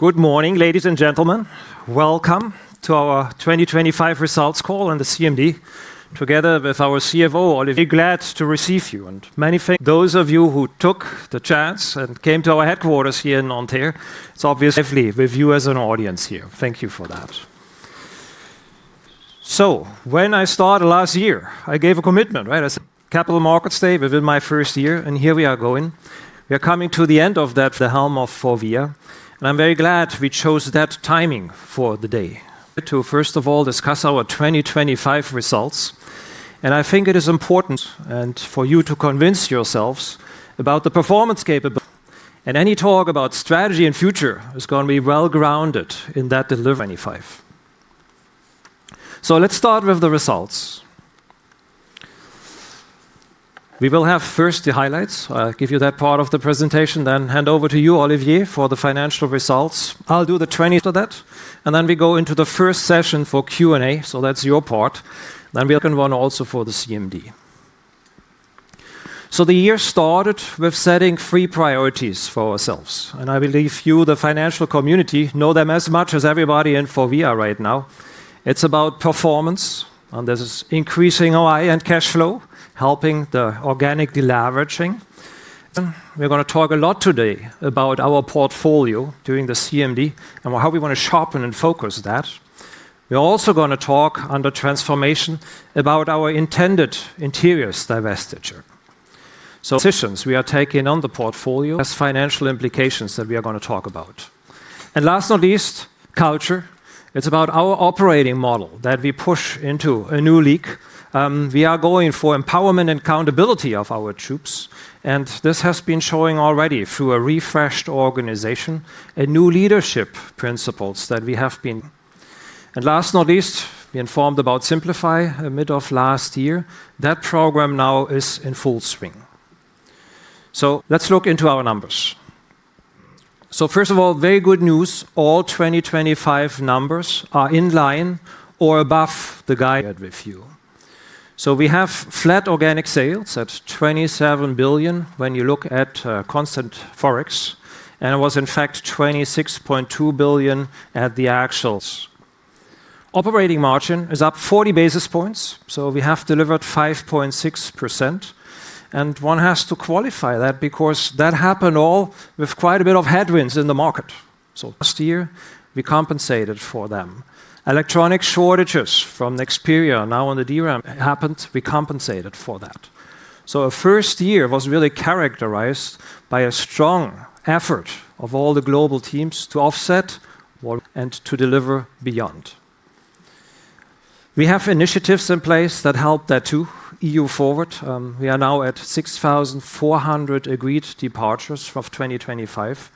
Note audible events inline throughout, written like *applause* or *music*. Good morning, ladies and gentlemen. Welcome to our 2025 results call and the CMD. Together with our CFO, Olivier, glad to receive you, and many thank those of you who took the chance and came to our headquarters here in Nanterre. It's obviously with you as an audience here. Thank you for that. When I started last year, I gave a commitment, right? As Capital Markets Day within my first year, here we are going. We are coming to the end of that, the helm of FORVIA, I'm very glad we chose that timing for the day. To first of all, discuss our 2025 results. I think it is important and for you to convince yourselves about the performance capable, and any talk about strategy and future is gonna be well-grounded in that *inaudible* 2025. Let's start with the results. We will have first the highlights. I'll give you that part of the presentation, hand over to you, Olivier, for the financial results. I'll do the 20 of that, we go into the first session for Q&A. That's your part. Then a second one also for the CMD. The year started with setting three priorities for ourselves, and I believe you, the financial community, know them as much as everybody in FORVIA right now. It's about performance, this is increasing OI and cash flow, helping the organic deleveraging. We're gonna talk a lot today about our portfolio during the CMD and how we wanna sharpen and focus that. We're also gonna talk under Transformation about our intended Interiors divestiture. Decisions we are taking on the portfolio has financial implications that we are gonna talk about. Last not least, culture. It's about our operating model that we push into a new league. We are going for empowerment and accountability of our troops, and this has been showing already through a refreshed organization, a new leadership principles that we have been. Last not least, we informed about SIMPLIFY mid of last year. That program now is in full swing. Let's look into our numbers. First of all, very good news. All 2025 numbers are in line or above the guide with you. We have flat organic sales at 27 billion when you look at constant forex, and it was in fact 26.2 billion at the actuals. Operating margin is up 40 basis points, we have delivered 5.6%, and one has to qualify that because that happened all with quite a bit of headwinds in the market. Last year, we compensated for them. Electronic shortages from Nexperia, now on the DRAM, happened, we compensated for that. Our first year was really characterized by a strong effort of all the global teams to offset and to deliver beyond. We have initiatives in place that help that to EU-FORWARD. We are now at 6,400 agreed departures of 2025.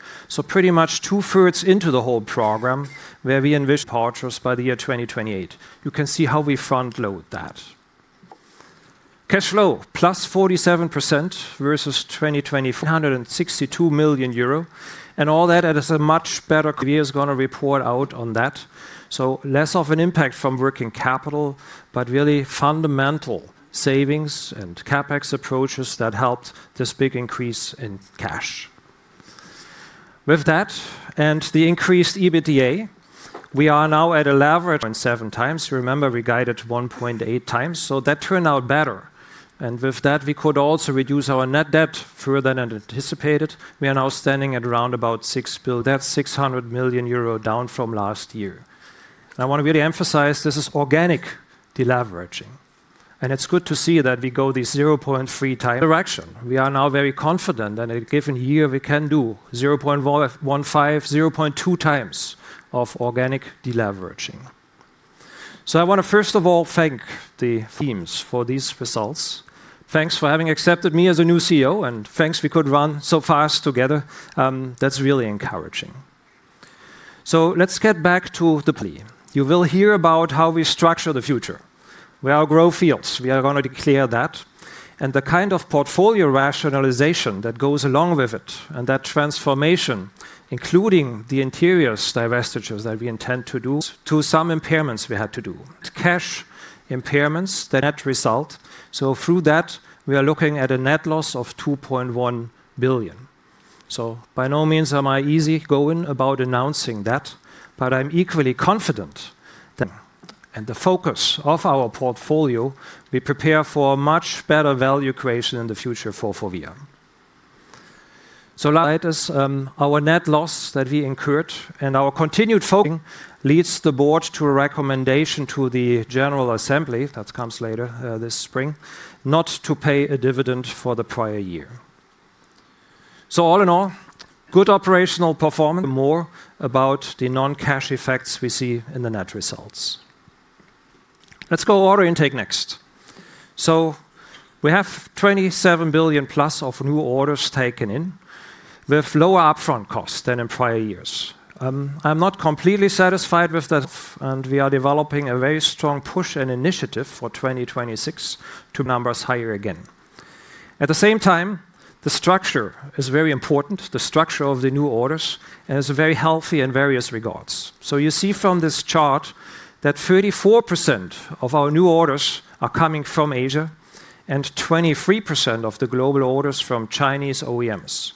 Pretty much 2/3 into the whole program, where we envisage departures by the year 2028. You can see how we front-load that. Cash flow, +47% versus 2020, 162 million euro, and all that is a much better. Is gonna report out on that. Less of an impact from working capital, but really fundamental savings and CapEx approaches that helped this big increase in cash. With that, the increased EBITDA, we are now at a leverage on 7x. Remember, we guided 1.8x, that turned out better. With that, we could also reduce our net debt further than anticipated. We are now standing at around about 6 billion. That's 600 million euro down from last year. I want to really emphasize this is organic deleveraging, it's good to see that we go this 0.3x direction. We are now very confident that in a given year, we can do 0.15x, 0.2x of organic deleveraging. I want to first of all thank the teams for these results. Thanks for having accepted me as a new CEO, thanks we could run so fast together. That's really encouraging. Let's get back to the plea. You will hear about how we structure the future. We are grow fields. We are going to declare that, and the kind of portfolio rationalization that goes along with it, and that transformation, including the Interiors divestitures that we intend to do, to some impairments we had to do. Cash impairments, the net result. Through that, we are looking at a net loss of 2.1 billion. By no means am I easy-going about announcing that, but I'm equally confident that, and the focus of our portfolio, we prepare for much better value creation in the future for FORVIA. Let us, our net loss that we incurred and our continued focusing leads the board to a recommendation to the general assembly, that comes later, this spring, not to pay a dividend for the prior year. All in all, good operational performance, more about the non-cash effects we see in the net results. Let's go order intake next. We have 27+ billion of new orders taken in, with lower upfront costs than in prior years. I'm not completely satisfied with that, and we are developing a very strong push and initiative for 2026 to numbers higher again. At the same time, the structure is very important. The structure of the new orders, and it's very healthy in various regards. You see from this chart that 34% of our new orders are coming from Asia and 23% of the global orders from Chinese OEMs,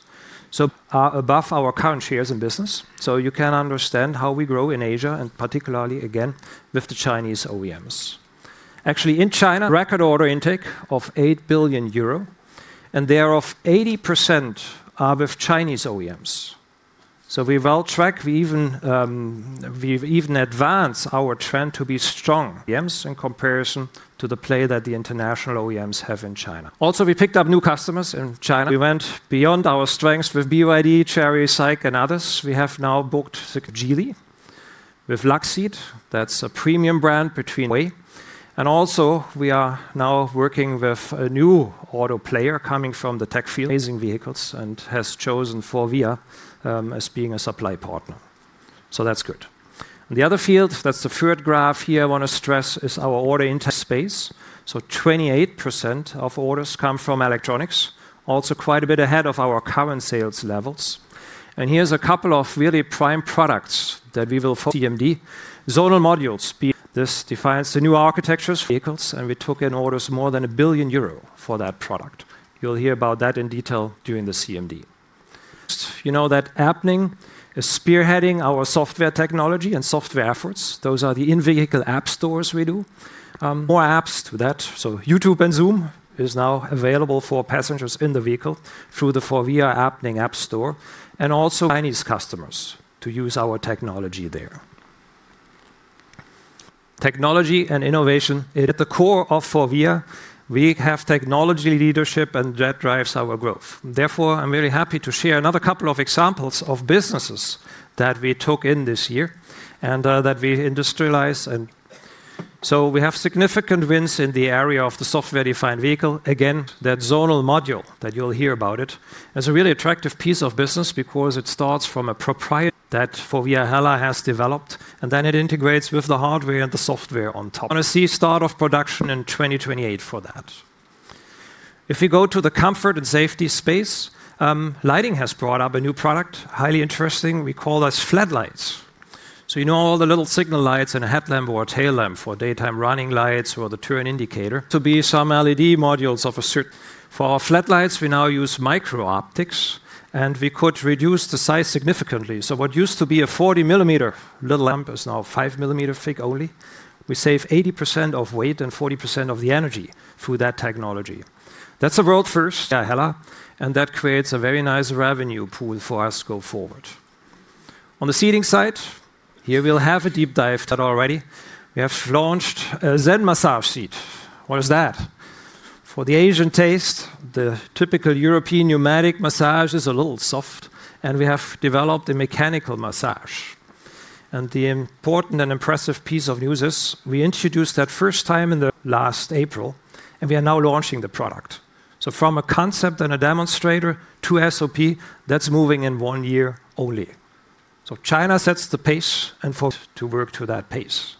so are above our current shares in business. You can understand how we grow in Asia, and particularly, again, with the Chinese OEMs. Actually, in China, record order intake of 8 billion euro, and there of 80% are with Chinese OEMs. We're well track. We've even advanced our trend to be strong OEMs in comparison to the play that the international OEMs have in China. Also, we picked up new customers in China. We went beyond our strengths with BYD, Chery, SAIC, and others. We have now booked the Geely with Luxeed. That's a premium brand between Huawei. Also, we are now working with a new auto player coming from the tech field, amazing vehicles, and has chosen FORVIA as being a supply partner. That's good. The other field, that's the third graph here I want to stress, is our order into space. So 28% of orders come from Electronics, also quite a bit ahead of our current sales levels. Here's a couple of really prime products that we will for CMD. Zonal modules, this defines the new architectures vehicles. We took in orders more than 1 billion euro for that product. You'll hear about that in detail during the CMD. You know that Appning is spearheading our software technology and software efforts. Those are the in-vehicle app stores we do. More apps to that. YouTube and Zoom is now available for passengers in the vehicle through the FORVIA Appning app store. Chinese customers to use our technology there. Technology and innovation is at the core of FORVIA. We have technology leadership. That drives our growth. Therefore, I'm really happy to share another couple of examples of businesses that we took in this year that we industrialize. We have significant wins in the area of the software-defined vehicle. That zonal module, that you'll hear about it, is a really attractive piece of business because it starts from a proprietary that FORVIA HELLA has developed, and then it integrates with the hardware and the software on top. Wanna see start of production in 2028 for that. If you go to the comfort and safety space, Lighting has brought up a new product, highly interesting. We call this flat lights. You know all the little signal lights in a headlamp or a tail lamp for daytime running lights or the turn indicator? To be some LED modules. For our flat lights, we now use micro-optics, and we could reduce the size significantly. What used to be a 40-mm little lamp is now 5 mm thick only. We save 80% of weight and 40% of the energy through that technology. That's a world first, HELLA, and that creates a very nice revenue pool for us to go forward. On the seating side, here we'll have a deep dive that already. We have launched a Zen Massage Seat. What is that? For the Asian taste, the typical European pneumatic massage is a little soft, and we have developed a mechanical massage. The important and impressive piece of users, we introduced that first time in the last April, and we are now launching the product. From a concept and a demonstrator to SOP, that's moving in one year only. China sets the pace and for to work to that pace.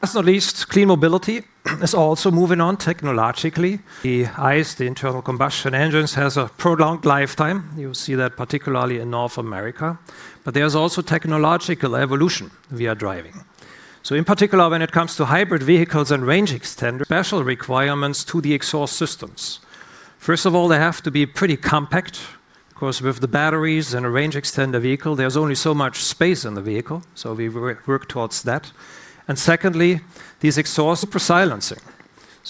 Last not least, Clean Mobility is also moving on technologically. The ICE, the internal combustion engines, has a prolonged lifetime. You see that particularly in North America. There's also technological evolution we are driving. In particular, when it comes to hybrid vehicles and range extender, special requirements to the exhaust systems. First of all, they have to be pretty compact, 'cause with the batteries and a range extender vehicle, there's only so much space in the vehicle, so we work towards that. Secondly, these exhausts for silencing.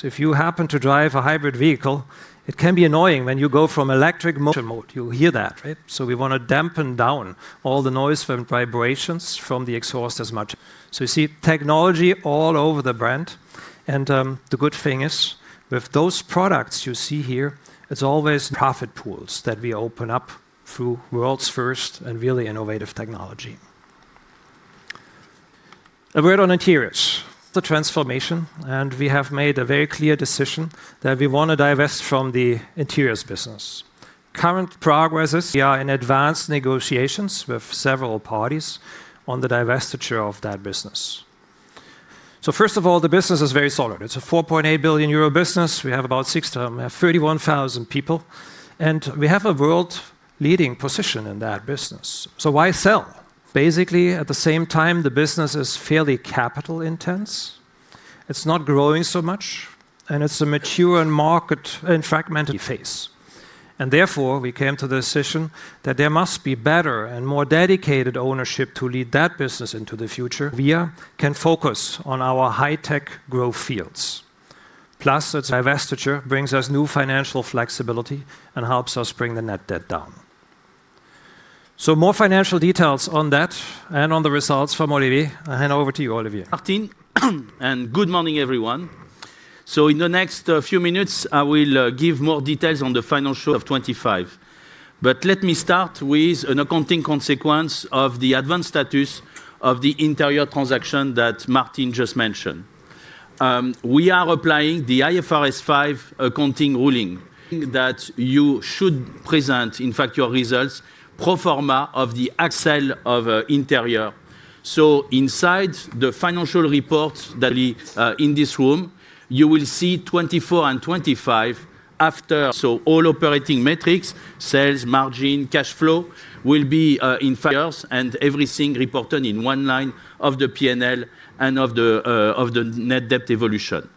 If you happen to drive a hybrid vehicle, it can be annoying when you go from electric motor mode. You hear that, right? We wanna dampen down all the noise from vibrations from the exhaust as much. You see technology all over the brand, and the good thing is, with those products you see here, it's always profit pools that we open up through world's first and really innovative technology. A word on Interiors: the transformation. We have made a very clear decision that we wanna divest from the Interiors business. Current progresses, we are in advanced negotiations with several parties on the divestiture of that business. First of all, the business is very solid. It's a 4.8 billion euro business. We have about six to 31,000 people, and we have a world-leading position in that business. Why sell? Basically, at the same time, the business is fairly capital-intense, it's not growing so much, and it's a mature and market, in fact, *inaudible* phase. Therefore, we came to the decision that there must be better and more dedicated ownership to lead that business into the future. We can focus on our high-tech growth fields. Its divestiture brings us new financial flexibility and helps us bring the net debt down. More financial details on that and on the results from Olivier. I hand over to you, Olivier. Good morning, everyone. In the next few minutes, I will give more details on the final show of 2025. Let me start with an accounting consequence of the advanced status of the interior transaction that Martin just mentioned. We are applying the IFRS 5 accounting ruling, that you should present, in fact, your results pro forma of the excel of interior. Inside the financial reports that we in this room, you will see 2024 and 2025 after. All operating metrics, sales, margin, cash flow, will be in figures and everything reported in one line of the P&L and of the net debt evolution.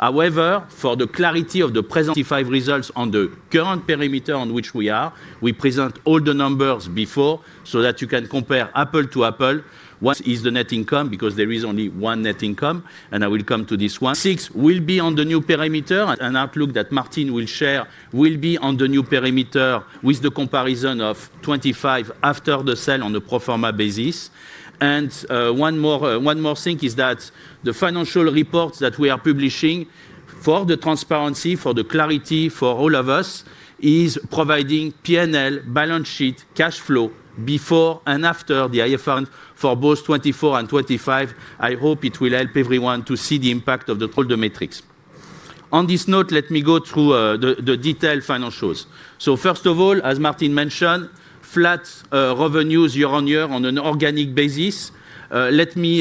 For the clarity of the presentation, 2025 results on the current perimeter on which we are, we present all the numbers before so that you can compare apple to apple. What is the net income? There is only one net income, and I will come to this one. Twenty twenty-six will be on the new perimeter, and an outlook that Martin will share will be on the new perimeter with the comparison of 2025 after the sale on the pro forma basis. One more thing is that the financial reports that we are publishing for the transparency, for the clarity for all of us, is providing P&L, balance sheet, cash flow, before and after the IFRS 5, for both 2024 and 2025. I hope it will help everyone to see the impact of the all the metrics. On this note, let me go through the detailed financials. First of all, as Martin mentioned, flat revenues year-on-year on an organic basis. Let me.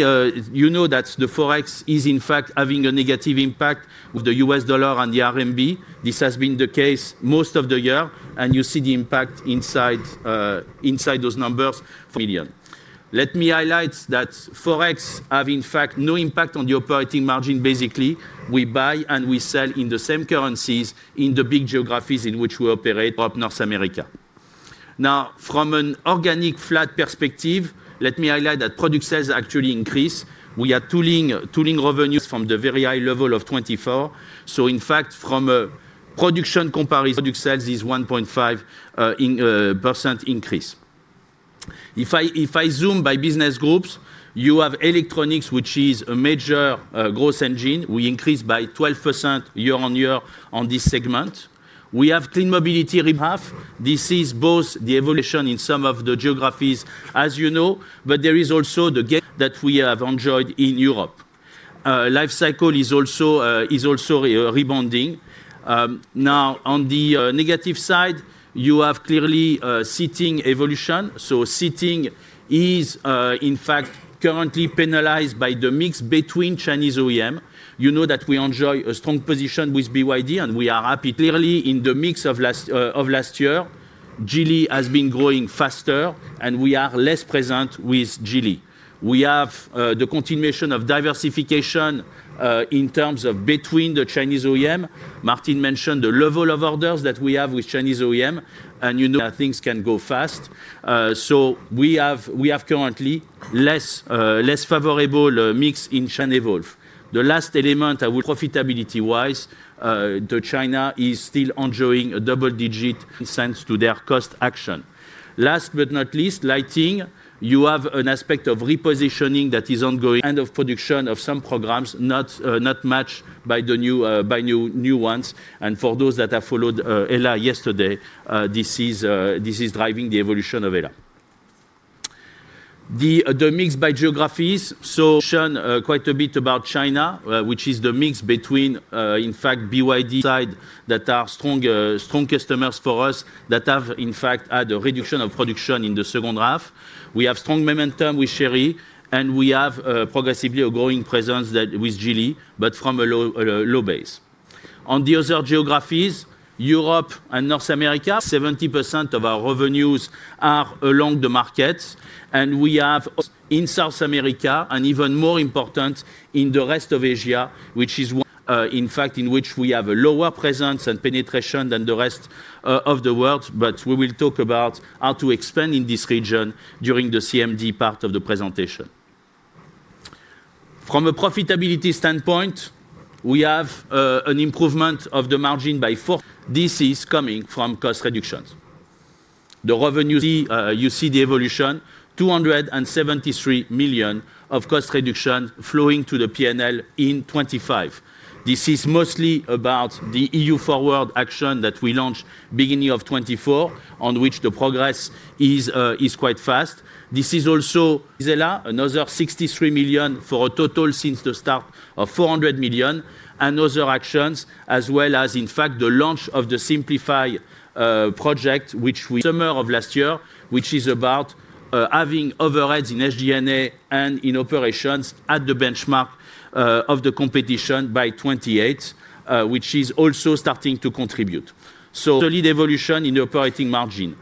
You know that the forex is in fact having a negative impact with the U.S. dollar and the RMB. This has been the case most of the year. You see the impact inside those numbers, *inaudible* million. Let me highlight that forex have, in fact, no impact on the operating margin. Basically, we buy and we sell in the same currencies in the big geographies in which we operate, up North America. From an organic flat perspective, let me highlight that product sales actually increase. We are tooling revenues from the very high level of 2024. In fact, from a production comparison, product sales is 1.5% increase. If I zoom by business groups, you have Electronics, which is a major growth engine. We increased by 12% year-on-year on this segment. We have Clean Mobility in half. This is both the evolution in some of the geographies, as you know, but there is also the gate that we have enjoyed in Europe. Lifecycle is also rebounding. On the negative side, you have clearly Seating evolution. Seating is, in fact, currently penalized by the mix between Chinese OEM. You know that we enjoy a strong position with BYD, and we are happy. Clearly, in the mix of last, of last year, Geely has been growing faster, and we are less present with Geely. We have the continuation of diversification in terms of between the Chinese OEM. Martine mentioned the level of orders that we have with Chinese OEM, and you know how things can go fast. We have currently less favorable mix in China evolve. The last element, profitability-wise, the China is still enjoying a double-digit sense to their cost action. Last but not least, Lighting. You have an aspect of repositioning that is ongoing and of production of some programs, not matched by the new ones. For those that have followed HELLA yesterday, this is driving the evolution of HELLA. The mix by geographies. Reduction, quite a bit about China, which is the mix between, in fact, BYD side, that are strong customers for us, that have, in fact, had a reduction of production in the second half. We have strong momentum with Chery, and we have, progressively a growing presence that with Geely, but from a low base. On the other geographies, Europe and North America, 70% of our revenues are along the markets, and in South America, and even more important, in the rest of Asia, which is one, in fact, in which we have a lower presence and penetration than the rest of the world, but we will talk about how to expand in this region during the CMD part of the presentation. From a profitability standpoint, we have, an improvement of the margin by 4. This is coming from cost reductions. The revenue, you see the evolution, 273 million of cost reduction flowing to the P&L in 2025. This is mostly about the EU-FORWARD action that we launched beginning of 2024, on which the progress is quite fast. This is also HELLA, another 63 million, for a total since the start of 400 million, and other actions, as well as, in fact, the launch of the SIMPLIFY project, summer of last year, which is about having overheads in SG&A and in operations at the benchmark of the competition by 2028, which is also starting to contribute. Solid evolution in the operating margin.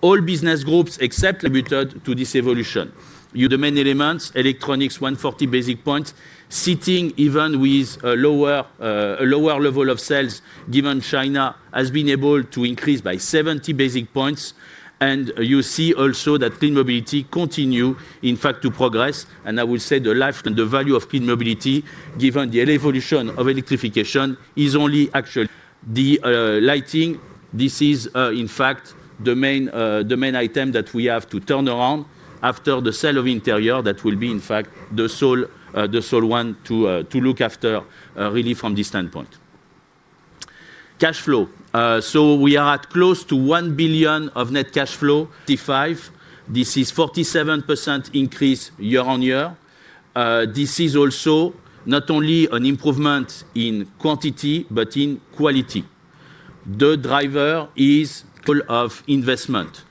All business groups attributed to this evolution. The main elements, Electronics, 140 basis points. Seating, even with a lower, a lower level of sales, given China has been able to increase by 70 basis points. You see also that Clean Mobility continue, in fact, to progress. I will say the life and the value of Clean Mobility, given the evolution of electrification, is only actual. The Lighting, this is, in fact, the main, the main item that we have to turn around after the sale of Interior. That will be, in fact, the sole, the sole one to look after, really from this standpoint. Cash flow. We are at close to 1 billion of net cash flow, from 655 million. This is 47% increase year-on-year. This is also not only an improvement in quantity, but in quality. The driver is pull of investment.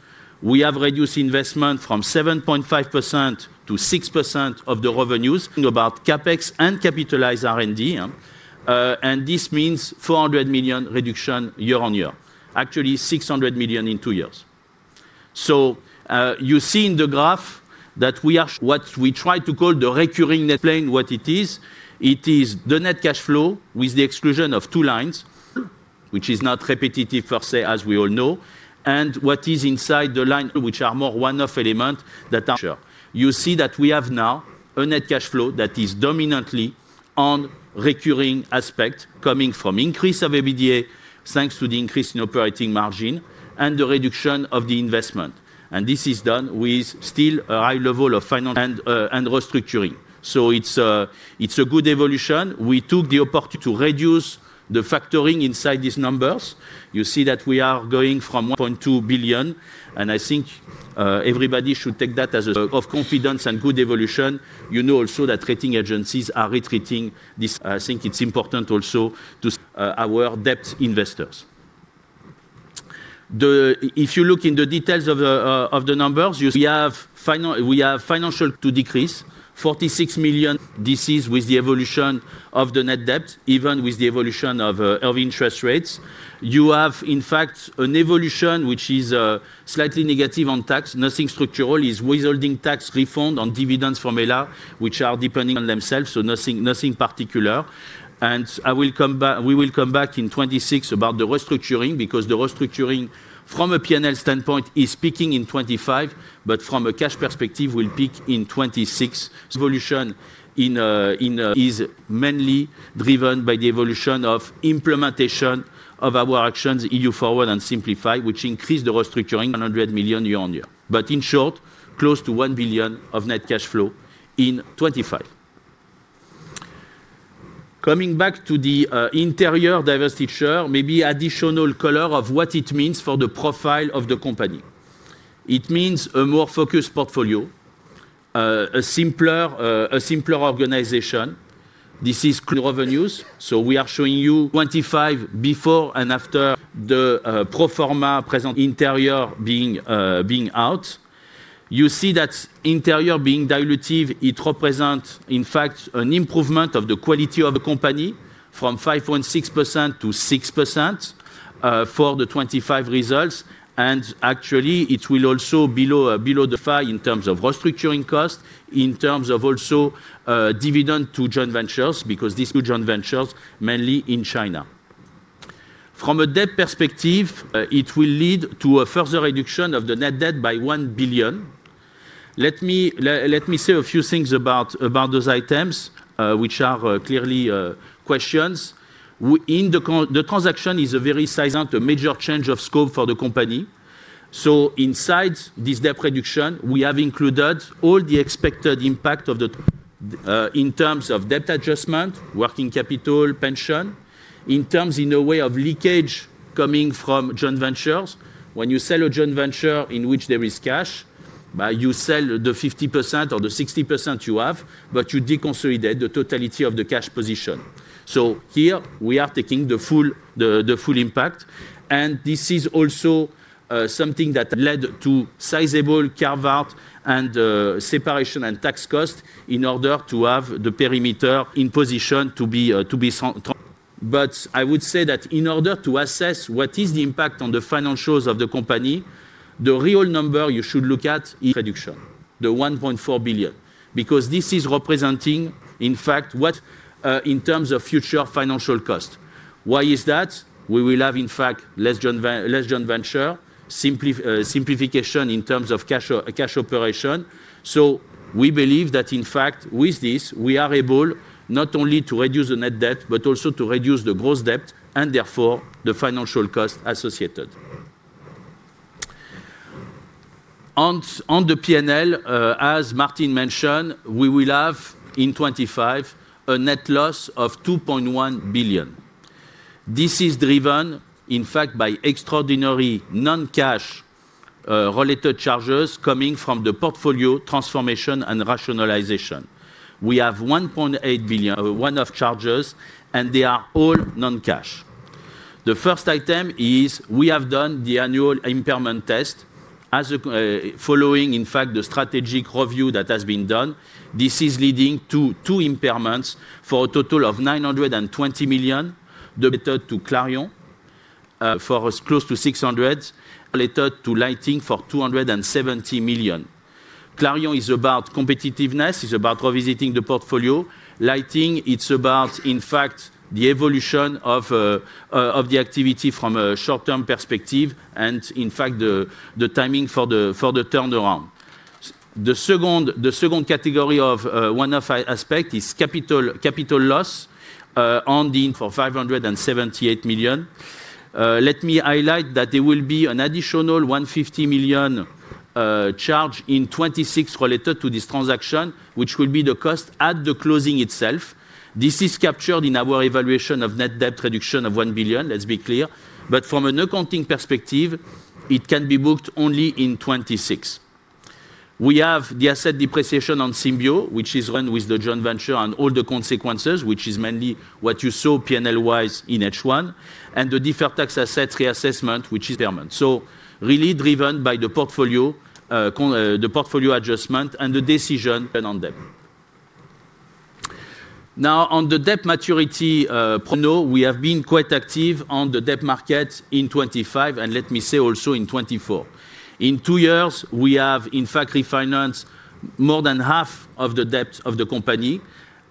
We have reduced investment from 7.5% to 6% of the revenues, about CapEx and capitalized R&D, huh? This means 400 million reduction year-on-year. Actually, 600 million in two years. You see in the graph that we are what we try to call the recurring that plane, what it is, it is the net cash flow with the exclusion of two lines, which is not repetitive per se, as we all know. What is inside the line, which are more one-off element that are sure. You see that we have now a net cash flow that is dominantly on recurring aspect, coming from increase of EBITDA, thanks to the increase in operating margin and the reduction of the investment. This is done with still a high level of finance and restructuring. It's a good evolution. We took the opportunity to reduce the factoring inside these numbers. You see that we are going from 1.2 billion, and I think everybody should take that as a of confidence and good evolution. You know also that rating agencies are retreating this. I think it's important also to our debt investors. If you look in the details of the numbers, you see we have financial to decrease 46 million. This is with the evolution of the net debt, even with the evolution of interest rates. You have, in fact, an evolution which is slightly negative on tax. Nothing structural, is withholding tax refund on dividends from HELLA, which are depending on themselves, so nothing particular. We will come back in 2026 about the restructuring, because the restructuring from a P&L standpoint is peaking in 2025, but from a cash perspective, will peak in 2026. Solution is mainly driven by the evolution of implementation of our actions, EU-FORWARD and SIMPLIFY, which increased the restructuring 100 million year-over-year. In short, close to 1 billion of net cash flow in 2025. Coming back to the Interior divestiture, maybe additional color of what it means for the profile of the company. It means a more focused portfolio, a simpler organization. This is clear revenues, we are showing you 2025 before and after the pro forma present Interior being out. You see that Interior being dilutive, it represents, in fact, an improvement of the quality of the company from 5.6% to 6% for the 2025 results. Actually, it will also below the 5 in terms of restructuring cost, in terms of also dividend to joint ventures, because these two joint ventures, mainly in China. From a debt perspective, it will lead to a further reduction of the net debt by 1 billion. Let me say a few things about those items, which are clearly questions. The transaction is a very sizable, a major change of scope for the company. Inside this debt reduction, we have included all the expected impact of the in terms of debt adjustment, working capital, pension, in terms in the way of leakage coming from joint ventures. When you sell a joint venture in which there is cash, you sell the 50% or the 60% you have, but you consolidate the totality of the cash position. Here we are taking the full impact, and this is also something that led to sizable carve-out and separation and tax cost in order to have the perimeter in position to be so top— I would say that in order to assess what is the impact on the financials of the company, the real number you should look at is reduction, the 1.4 billion, because this is representing, in fact, what in terms of future financial cost. Why is that? We will have, in fact, less joint venture, simplification in terms of cash operation. We believe that, in fact, with this, we are able not only to reduce the net debt, but also to reduce the gross debt and therefore the financial cost associated. On the P&L, as Martin mentioned, we will have, in 2025, a net loss of 2.1 billion. This is driven, in fact, by extraordinary non-cash related charges coming from the portfolio transformation and rationalization. We have 1.8 billion one-off charges. They are all non-cash. The first item is we have done the annual impairment test following, in fact, the strategic review that has been done. This is leading to two impairments for a total of 920 million, the better to Clarion, for as close to 600 million, later to Lighting for 270 million. Clarion is about competitiveness, it's about revisiting the portfolio. Lighting, it's about, in fact, the evolution of the activity from a short-term perspective and, in fact, the timing for the turnaround. The second category of one of our aspect is capital loss on the in for 578 million. Let me highlight that there will be an additional 150 million charge in 2026 related to this transaction, which will be the cost at the closing itself. This is captured in our evaluation of net debt reduction of 1 billion, let's be clear. From an accounting perspective, it can be booked only in 2026. We have the asset depreciation on Symbio, which is run with the joint venture and all the consequences, which is mainly what you saw P&L-wise in H1, and the deferred tax asset reassessment, which is impairment. Really driven by the portfolio, the portfolio adjustment and the decision and on them. On the debt maturity, no, we have been quite active on the debt market in 2025, and let me say also in 2024. In two years, we have, in fact, refinanced more than half of the debt of the company,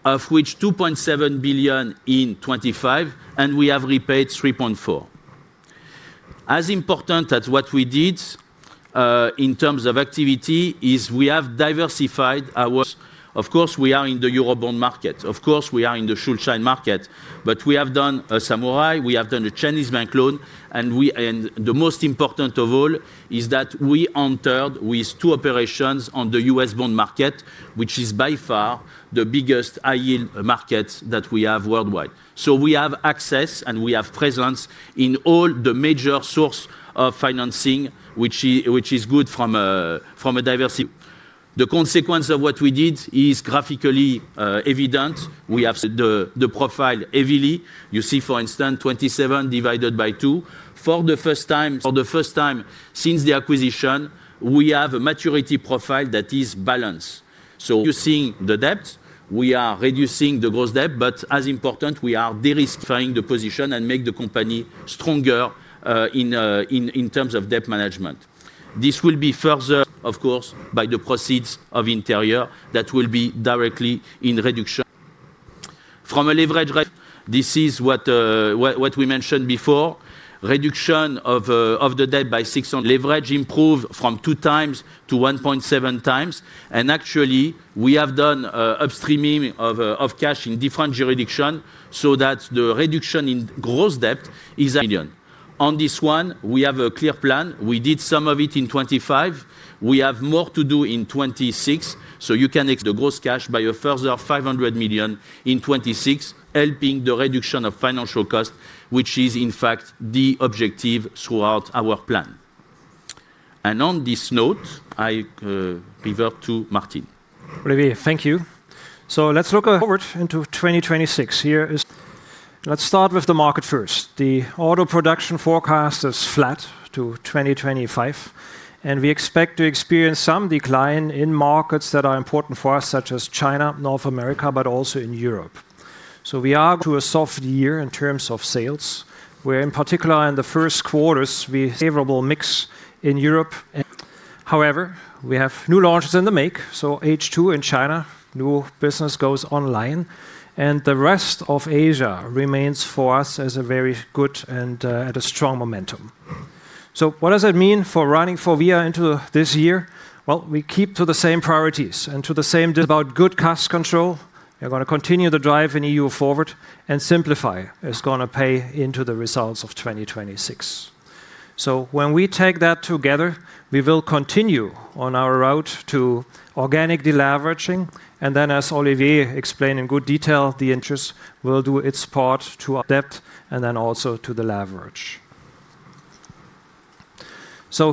of which 2.7 billion in 2025. We have repaid 3.4 billion. As important as what we did in terms of activity, is we have diversified our. Of course, we are in the Euro bond market. Of course, we are in the Schuldschein market, but we have done a Samurai, we have done a Chinese bank loan, and the most important of all is that we entered with two operations on the U.S. bond market, which is by far the biggest high-yield market that we have worldwide. We have access, and we have presence in all the major source of financing, which is, which is good from a diversity. The consequence of what we did is graphically evident. We have *inaudible* the profile heavily. You see, for instance, 2027 divided by 2. For the first time since the acquisition, we have a maturity profile that is balanced. You're seeing the debt. We are reducing the gross debt, but as important, we are de-risking the position and make the company stronger in terms of debt management. This will be further, of course, by the proceeds of Interior that will be directly in reduction. This is what we mentioned before, reduction of the debt. Leverage improved from 2x to 1.7x, and actually, we have done upstreaming of cash in different jurisdiction so that the reduction in gross debt is 1 million. On this one, we have a clear plan. We did some of it in 2025. We have more to do in 2026, so you can expect the gross cash by a further 500 million in 2026, helping the reduction of financial cost, which is in fact the objective throughout our plan. On this note, I revert to Martin. Olivier, thank you. Let's look forward into 2026. Let's start with the market first. The auto production forecast is flat to 2025. We expect to experience some decline in markets that are important for us, such as China, North America, but also in Europe. We are to a soft year in terms of sales, where in particular in the first quarters, we favorable mix in Europe. However, we have new launches in the make. H2 in China, new business goes online, and the rest of Asia remains for us as a very good and at a strong momentum. What does it mean for running FORVIA into this year? We keep to the same priorities and to the same about good cost control. We're going to continue the drive in EU-FORWARD, SIMPLIFY is going to pay into the results of 2026. When we take that together, we will continue on our route to organic deleveraging, as Olivier explained in good detail, the interest will do its part to our debt also to the leverage.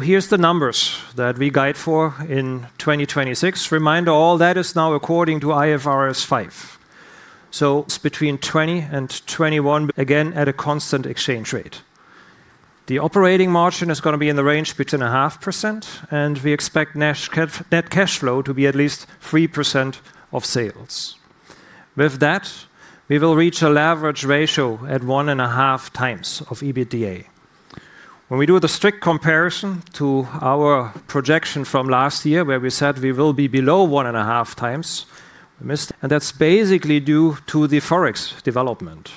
Here's the numbers that we guide for in 2026. Reminder, all that is now according to IFRS 5. Between 2020 and 2021, again, at a constant exchange rate. The operating margin is going to be in the range between 0.5%, we expect net cash flow to be at least 3% of sales. With that, we will reach a leverage ratio at 1.5x of EBITDA. When we do the strict comparison to our projection from last year, where we said we will be below 1.5x, we missed, and that's basically due to the forex development.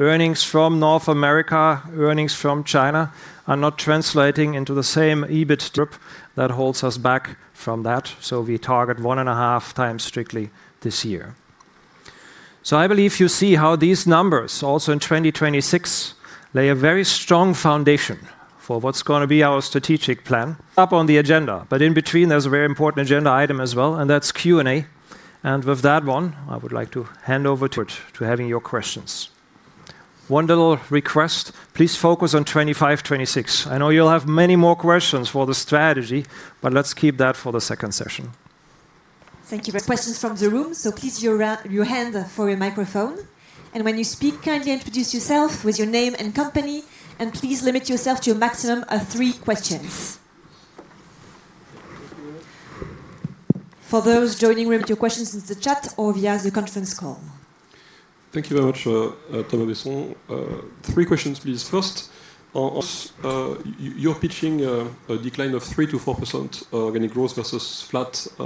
Earnings from North America, earnings from China, are not translating into the same EBIT group that holds us back from that. We target 1.5x strictly this year. I believe you see how these numbers also in 2026, lay a very strong foundation for what's going to be our strategic plan up on the agenda. In between, there's a very important agenda item as well, and that's Q&A. With that one, I would like to hand over to having your questions. One little request, please focus on 2025, 2026. I know you'll have many more questions for the strategy, but let's keep that for the second session. Thank you. Questions from the room, so please raise your your hand for a microphone. When you speak, kindly introduce yourself with your name and company, and please limit yourself to a maximum of three questions. For those joining, repeat your questions in the chat or via the conference call. Thank you very much, Thomas Besson. Three questions, please. First, on you're pitching a decline of 3%-4% organic growth versus flat. *inaudible*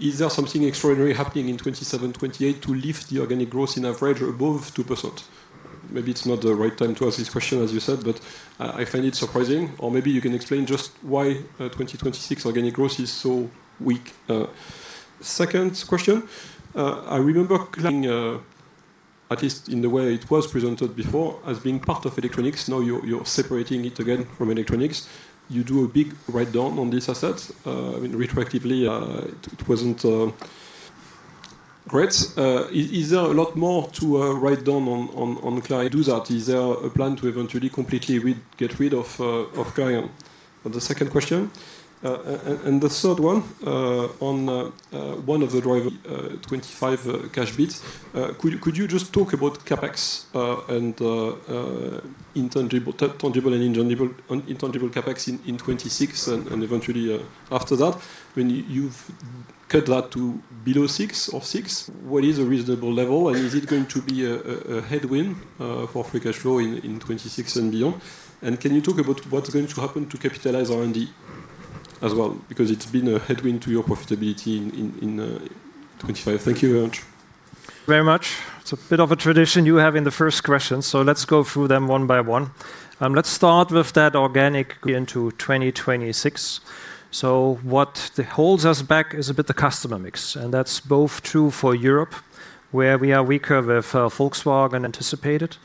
Is there something extraordinary happening in 2027, 2028 to lift the organic growth in average or above 2%? Maybe it's not the right time to ask this question, as you said, but I find it surprising. Maybe you can explain just why 2026 organic growth is so weak. Second question: I remember Lighting, at least in the way it was presented before, as being part of Electronics. Now, you're separating it again from Electronics. You do a big write-down on these assets. I mean, retroactively, it wasn't great. Is there a lot more to, uh, write down on, on Clarion? Is there a plan to eventually completely rid, get rid of, uh, of Clarion? On the second question. And the third one, on one of the driver 2025 cash bits. Uh, could you just talk about CapEx, tangible and intangible CapEx in 2026 and eventually, after that, when you've cut that to below 6% or 6%, what is a reasonable level? And is it going to be a headwind, uh, for free cash flow in 2026 and beyond? And can you talk about what's going to happen to capitalize R&D as well? Because it's been a headwind to your profitability in, uh, 2025. Thank you very much. Very much. It's a bit of a tradition you have in the first question, let's go through them one by one. Let's start with that organic into 2026. What holds us back is a bit the customer mix, and that's both true for Europe, where we are weaker with Volkswagen anticipated.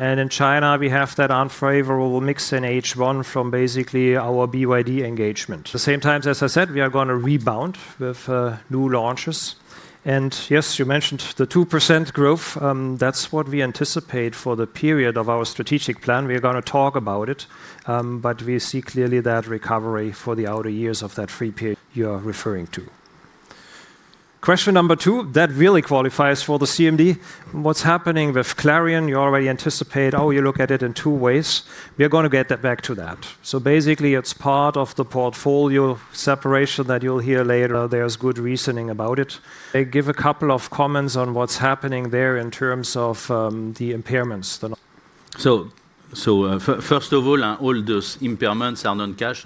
In China, we have that unfavorable mix in H1 from basically our BYD engagement. The same time, as I said, we are going to rebound with new launches. Yes, you mentioned the 2% growth. That's what we anticipate for the period of our strategic plan. We are gonna talk about it, but we see clearly that recovery for the outer years of that free period you are referring to. Question number two, that really qualifies for the CMD. What's happening with Clarion? You already anticipate, you look at it in two ways. We are gonna get that back to that. Basically, it's part of the portfolio separation that you'll hear later. There's good reasoning about it. I give a couple of comments on what's happening there in terms of the impairments. First of all those impairments are non-cash,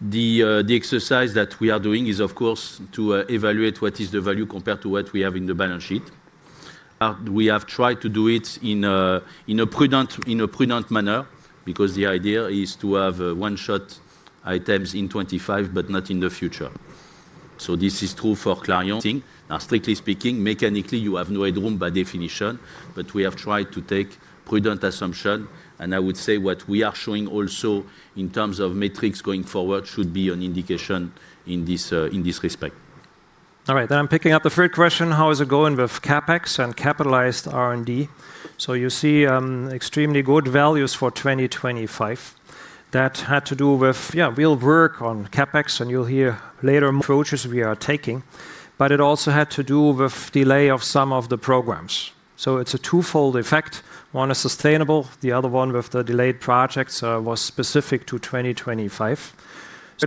right? The exercise that we are doing is, of course, to evaluate what is the value compared to what we have in the balance sheet. We have tried to do it in a prudent manner, because the idea is to have one-shot items in 2025, but not in the future. This is true for Clarion. Now, strictly speaking, mechanically, you have no headroom by definition, but we have tried to take prudent assumption, and I would say what we are showing also in terms of metrics going forward, should be an indication in this respect. All right. I'm picking up the third question: How is it going with CapEx and capitalized R&D? You see extremely good values for 2025. That had to do with real work on CapEx, and you'll hear later approaches we are taking, but it also had to do with delay of some of the programs. It's a twofold effect. One is sustainable, the other one with the delayed projects was specific to 2025.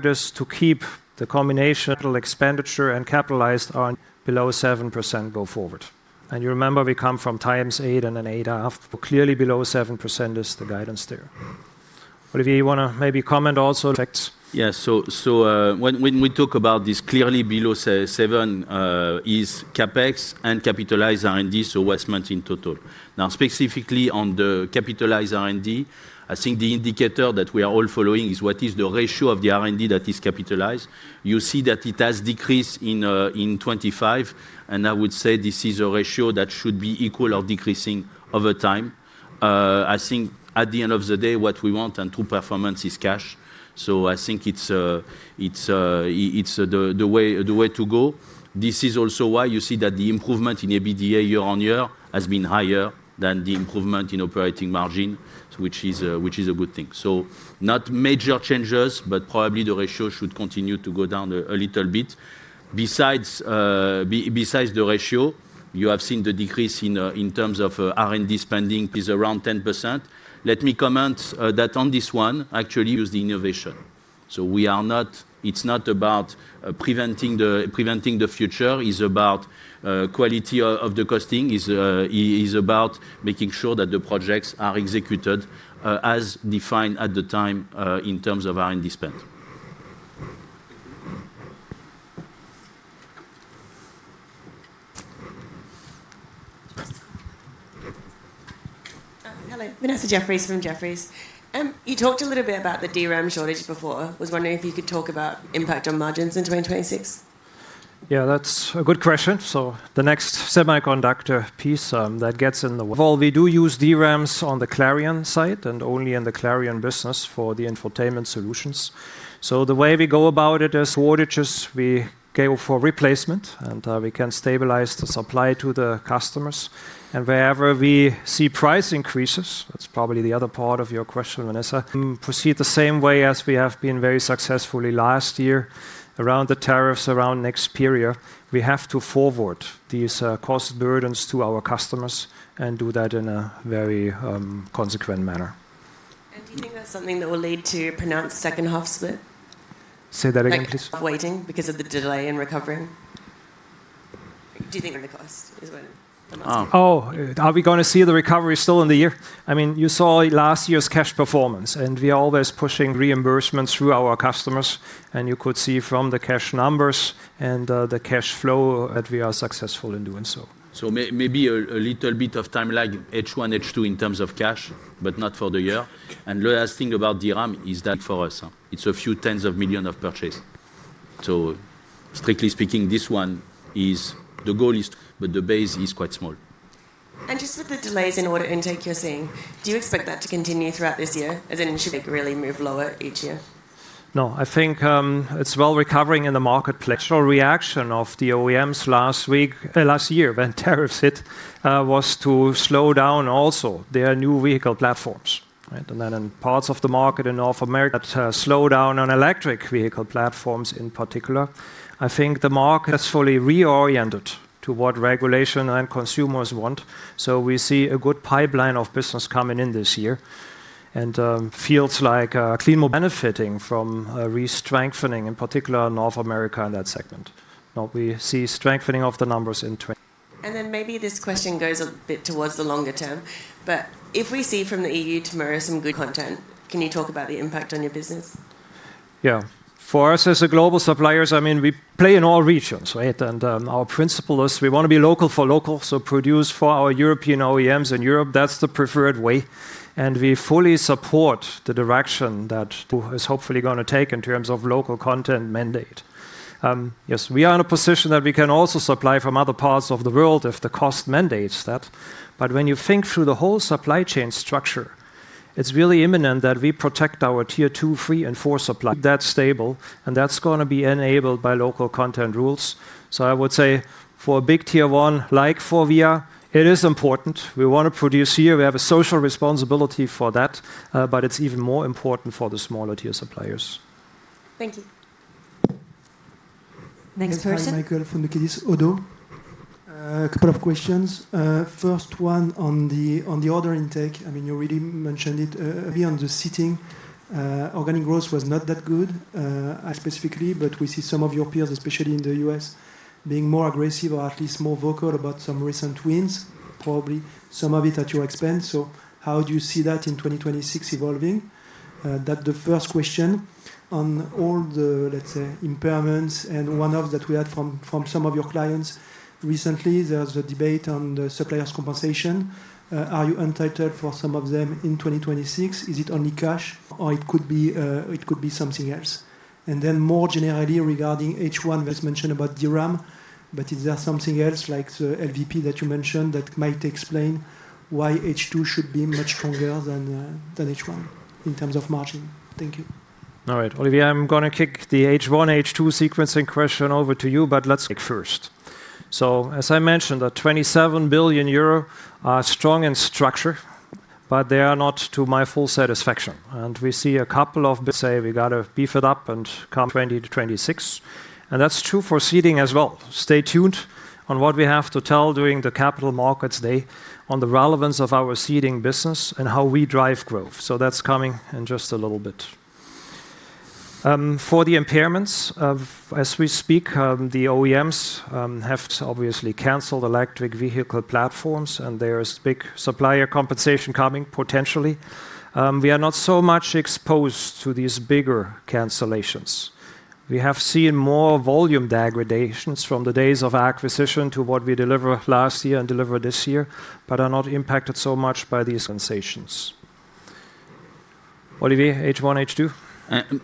Just to keep the combination total expenditure and capitalized on below 7% go forward. You remember we come from times of 8% and then 8.5%. Clearly, below 7% is the guidance there. If you wanna maybe comment also on effects. Yeah. When we talk about this, clearly below 7% is CapEx and capitalized R&D, so investment in total. Specifically on the capitalized R&D, I think the indicator that we are all following is what is the ratio of the R&D that is capitalized. You see that it has decreased in 2025, I would say this is a ratio that should be equal or decreasing over time. I think at the end of the day, what we want and true performance is cash. I think it's the way to go. This is also why you see that the improvement in EBITDA year-on-year has been higher than the improvement in operating margin, which is a good thing. Not major changes, but probably the ratio should continue to go down a little bit. Besides, besides the ratio, you have seen the decrease in terms of R&D spending is around 10%. Let me comment that on this one, actually, use the innovation. It's not about preventing the future, is about quality of the costing, is about making sure that the projects are executed as defined at the time in terms of R&D spend. Hello. Vanessa Jeffriess from Jefferies. You talked a little bit about the DRAM shortage before. I was wondering if you could talk about impact on margins in 2026. Yeah, that's a good question. The next semiconductor piece, well, we do use DRAMs on the Clarion side and only in the Clarion business for the infotainment solutions. The way we go about it is shortages, we go for replacement, and we can stabilize the supply to the customers. Wherever we see price increases, that's probably the other part of your question, Vanessa, proceed the same way as we have been very successfully last year around the tariffs, around Nexperia. We have to forward these cost burdens to our customers and do that in a very consequent manner. Do you think that's something that will lead to a pronounced second half split? Say that again, please. Like, waiting because of the delay in recovering. Do you think we're close, is what I'm asking? Oh, are we gonna see the recovery still in the year? I mean, you saw last year's cash performance. We are always pushing reimbursements through our customers. You could see from the cash numbers and the cash flow, that we are successful in doing so. Maybe a little bit of time, like H1, H2 in terms of cash, but not for the year. The last thing about DRAM is that for us, it's a few tens of million EUR of purchase. Strictly speaking, this one is. The goal is, but the base is quite small. Just with the delays in order intake you're seeing, do you expect that to continue throughout this year, as in, should it really move lower each year? No, I think, it's well recovering in the marketplace. Actual reaction of the OEMs last week, last year when tariffs hit, was to slow down also their new vehicle platforms, right? Then in parts of the market in North America, to slow down on electric vehicle platforms in particular. I think the market has fully reoriented to what regulation and consumers want, so we see a good pipeline of business coming in this year. Fields like, clean more benefiting from, re-strengthening, in particular, North America in that segment. We see strengthening of the numbers in. Maybe this question goes a bit towards the longer term, but if we see from the EU tomorrow some good content, can you talk about the impact on your business? Yeah. For us as a global suppliers, I mean, we play in all regions, right? Our principle is we want to be local for local, so produce for our European OEMs in Europe. That's the preferred way. We fully support the direction that who is hopefully going to take in terms of local content mandate. Yes, we are in a position that we can also supply from other parts of the world if the cost mandates that. When you think through the whole supply chain structure, it's really imminent that we protect our Tier 2, 3, and 4 suppliers. That's stable. That's going to be enabled by local content rules. I would say for a big Tier 1, like FORVIA, it is important. We want to produce here. We have a social responsibility for that, but it's even more important for the smaller-tier suppliers. Thank you. Next person. Hi, Michael Foundoukidis, Oddo. A couple of questions. First one on the, on the order intake, I mean, you already mentioned it. Beyond the seating, organic growth was not that good, specifically, but we see some of your peers, especially in the U.S., being more aggressive or at least more vocal about some recent wins, probably some of it at your expense. How do you see that in 2026 evolving? That the first question. On all the, let's say, impairments and one-off that we had from some of your clients recently, there's a debate on the suppliers compensation. Are you entitled for some of them in 2026? Is it only cash or it could be, it could be something else? More generally, regarding H1, was mentioned about DRAM, but is there something else like the LVP that you mentioned that might explain why H2 should be much stronger than H1 in terms of margin? Thank you. All right. Olivier, I'm going to kick the H1, H2 sequencing question over to you, but let's take first. As I mentioned, the 27 billion euro are strong in structure, but they are not to my full satisfaction. We see a couple of, say, we got to beef it up and come 2020 to 2026, and that's true for seating as well. Stay tuned on what we have to tell during the Capital Markets Day on the relevance of our Seating business and how we drive growth. That's coming in just a little bit. As we speak, the OEMs have obviously canceled electric vehicle platforms, and there is big supplier compensation coming, potentially. We are not so much exposed to these bigger cancellations. We have seen more volume degradations from the days of acquisition to what we delivered last year and delivered this year, but are not impacted so much by these cancellations. Olivier, H1, H2?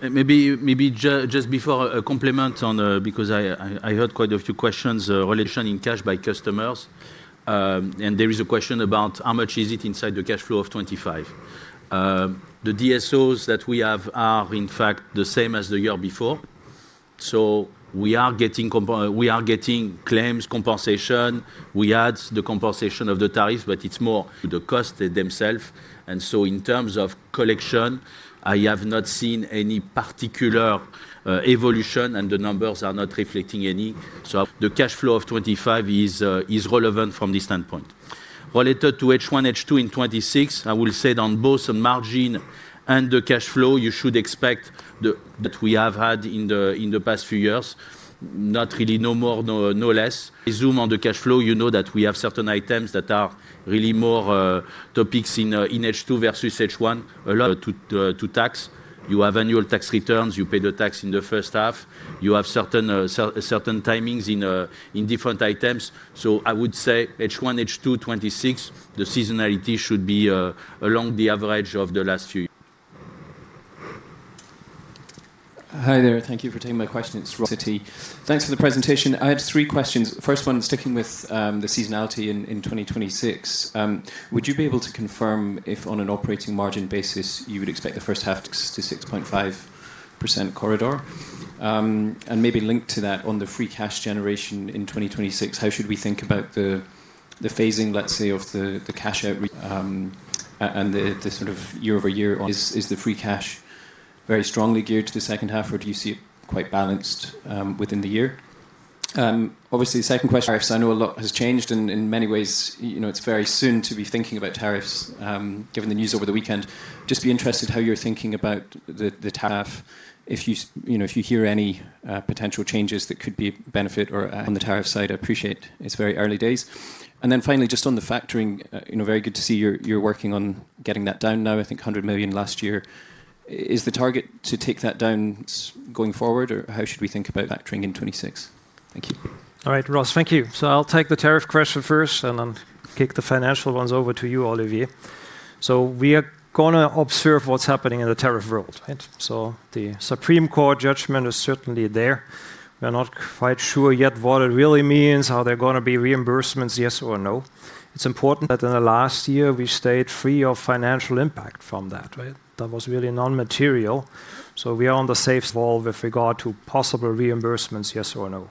Maybe, just before a complement on the because I heard quite a few questions, relation in cash by customers. There is a question about how much is it inside the cash flow of 2025. The DSOs that we have are in fact the same as the year before, so we are getting claims, compensation. We add the compensation of the tariff, but it's more the cost themselves. In terms of collection, I have not seen any particular evolution, and the numbers are not reflecting any. The cash flow of 2025 is relevant from this standpoint. Related to H1, H2 in 2026, I will say on both the margin and the cash flow, you should expect the *inaudible* that we have had in the past few years, not really no more, no less. Zoom on the cash flow, you know that we have certain items that are really more topics in H2 versus H1. A lot to tax. You have annual tax returns, you pay the tax in the first half. You have certain timings in different items. I would say H1, H2 2026, the seasonality should be along the average of the last few years. Hi there. Thank you for taking my question. It's Ross from Citi. Thanks for the presentation. I have three questions. First one, sticking with the seasonality in 2026, would you be able to confirm if on an operating margin basis, you would expect the first half to 6%-6.5% corridor? Maybe linked to that, on the free cash generation in 2026, how should we think about the phasing, let's say, of the cash outre, *inaudible* and the sort of year-over-year on. *inaudible* Is the free cash very strongly geared to the second half, or do you see it quite balanced within the year? The second question, I know a lot has changed, and in many ways, you know, it's very soon to be thinking about tariffs, given the news over the weekend. Just be interested how you're thinking about the tariff. If you know, if you hear any potential changes that could be of benefit or on the tariff side, I appreciate it's very early days. Finally, just on the factoring, you know, very good to see you're working on getting that down now. I think 100 million last year. Is the target to take that down going forward, or how should we think about factoring in 2026? Thank you. All right, Ross, thank you. I'll take the tariff question first and then kick the financial ones over to you, Olivier. We are gonna observe what's happening in the tariff world, right? The Supreme Court judgment is certainly there. We're not quite sure yet what it really means, are there gonna be reimbursements, yes or no? It's important that in the last year, we stayed free of financial impact from that, right? That was really non-material, we are on the safe solve with regard to possible reimbursements, yes or no.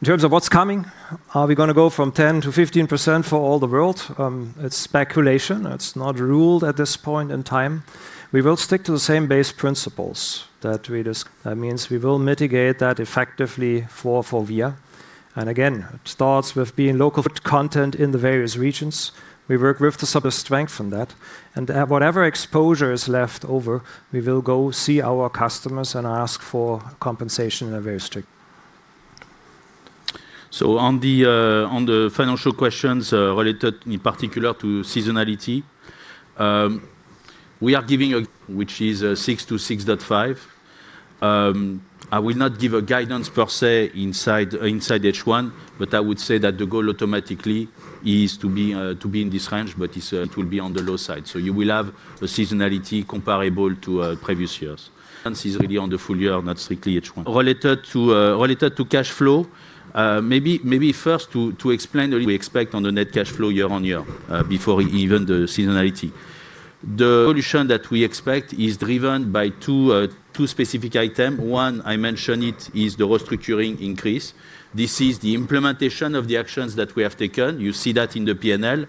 In terms of what's coming, are we gonna go from 10% to 15% for all the world? It's speculation. It's not ruled at this point in time. We will stick to the same base principles. That means we will mitigate that effectively for FORVIA. Again, it starts with being local content in the various regions. We work with the sort of strength from that, and whatever exposure is left over, we will go see our customers and ask for compensation in a very strict. On the financial questions, related in particular to seasonality, we are giving which is 6%-6.5%. I will not give a guidance per se, inside H1, but I would say that the goal automatically is to be to be in this range, but it's it will be on the low side. You will have a seasonality comparable to previous years. This is really on the full year, not strictly H1. Related to related to cash flow, maybe first to explain what we expect on the net cash flow year-on-year, before even the seasonality. The solution that we expect is driven by two specific item. One, I mentioned it, is the restructuring increase. This is the implementation of the actions that we have taken. You see that in the P&L.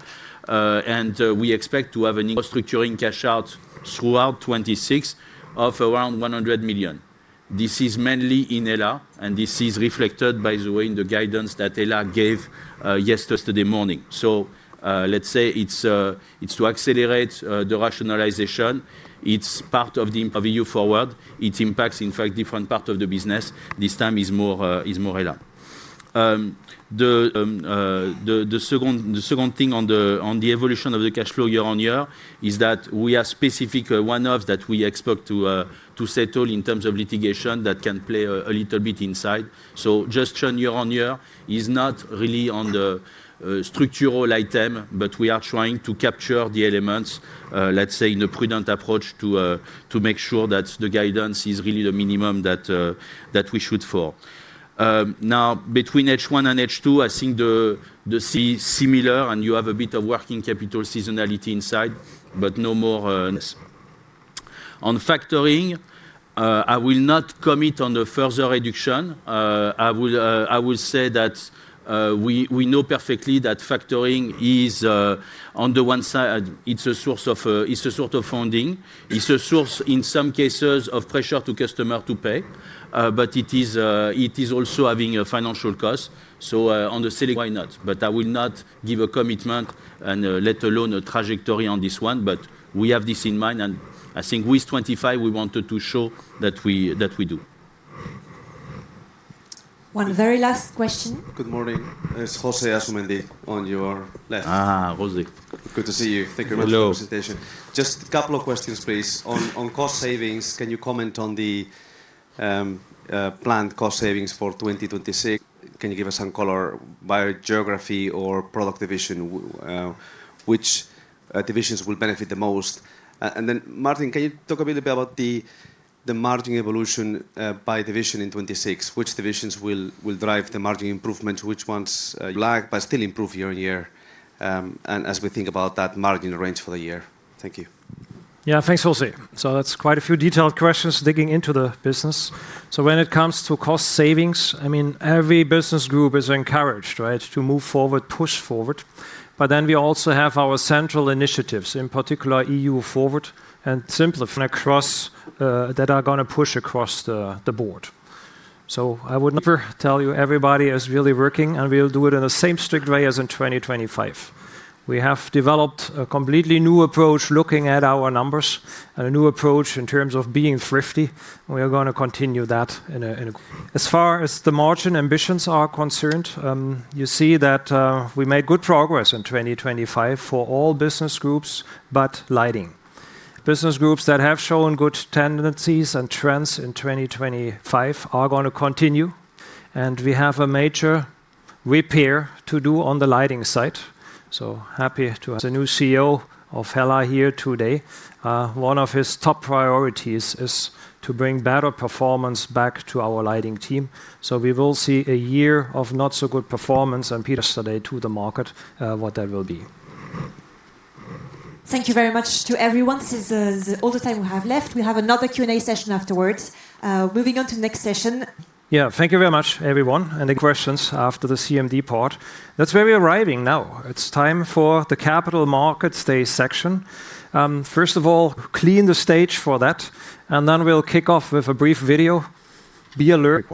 We expect to have a restructuring cash out throughout 2026 of around 100 million. This is mainly in HELLA, and this is reflected, by the way, in the guidance that HELLA gave yesterday morning. Let's say it's to accelerate the rationalization. It's part of the EU-FORWARD. It impacts, in fact, different part of the business. This time is more is more HELLA. The second thing on the evolution of the cash flow year-on-year, is that we are specific one-off that we expect to settle in terms of litigation that can play a little bit inside. Just turn year-on-year is not really on the structural item, but we are trying to capture the elements, let's say, in a prudent approach to make sure that the guidance is really the minimum that we shoot for. Now, between H1 and H2, I think the similar, and you have a bit of working capital seasonality inside, but no more, yes. On factoring, I will not commit on the further reduction. I will say that we know perfectly that factoring is on the one side, it's a source of funding. It's a source, in some cases, of pressure to customer to pay, but it is also having a financial cost. On the selling, why not? I will not give a commitment and let alone a trajectory on this one. We have this in mind, and I think with 2025, we wanted to show that we do. One very last question. Good morning. It's José Asumendi on your left. José. Good to see you. Thank you very much. Hello. For the presentation. Just a couple of questions, please. On cost savings, can you comment on the planned cost savings for 2026? Can you give us some color by geography or product division, which divisions will benefit the most? Then, Martin, can you talk a little bit about the margin evolution by division in 2026? Which divisions will drive the margin improvement, which ones lag, but still improve year-on-year, and as we think about that margin range for the year? Thank you. Yeah. Thanks, José. That's quite a few detailed questions digging into the business. When it comes to cost savings, I mean, every business group is encouraged, right, to move forward, push forward. We also have our central initiatives, in particular, EU-FORWARD and SIMPLIFY *inaudible* cross, that are gonna push across the board. I would never tell you everybody is really working, and we will do it in the same strict way as in 2025. We have developed a completely new approach, looking at our numbers and a new approach in terms of being thrifty, and we are gonna continue that. As far as the margin ambitions are concerned, you see that we made good progress in 2025 for all business groups, but Lighting. Business groups that have shown good tendencies and trends in 2025 are gonna continue. We have a major repair to do on the Lighting side. Happy to have the new CEO of HELLA here today. One of his top priorities is to bring better performance back to our Lighting team. We will see a year of not so good performance and yesterday to the market, what that will be. Thank you very much to everyone. This is all the time we have left. We have another Q&A session afterwards. Moving on to the next session. Yeah. Thank you very much, everyone. Any questions after the CMD part? That's where we're arriving now. It's time for the Capital Markets Day section. First of all, clean the stage for that, and then we'll kick off with a brief video. Be alert.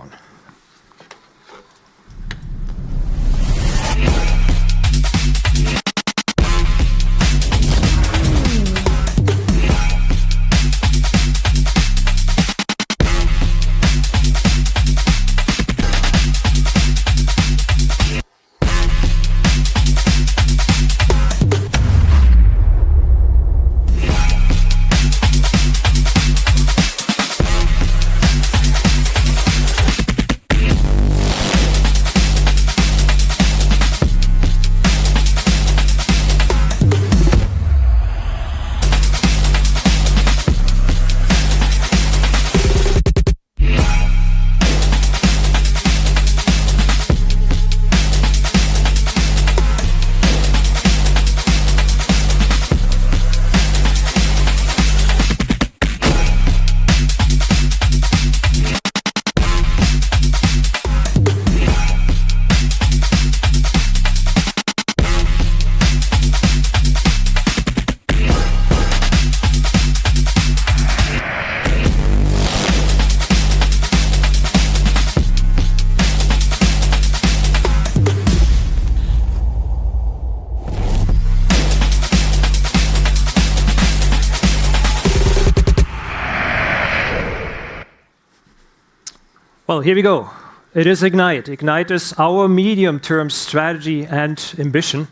Well, here we go. It is IGNITE. IGNITE is our medium-term strategy and ambition.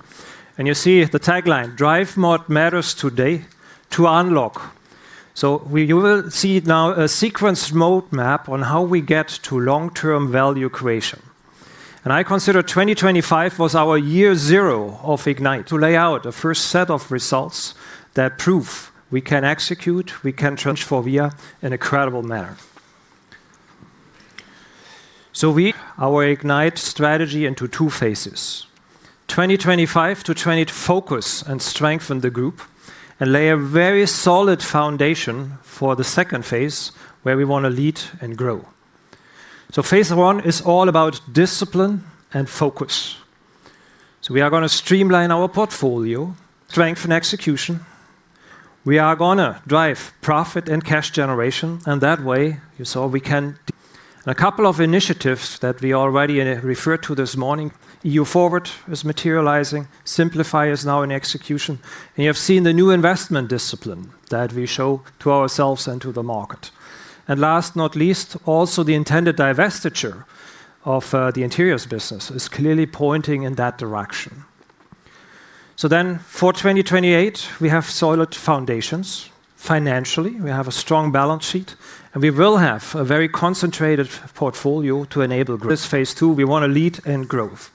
You see the tagline: "Drive what matters today to unlock what's next." You will see now a sequenced roadmap on how we get to long-term value creation. I consider 2025 was our year zero of IGNITE to lay out a first set of results that prove we can execute, we can transform FORVIA in a credible manner. We our IGNITE strategy into two phases: 2025 to 2028 to Focus and Strengthen the group and lay a very solid foundation for the second phase, where we want to Lead and Grow. Phase 1 is all about discipline and focus. We are gonna streamline our portfolio, strengthen execution. We are gonna drive profit and cash generation, and that way, you saw a couple of initiatives that we already referred to this morning, EU-FORWARD is materializing, SIMPLIFY is now in execution, and you have seen the new investment discipline that we show to ourselves and to the market. Last, not least, also the intended divestiture of the Interiors business is clearly pointing in that direction. For 2028, we have solid foundations financially, we have a strong balance sheet, and we will have a very concentrated portfolio to enable growth. This Phase 2, we want to lead in growth.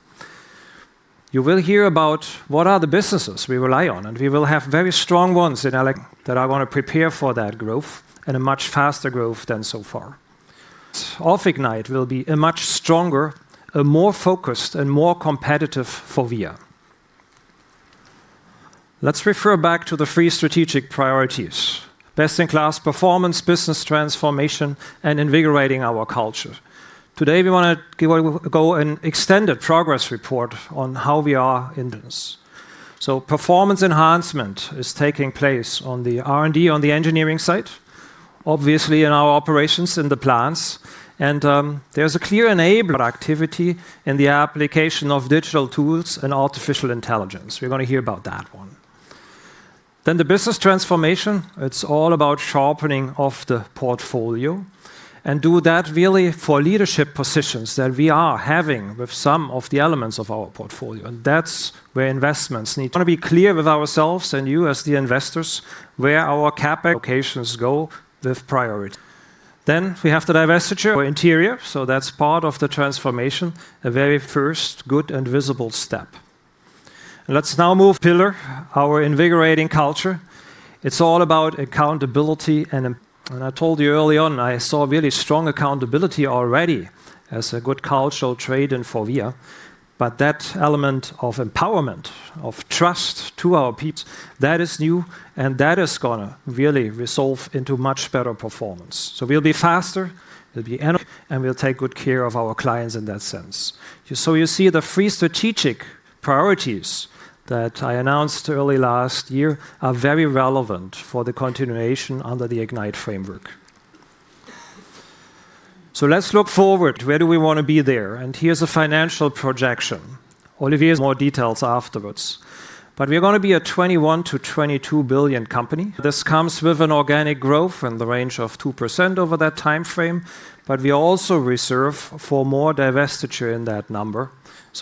You will hear about what are the businesses we rely on, and we will have very strong ones in that I want to prepare for that growth at a much faster growth than so far. IGNITE will be a much stronger, a more focused and more competitive FORVIA. Let's refer back to the three strategic priorities: best-in-class performance, business transformation, and invigorating our culture. Today, we want to give an extended progress report on how we are in this. Performance enhancement is taking place on the R&D, on the engineering side, obviously in our operations in the plants, and there's a clear enabler activity in the application of digital tools and artificial intelligence. We're gonna hear about that one. The business transformation, it's all about sharpening of the portfolio and do that really for leadership positions that we are having with some of the elements of our portfolio, and that's where investments. Gonna be clear with ourselves and you as the investors, where our CapEx locations go with priority. We have the divestiture or interior, so that's part of the transformation, a very first good and visible step. Let's now move pillar, our invigorating culture. It's all about accountability and I told you early on, I saw really strong accountability already as a good cultural trait in FORVIA. That element of empowerment, of trust to our people, that is new, and that is gonna really resolve into much better performance. We'll be faster, we'll be agile, and we'll take good care of our clients in that sense. You see the three strategic priorities that I announced early last year are very relevant for the continuation under the IGNITE framework. Let's look forward. Where do we want to be there? Here's a financial projection. Olivier has more details afterwards. We're gonna be a 21 billion-22 billion company. This comes with an organic growth in the range of 2% over that time frame, but we also reserve for more divestiture in that number.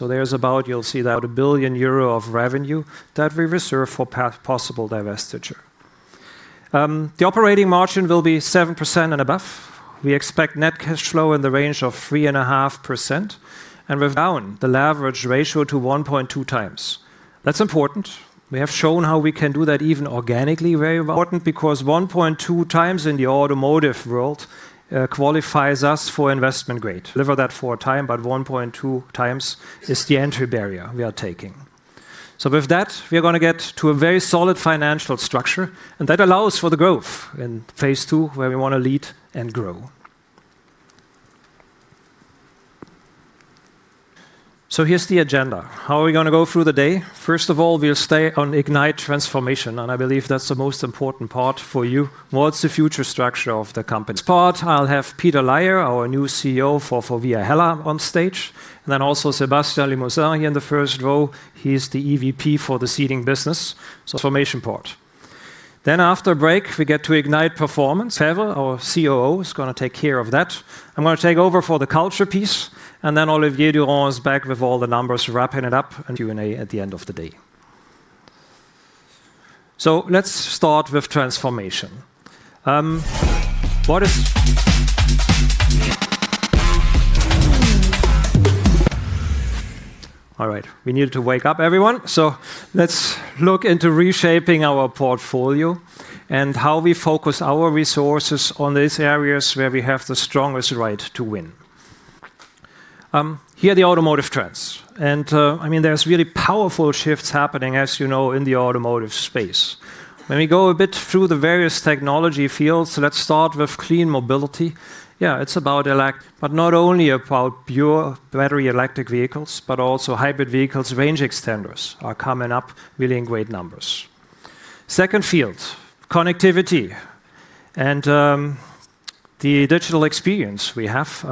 There's about, you'll see about 1 billion euro of revenue that we reserve for possible divestiture. The operating margin will be 7% and above. We expect net cash flow in the range of 3.5%, and we've down the leverage ratio to 1.2x. That's important. We have shown how we can do that even organically, very important, because 1.2x in the automotive world qualifies us for investment grade. *inaudible* deliver that 4x, but 1.2x is the entry barrier we are taking. With that, we are gonna get to a very solid financial structure, and that allows for the growth in Phase 2, where we want to Lead & Grow. Here's the agenda. How are we gonna go through the day? First of all, we'll stay on IGNITE Transformation, and I believe that's the most important part for you. What's the future structure of the company? Part, I'll have Peter Laier, our new CEO for FORVIA HELLA, on stage, and then also Sébastien Limousin in the first row. He's the EVP for the Seating business, so formation part. After a break, we get to IGNITE Performance. Olivier Lefebvre, our COO, is gonna take care of that. I'm gonna take over for the Culture piece, and then Olivier Durand is back with all the numbers, wrapping it up, and Q&A at the end of the day. Let's start with Transformation. All right, we needed to wake up everyone. Let's look into reshaping our portfolio, and how we focus our resources on these areas where we have the strongest right to win. Here are the automotive trends, and, I mean, there's really powerful shifts happening, as you know, in the automotive space. When we go a bit through the various technology fields, let's start with Clean Mobility. It's about but not only about pure battery electric vehicles, but also hybrid vehicles. Range extenders are coming up really in great numbers. Second field, connectivity and the digital experience we have.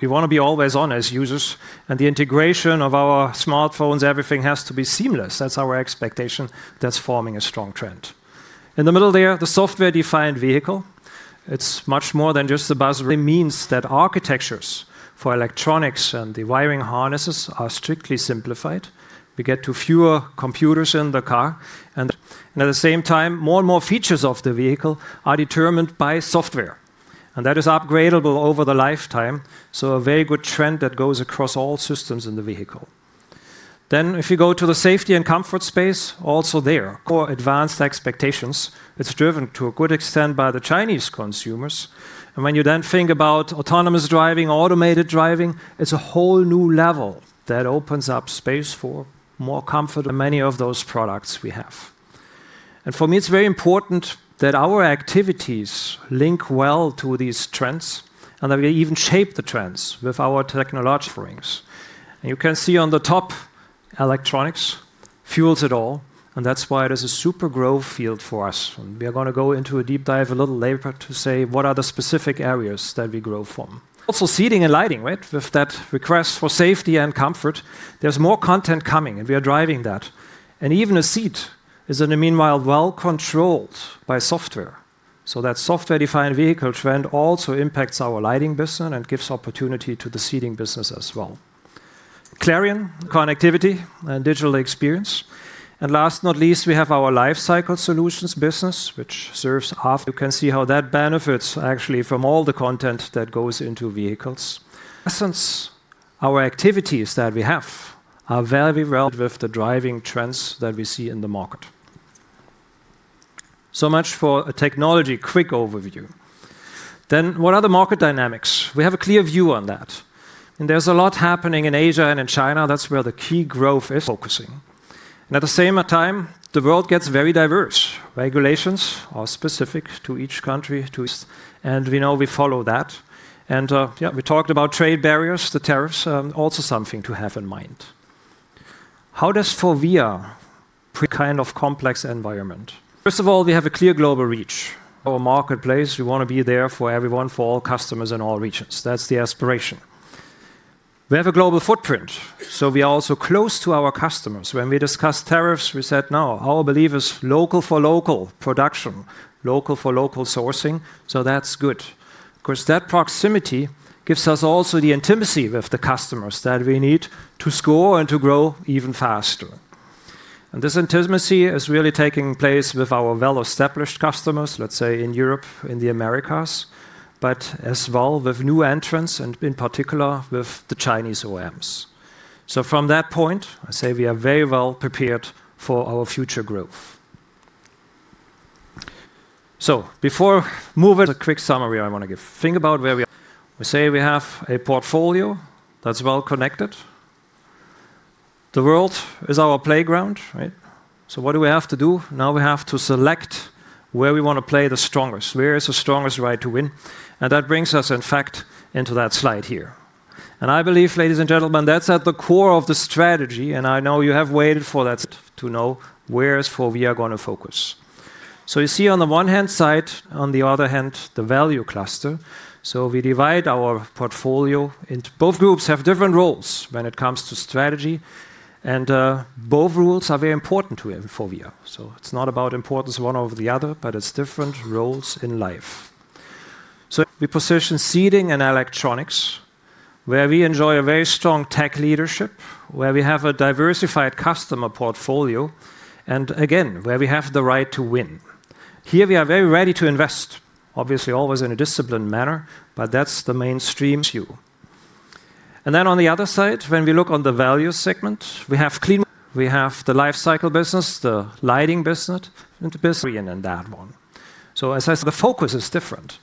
We want to be always on as users, the integration of our smartphones, everything has to be seamless. That's our expectation. That's forming a strong trend. In the middle there, the software-defined vehicle. It's much more than just the buzz. It means that architectures for electronics and the wiring harnesses are strictly simplified. We get to fewer computers in the car, at the same time, more and more features of the vehicle are determined by software, that is upgradable over the lifetime, a very good trend that goes across all systems in the vehicle. If you go to the safety and comfort space, also there, core advanced expectations, it's driven to a good extent by the Chinese consumers. When you then think about autonomous driving, automated driving, it's a whole new level that opens up space for more comfort, and many of those products we have. For me, it's very important that our activities link well to these trends, and that we even shape the trends with our technological offerings. You can see on the top, Electronics fuels it all, and that's why it is a super growth field for us, and we are gonna go into a deep dive a little later to say what are the specific areas that we grow from. Also, Seating and Lighting, right? With that request for safety and comfort, there's more content coming, and we are driving that. Even a seat is in the meanwhile, well controlled by software. That software-defined vehicle trend also impacts our Lighting business and gives opportunity to the Seating business as well. Clarion, connectivity, and digital experience. Last not least, we have our Lifecycle Solutions business, which serves half. You can see how that benefits actually from all the content that goes into vehicles. Our activities that we have are very well with the driving trends that we see in the market. Much for a technology quick overview. What are the market dynamics? We have a clear view on that, and there's a lot happening in Asia and in China. That's where the key growth is focusing. At the same time, the world gets very diverse. Regulations are specific to each country. We know we follow that. Yeah, we talked about trade barriers, the tariffs, also something to have in mind. How does FORVIA kind of complex environment? First of all, we have a clear global reach. Our marketplace, we want to be there for everyone, for all customers in all regions. That's the aspiration. We have a global footprint, so we are also close to our customers. When we discuss tariffs, we said, "No, our belief is local for local production, local for local sourcing," so that's good. Of course, that proximity gives us also the intimacy with the customers that we need to score and to grow even faster. This intimacy is really taking place with our well-established customers, let's say, in Europe, in the Americas, but as well with new entrants and in particular, with the Chinese OEMs. From that point, I say we are very well prepared for our future growth. Before moving, a quick summary I want to give. Think about where we are. We say we have a portfolio that's well connected. The world is our playground, right? What do we have to do? Now we have to select where we want to play the strongest. Where is the strongest right to win? That brings us, in fact, into that slide here. I believe, ladies and gentlemen, that's at the core of the strategy, and I know you have waited for that to know where is FORVIA going to focus. You see on the one-hand side, on the other hand, the Value cluster. We divide our portfolio into. Both groups have different roles when it comes to strategy, and both roles are very important to have in FORVIA. It's not about importance one over the other, but it's different roles in life. We position Seating and Electronics, where we enjoy a very strong tech leadership, where we have a diversified customer portfolio, and again, where we have the right to win. Here, we are very ready to invest, obviously, always in a disciplined manner, but that's the mainstream to you. Then on the other side, when we look on the value segment, we have Clean Mobility, we have the Lifecycle business, the Lighting business, and the business *inaudible* in that one. As I said, the focus is different.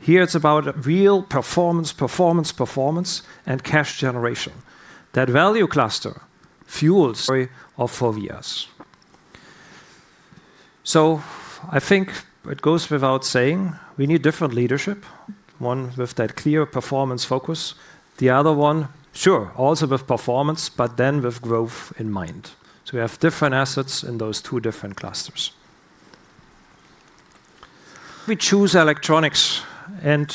Here, it's about real performance, performance, and cash generation. That Value cluster fuels *inaudible* story of FORVIA. I think it goes without saying, we need different leadership, one with that clear performance focus, the other one, sure, also with performance, but then with growth in mind. We have different assets in those two different clusters. We choose Electronics and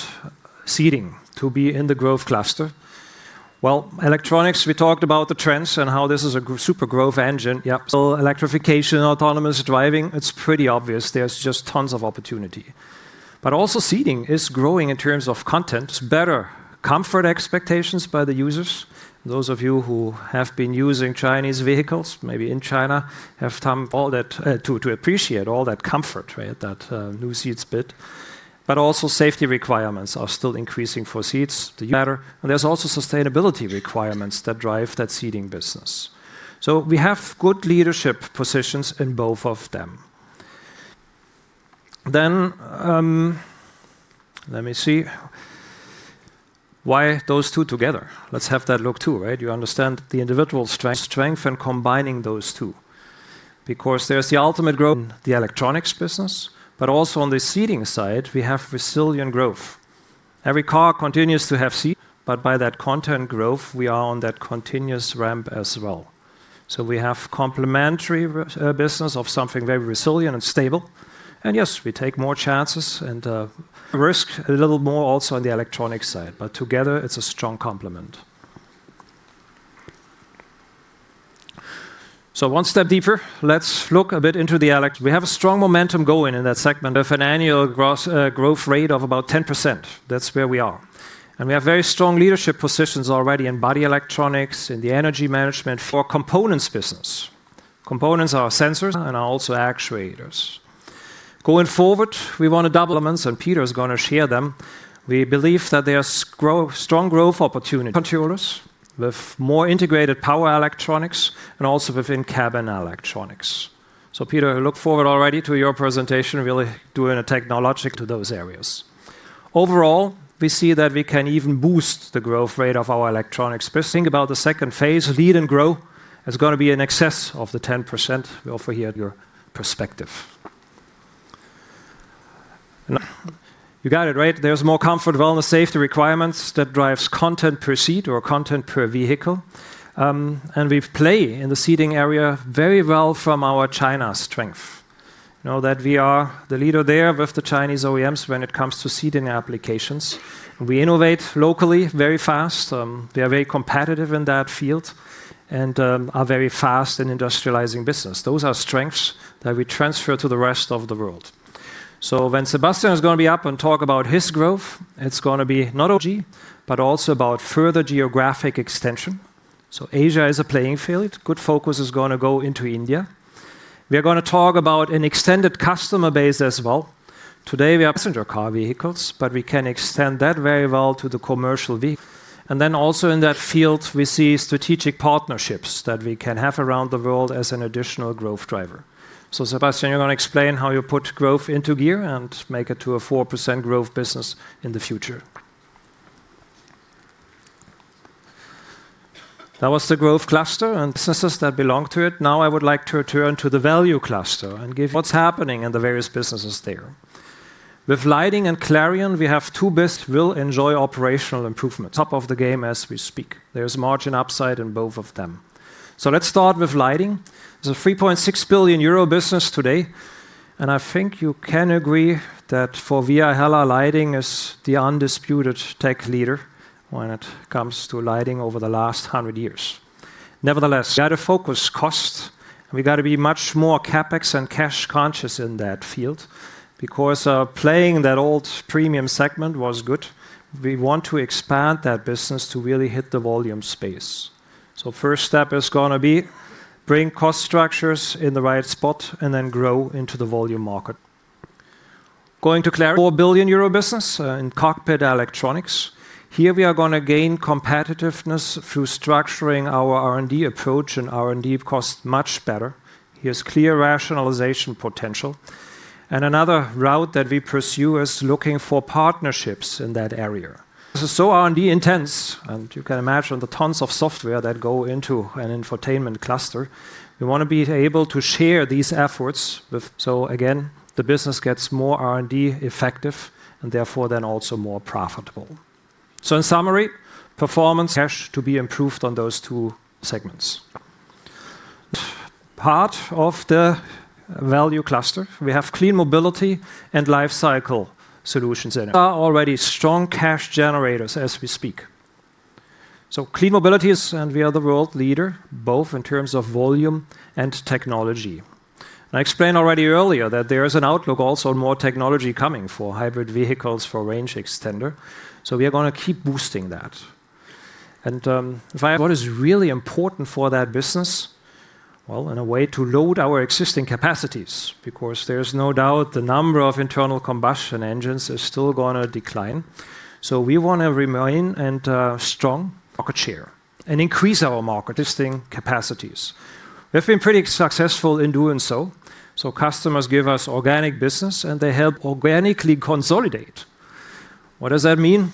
Seating to be in the Growth cluster. Electronics, we talked about the trends and how this is a super growth engine. Electrification and autonomous driving, it's pretty obvious there's just tons of opportunity. Also seating is growing in terms of content, better comfort expectations by the users. Those of you who have been using Chinese vehicles, maybe in China, have time all that to appreciate all that comfort, right? That new seats bit. Also safety requirements are still increasing for seats, they matter, and there's also sustainability requirements that drive that Seating business. We have good leadership positions in both of them. Let me see. Why those two together? Let's have that look, too, right? You understand the individual strength, and combining those two, because there's the ultimate growth in the Electronics business, but also on the Seating side, we have resilient growth. Every car continues to have seats, but by that content growth, we are on that continuous ramp as well. We have complementary business of something very resilient and stable. Yes, we take more chances and risk a little more also on the Electronics side, but together, it's a strong complement. One step deeper, let's look a bit into. We have a strong momentum going in that segment of an annual gross growth rate of about 10%. That's where we are. We have very strong leadership positions already in body electronics, in the energy management for components business. Components are sensors and are also actuators. Going forward, we want to double elements, and Peter is gonna share them. We believe that there are strong growth opportunity *inaudible* controllers, with more integrated power electronics and also within cabin electronics. Peter, I look forward already to your presentation, really doing a technology to those areas. Overall, we see that we can even boost the growth rate of our Electronics business. Think about the second phase, Lead & Grow, is gonna be in excess of the 10% we offer here at your perspective. You got it, right? There's more comfort, wellness, safety requirements that drives content per seat or content per vehicle. We play in the seating area very well from our China strength. You know that we are the leader there with the Chinese OEMs when it comes to seating applications. We innovate locally, very fast, we are very competitive in that field and are very fast in industrializing business. Those are strengths that we transfer to the rest of the world. When Sébastien is gonna be up and talk about his growth, it's gonna be not only, but also about further geographic extension. Asia is a playing field. Good focus is gonna go into India. We are gonna talk about an extended customer base as well. Today, we are passenger car vehicles, but we can extend that very well to the commercial and then also in that field, we see strategic partnerships that we can have around the world as an additional growth driver. Sébastien, you're gonna explain how you put growth into gear and make it to a 4% growth business in the future. That was the Growth cluster and businesses that belong to it. Now, I would like to turn to the Value cluster and give what's happening in the various businesses there. With Lighting and Clarion, we have two business will enjoy operational improvement, top of the game as we speak. There's margin upside in both of them. Let's start with Lighting. There's a 3.6 billion euro business today, and I think you can agree that FORVIA HELLA lighting is the undisputed tech leader when it comes to lighting over the last 100 years. Nevertheless, we had to focus cost, and we got to be much more CapEx and cash conscious in that field, because playing that old premium segment was good, we want to expand that business to really hit the volume space. First step is gonna be bring cost structures in the right spot and then grow into the volume market. Going to Clarion, 4 billion euro business in cockpit electronics. Here we are gonna gain competitiveness through structuring our R&D approach and R&D cost much better. Here's clear rationalization potential, and another route that we pursue is looking for partnerships in that area. This is so R&D intense, and you can imagine the tons of software that go into an infotainment cluster. We wanna be able to share these efforts with. Again, the business gets more R&D effective and therefore then also more profitable. In summary, performance cash to be improved on those two segments. Part of the Value cluster, we have Clean Mobility, Lifecycle Solutions, and are already strong cash generators as we speak. Clean Mobility is, and we are the world leader, both in terms of volume and technology. I explained already earlier that there is an outlook also on more technology coming for hybrid vehicles, for range extender, so we are gonna keep boosting that via. *inaudible* What is really important for that business, well, in a way, to load our existing capacities, because there's no doubt the number of internal combustion engines is still gonna decline. We wanna remain and strong market share and increase our market, this thing, capacities. We've been pretty successful in doing so. Customers give us organic business, and they help organically consolidate. What does that mean?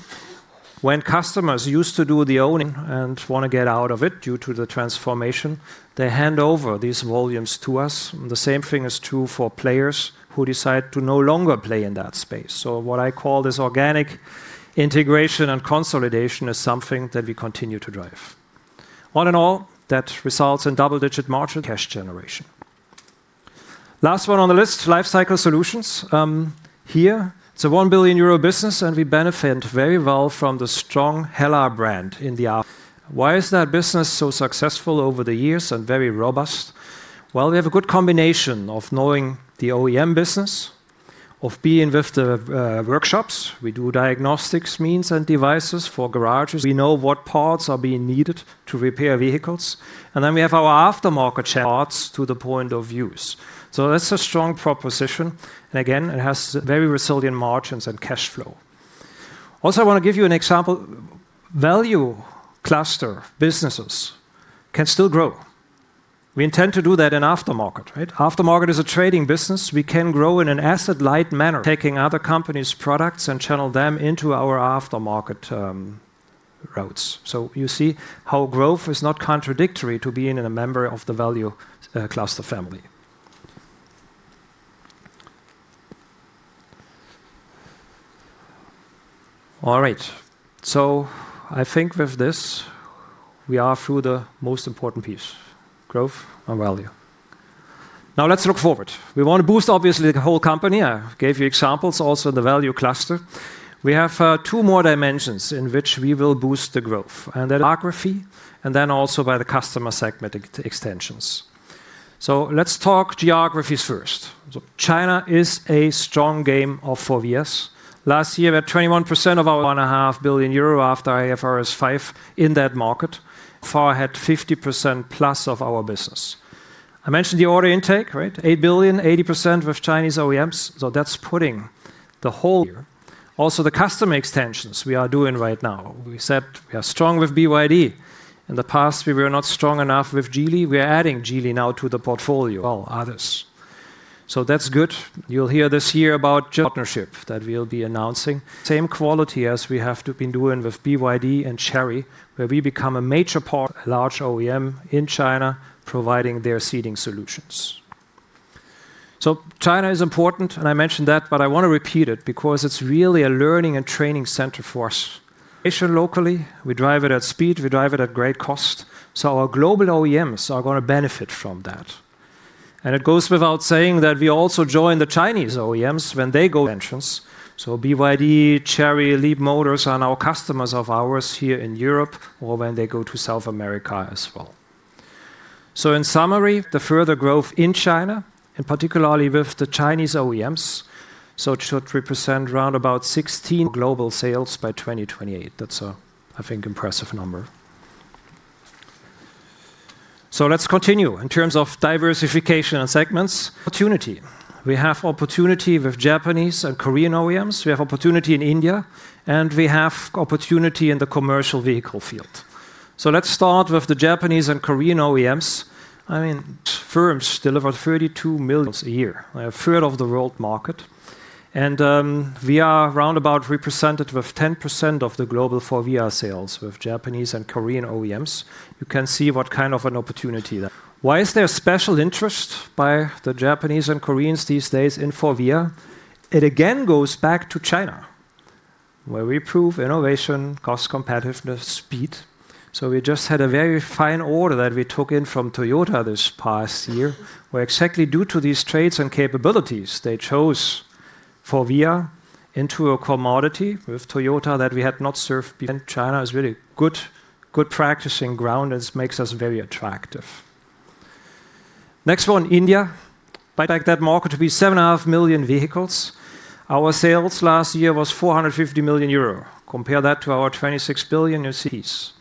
When customers used to do the owning and wanna get out of it due to the transformation, they hand over these volumes to us, and the same thing is true for players who decide to no longer play in that space. What I call this organic integration and consolidation is something that we continue to drive. One and all, that results in double-digit margin cash generation. Last one on the Lifecycle Solutions. here, it's a 1 billion euro business, and we benefit very well from the strong HELLA brand in the. Why is that business so successful over the years and very robust? We have a good combination of knowing the OEM business, of being with the workshops. We do diagnostics means and devices for garages. We know what parts are being needed to repair vehicles. We have our aftermarket parts to the point of use. That's a strong proposition, and again, it has very resilient margins and cash flow. Also, I want to give you an example. Value cluster businesses can still grow. We intend to do that in aftermarket, right? Aftermarket is a trading business. We can grow in an asset-light manner, taking other companies' products and channel them into our aftermarket routes. You see how growth is not contradictory to being in a member of the Value cluster family. All right. I think with this, we are through the most important piece, growth and value. Now let's look forward. We want to boost, obviously, the whole company. I gave you examples, also in the Value cluster. We have two more dimensions in which we will boost the growth, geography, and also by the customer segment extensions. Let's talk geographies first. China is a strong game of FORVIA's. Last year, we had 21% of our 1.5 billion euro after IFRS 5 in that market. Far ahead, 50%+ of our business. I mentioned the order intake, right? 8 billion, 80% with Chinese OEMs, that's putting the whole year. The customer extensions we are doing right now. We said we are strong with BYD. In the past, we were not strong enough with Geely. We are adding Geely now to the portfolio, all others. That's good. You'll hear this year about partnership that we'll be announcing. Same quality as we have been doing with BYD and Chery, where we become a major part, large OEM in China, providing their seating solutions. China is important, and I mentioned that, but I want to repeat it because it's really a learning and training center for us. locally, we drive it at speed, we drive it at great cost, so our global OEMs are gonna benefit from that. It goes without saying that we also join the Chinese OEMs when they go entrance. BYD, Chery, Leapmotor are now customers of ours here in Europe or when they go to South America as well. In summary, the further growth in China, and particularly with the Chinese OEMs, it should represent round about 16 global sales by 2028. That's a, I think, impressive number. Let's continue. In terms of diversification and segments, opportunity. We have opportunity with Japanese and Korean OEMs, we have opportunity in India, and we have opportunity in the commercial vehicle field. Let's start with the Japanese and Korean OEMs. I mean, firms deliver 32 million units a year. A third of the world market, and we are round about represented with 10% of the global FORVIA sales with Japanese and Korean OEMs. You can see what kind of an opportunity that. Why is there special interest by the Japanese and Koreans these days in FORVIA? It again goes back to China, where we prove innovation, cost competitiveness, speed. We just had a very fine order that we took in from Toyota this past year, where exactly due to these traits and capabilities, they chose FORVIA into a commodity with Toyota that we had not served. China is really good practicing ground, it makes us very attractive. Next one, India. By that market to be 7.5 million vehicles. Our sales last year was 450 million euro. Compare that to our 26 billion cities.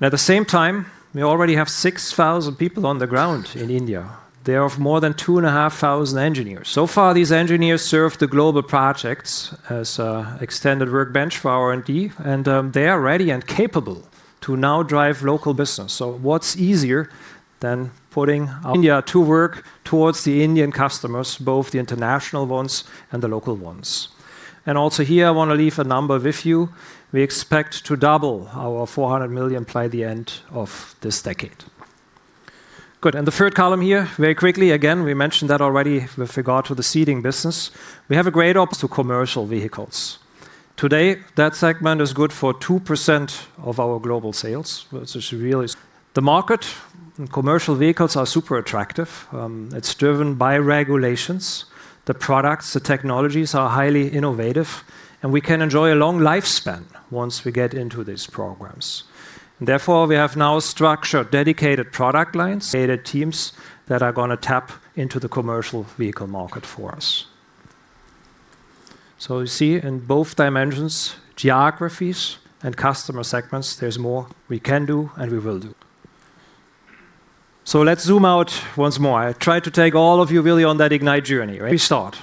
At the same time, we already have 6,000 people on the ground in India. They have more than 2,500 engineers. So far, these engineers serve the global projects as extended workbench for R&D, and they are ready and capable to now drive local business. What's easier than putting India to work towards the Indian customers, both the international ones and the local ones? Also here, I want to leave a number with you. We expect to double our 400 million by the end of this decade. Good, the third column here, very quickly, again, we mentioned that already with regard to the Seating business. We have a great ops to commercial vehicles. Today, that segment is good for 2% of our global sales, which is the *inaudible* market, commercial vehicles are super attractive. It's driven by regulations. The products, the technologies are highly innovative, we can enjoy a long lifespan once we get into these programs. Therefore, we have now structured dedicated product lines, dedicated teams that are gonna tap into the commercial vehicle market for us. You see in both dimensions, geographies and customer segments, there's more we can do and we will do. Let's zoom out once more. I tried to take all of you really on that IGNITE journey, right? We start.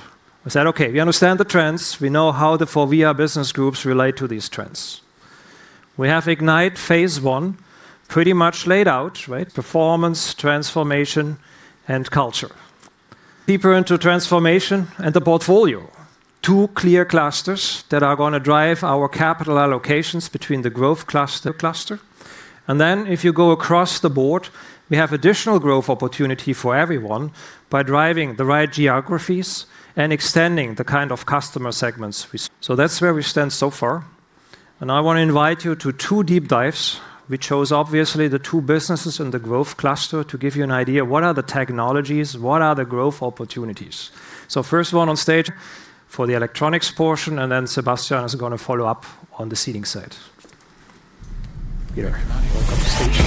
I said, "Okay, we understand the trends. We know how the FORVIA business groups relate to these trends. We have IGNITE Phase 1 pretty much laid out, right? Performance, Transformation, and Culture. Deeper into Transformation and the portfolio, two clear clusters that are gonna drive our capital allocations between the Growth cluster. If you go across the board, we have additional growth opportunity for everyone by driving the right geographies and extending the kind of customer segments we. *inaudible* That's where we stand so far, and I want to invite you to two deep dives. We chose, obviously, the two businesses in the Growth cluster to give you an idea, what are the technologies, what are the growth opportunities? First one on stage for the Electronics portion, and then Sébastien is gonna follow up on the Seating side. Peter, you're very welcome to the stage.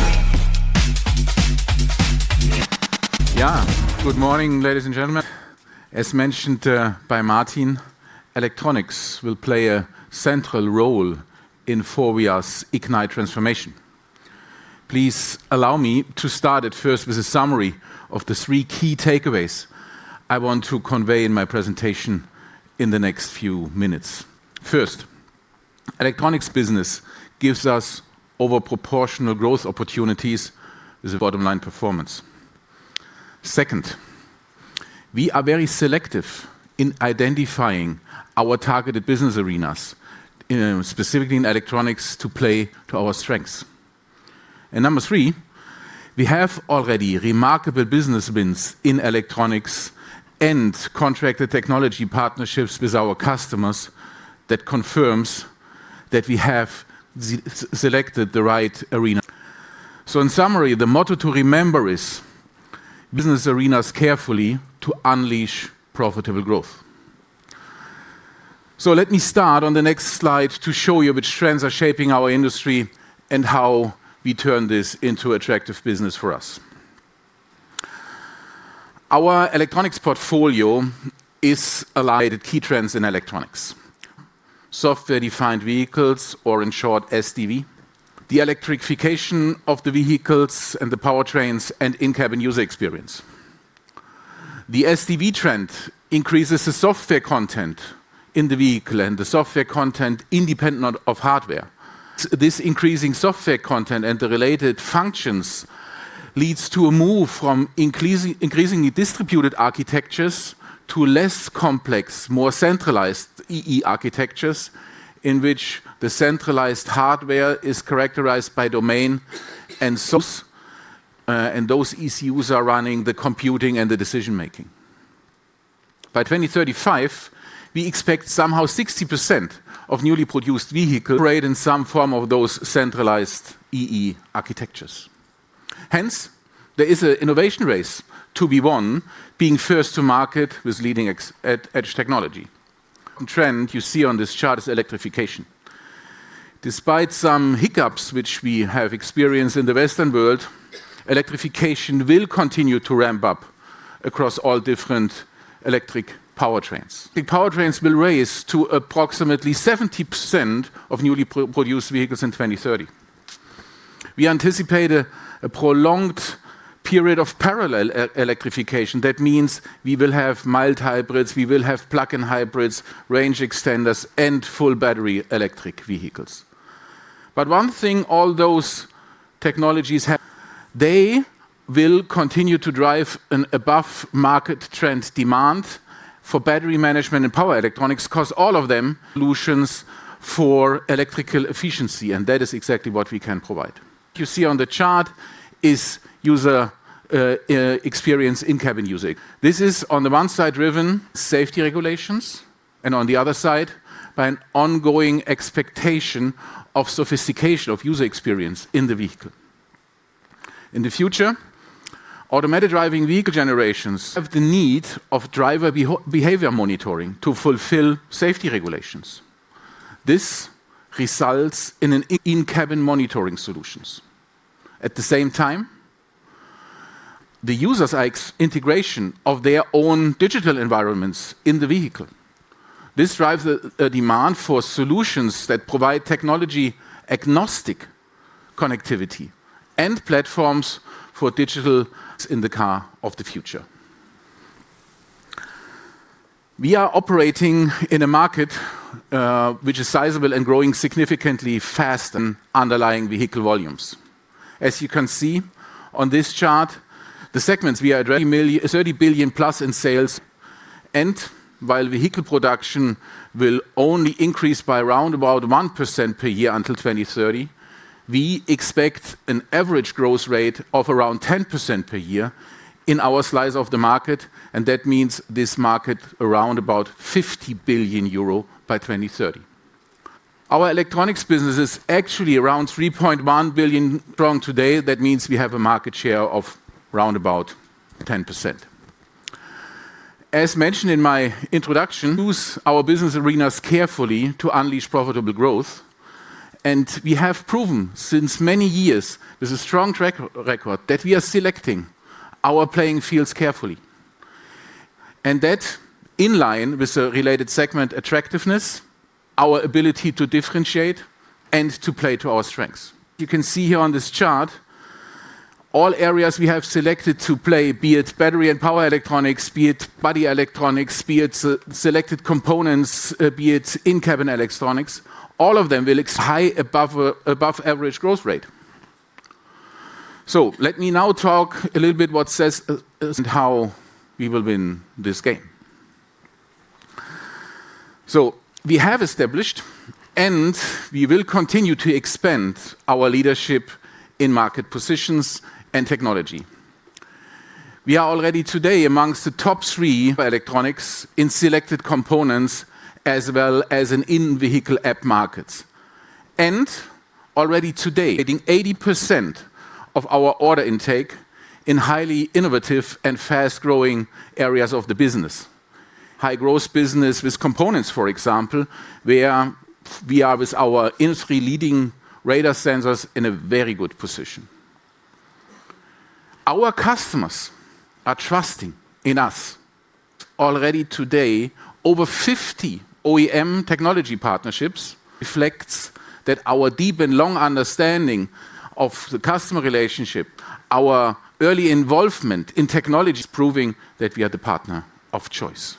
Good morning, ladies and gentlemen. As mentioned by Martin, Electronics will play a central role in FORVIA's IGNITE Transformation. Please allow me to start at first with a summary of the three key takeaways I want to convey in my presentation in the next few minutes. First, Electronics business gives us over proportional growth opportunities with the bottom-line performance. Second, we are very selective in identifying our targeted business arenas, specifically in Electronics, to play to our strengths. Number three, we have already remarkable business wins in Electronics and contracted technology partnerships with our customers that confirms that we have selected the right arena. In summary, the motto to remember is, business arenas carefully to unleash profitable growth. Let me start on the next slide to show you which trends are shaping our industry and how we turn this into attractive business for us. Our Electronics portfolio is allied key trends in electronics: software-defined vehicles, or in short, SDV, the electrification of the vehicles and the powertrains, and in-cabin user experience. The SDV trend increases the software content in the vehicle and the software content independent of hardware. This increasing software content and the related functions leads to a move from increasingly distributed architectures to less complex, more centralized E/E architectures, in which the centralized hardware is characterized by domain and SOA, and those ECUs are running the computing and the decision-making. By 2035, we expect somehow 60% of newly produced vehicles to operate in some form of those centralized E/E architectures. There is an innovation race to be won, being first to market with leading at edge technology. The trend you see on this chart is electrification. Despite some hiccups which we have experienced in the Western World, electrification will continue to ramp up across all different electric powertrains. The powertrains will raise to approximately 70% of newly produced vehicles in 2030. We anticipate a prolonged period of parallel electrification. We will have mild hybrids, we will have plug-in hybrids, range extenders, and full battery electric vehicles. One thing all those technologies have, they will continue to drive an above-market trend demand for battery management and power electronics, because solutions for electrical efficiency, and that is exactly what we can provide. You see on the chart is in-cabin user experience. This is on the one side, driven by safety regulations, and on the other side, by an ongoing expectation of sophistication of user experience in the vehicle. In the future, automated driving vehicle generations have the need of driver behavior monitoring to fulfill safety regulations. This results in an in-cabin monitoring solutions. At the same time, the users like integration of their own digital environments in the vehicle. This drives a demand for solutions that provide technology-agnostic connectivity and platforms for digital in the car of the future. We are operating in a market which is sizable and growing significantly fast and underlying vehicle volumes. As you can see on this chart, the segments we are driving merely 30+ billion in sales. While vehicle production will only increase by around about 1% per year until 2030, we expect an average growth rate of around 10% per year in our slice of the market. That means this market around about 50 billion euro by 2030. Our Electronics business is actually around 3.1 billion strong today. That means we have a market share of round about 10%. As mentioned in my introduction, choose our business arenas carefully to unleash profitable growth. We have proven since many years with a strong track record that we are selecting our playing fields carefully. That in line with the related segment attractiveness, our ability to differentiate and to play to our strengths. You can see here on this chart, all areas we have selected to play, be it battery and power electronics, be it body electronics, be it selected components, be it in-cabin electronics, all of them will high, above average growth rate. Let me now talk a little bit what says and how we will win this game. We have established, and we will continue to expand our leadership in market positions and technology. We are already today amongst the top three electronics in selected components, as well as in in-vehicle app markets. Already today, getting 80% of our order intake in highly innovative and fast-growing areas of the business. High-growth business with components, for example, where we are with our industry-leading radar sensors in a very good position. Our customers are trusting in us. Already today, over 50 OEM technology partnerships reflects that our deep and long understanding of the customer relationship, our early involvement in technology is proving that we are the partner of choice.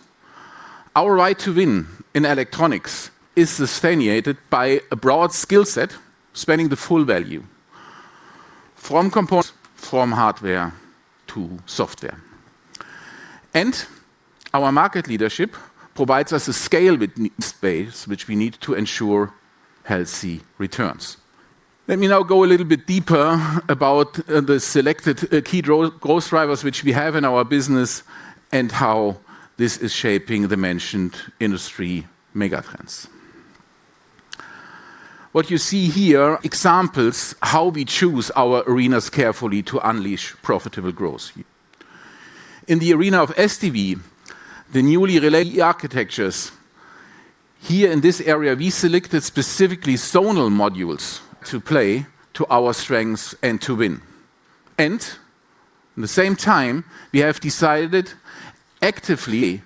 Our right to win in electronics is sustained by a broad skill set, spanning the full value. From components, *inaudible* from hardware to software. Our market leadership provides us a scale with space, which we need to ensure healthy returns. Let me now go a little bit deeper about the selected key growth drivers, which we have in our business, and how this is shaping the mentioned industry megatrends. What you see here, examples how we choose our arenas carefully to unleash profitable growth. In the arena of SDV, the newly relay architectures, here in this area, we selected specifically zonal modules to play to our strengths and to win. At the same time, we have decided actively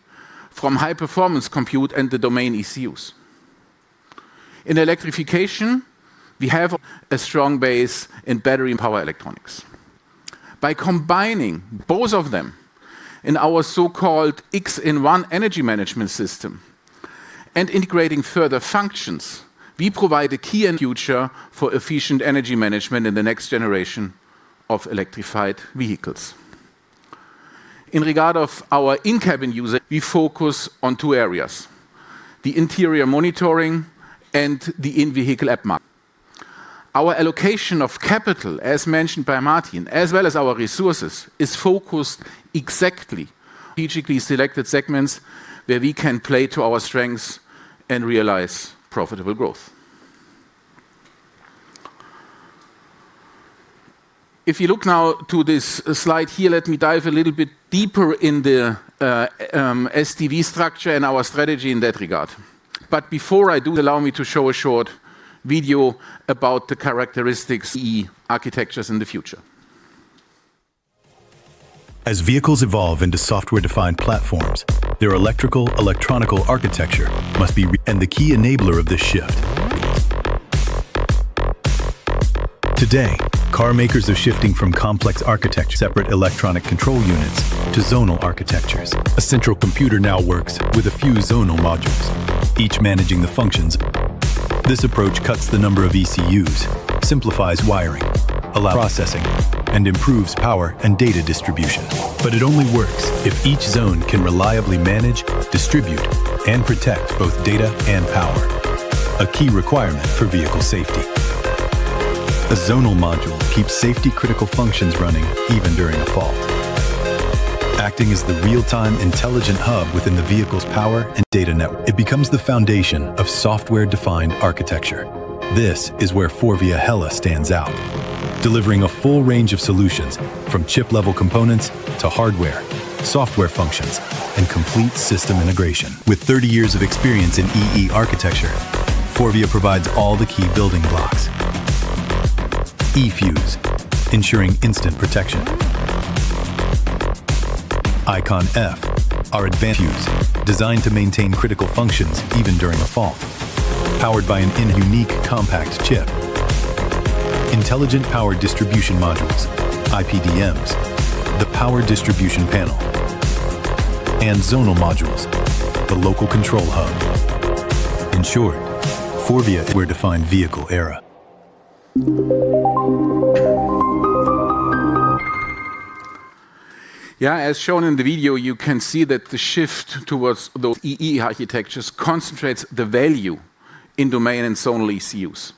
from high-performance compute and the domain ECUs. In electrification, we have a strong base in battery and power electronics. By combining both of them in our so-called X-in-1 energy management system and integrating further functions, we provide a key and future for efficient energy management in the next generation of electrified vehicles. In regard of our in-cabin user, we focus on two areas: the interior monitoring and the in-vehicle app map. *inaudible* Our allocation of capital, as mentioned by Martin, as well as our resources, is focused exactly strategically selected segments, where we can play to our strengths and realize profitable growth. Look now to this slide here, let me dive a little bit deeper in the SDV structure and our strategy in that regard. Before I do, allow me to show a short video about the characteristics E/E architectures in the future. As vehicles evolve into software-defined platforms, their electrical-electronic architecture must be, and the key enabler of this shift. Today, car makers are shifting from complex architecture, separate electronic control units to zonal architectures. A central computer now works with a few zonal modules, each managing the functions. *inaudible* This approach cuts the number of ECUs, simplifies wiring, allow processing, and improves power and data distribution. It only works if each zone can reliably manage, distribute, and protect both data and power, a key requirement for vehicle safety. A zonal module keeps safety-critical functions running even during a fault. Acting as the real-time intelligent hub within the vehicle's power and data network, it becomes the foundation of software-defined architecture. This is where FORVIA HELLA stands out, delivering a full range of solutions from chip-level components to hardware, software functions, and complete system integration. With 30 years of experience in E/E architecture, FORVIA provides all the key building blocks: eFuse, ensuring instant protection, iConF, our advanced fuse, designed to maintain critical functions even during a fault, powered by a unique compact chip. Intelligent power distribution modules, IPDMs, the power distribution panel, and zonal modules, the local control hub. In short, FORVIA is where to find vehicle era. Yeah, as shown in the video, you can see that the shift towards the E/E architectures concentrates the value in domain and zonal ECUs.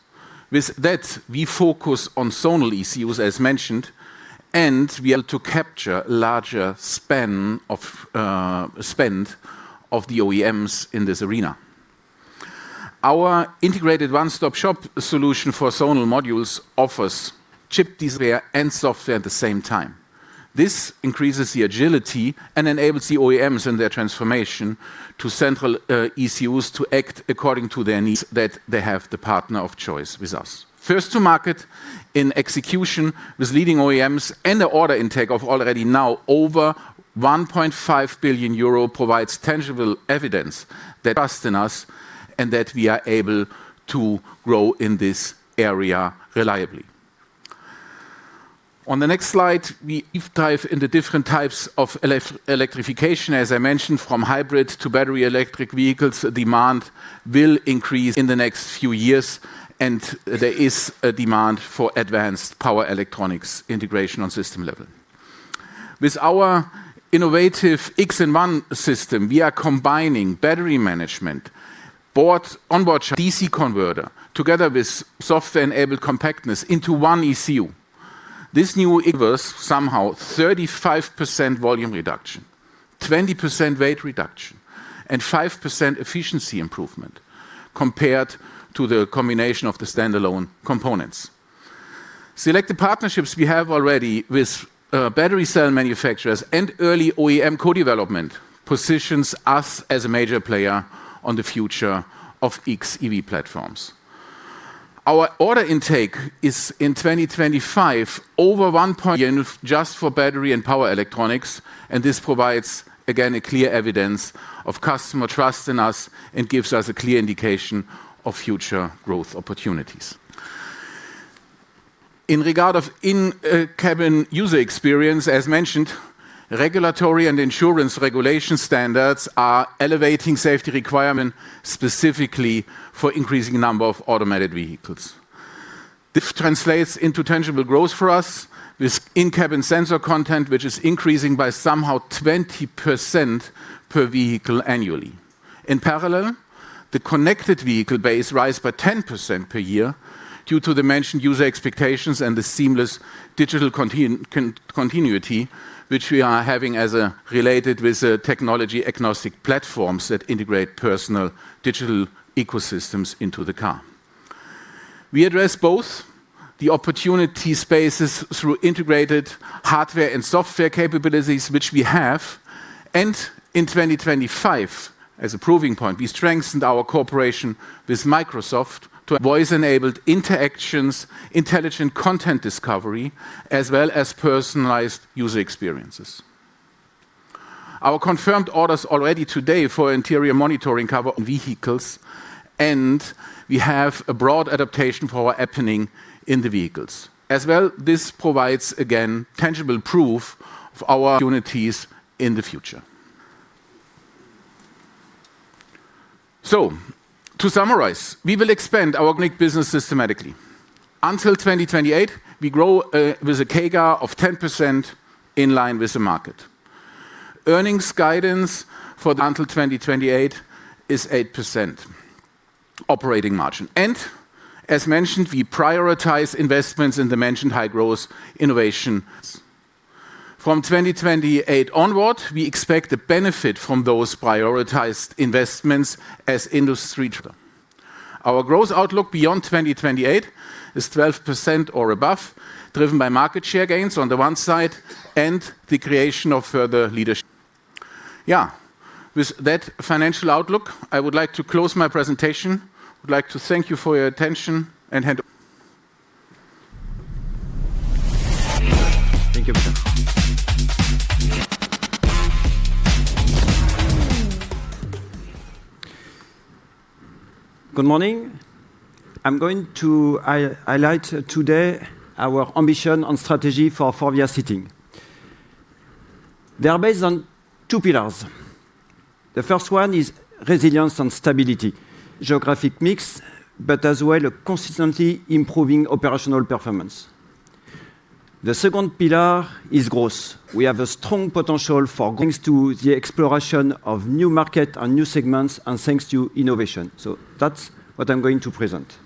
With that, we focus on zonal ECUs, as mentioned, and we are to capture larger span of spend of the OEMs in this arena. Our integrated one-stop-shop solution for zonal modules offers chip, design and software at the same time. This increases the agility and enables the OEMs in their transformation to central ECUs to act according to their needs, that they have the partner of choice with us. First, to market in execution with leading OEMs and the order intake of already now over 1.5 billion euro provides tangible evidence that trust in us and that we are able to grow in this area reliably. On the next slide, we dive into different types of electrification, as I mentioned, from hybrid to battery electric vehicles, demand will increase in the next few years. There is a demand for advanced power electronics integration on system level. With our innovative X-in-1 system, we are combining battery management, board, onboard DC converter, together with software-enabled compactness into one ECU. This new inverse, somehow 35% volume reduction, 20% weight reduction, and 5% efficiency improvement compared to the combination of the standalone components. Selected partnerships we have already with battery cell manufacturers and early OEM co-development, positions us as a major player on the future of XEV platforms. Our order intake is, in 2025, over one point just for battery and power electronics. This provides, again, a clear evidence of customer trust in us and gives us a clear indication of future growth opportunities. In regard of in-cabin user experience, as mentioned, regulatory and insurance regulation standards are elevating safety requirement specifically for increasing number of automated vehicles. This translates into tangible growth for us, with in-cabin sensor content, which is increasing by somehow 20% per vehicle annually. In parallel, the connected vehicle base rise by 10% per year, due to the mentioned user expectations and the seamless digital continuity, which we are having as a related with the technology agnostic platforms that integrate personal digital ecosystems into the car. We address both the opportunity spaces through integrated hardware and software capabilities, which we have, and in 2025, as a proving point, we strengthened our cooperation with Microsoft to voice-enabled interactions, intelligent content discovery, as well as personalized user experiences. Our confirmed orders already today for interior monitoring cover on vehicles, and we have a broad adaptation for our Appning in the vehicles. As well, this provides, again, tangible proof of our opportunities in the future. To summarize, we will expand our organic business systematically. Until 2028, we grow with a CAGR of 10% in line with the market. Earnings guidance for the until 2028 is 8% operating margin. As mentioned, we prioritize investments in the mentioned high-growth innovation. From 2028 onward, we expect to benefit from those prioritized investments as industry. *inaudible* Our growth outlook beyond 2028 is 12% or above, driven by market share gains on the one side and the creation of further leadership. With that financial outlook, I would like to close my presentation. I would like to thank you for your attention. Thank you. Good morning. I'm going to highlight today our ambition on strategy for FORVIA Seating. They are based on two pillars. The first one is resilience and stability, geographic mix, but as well, a consistently improving operational performance. The second pillar is growth. We have a strong potential for, thanks to the exploration of new market and new segments, and thanks to innovation. That's what I'm going to present.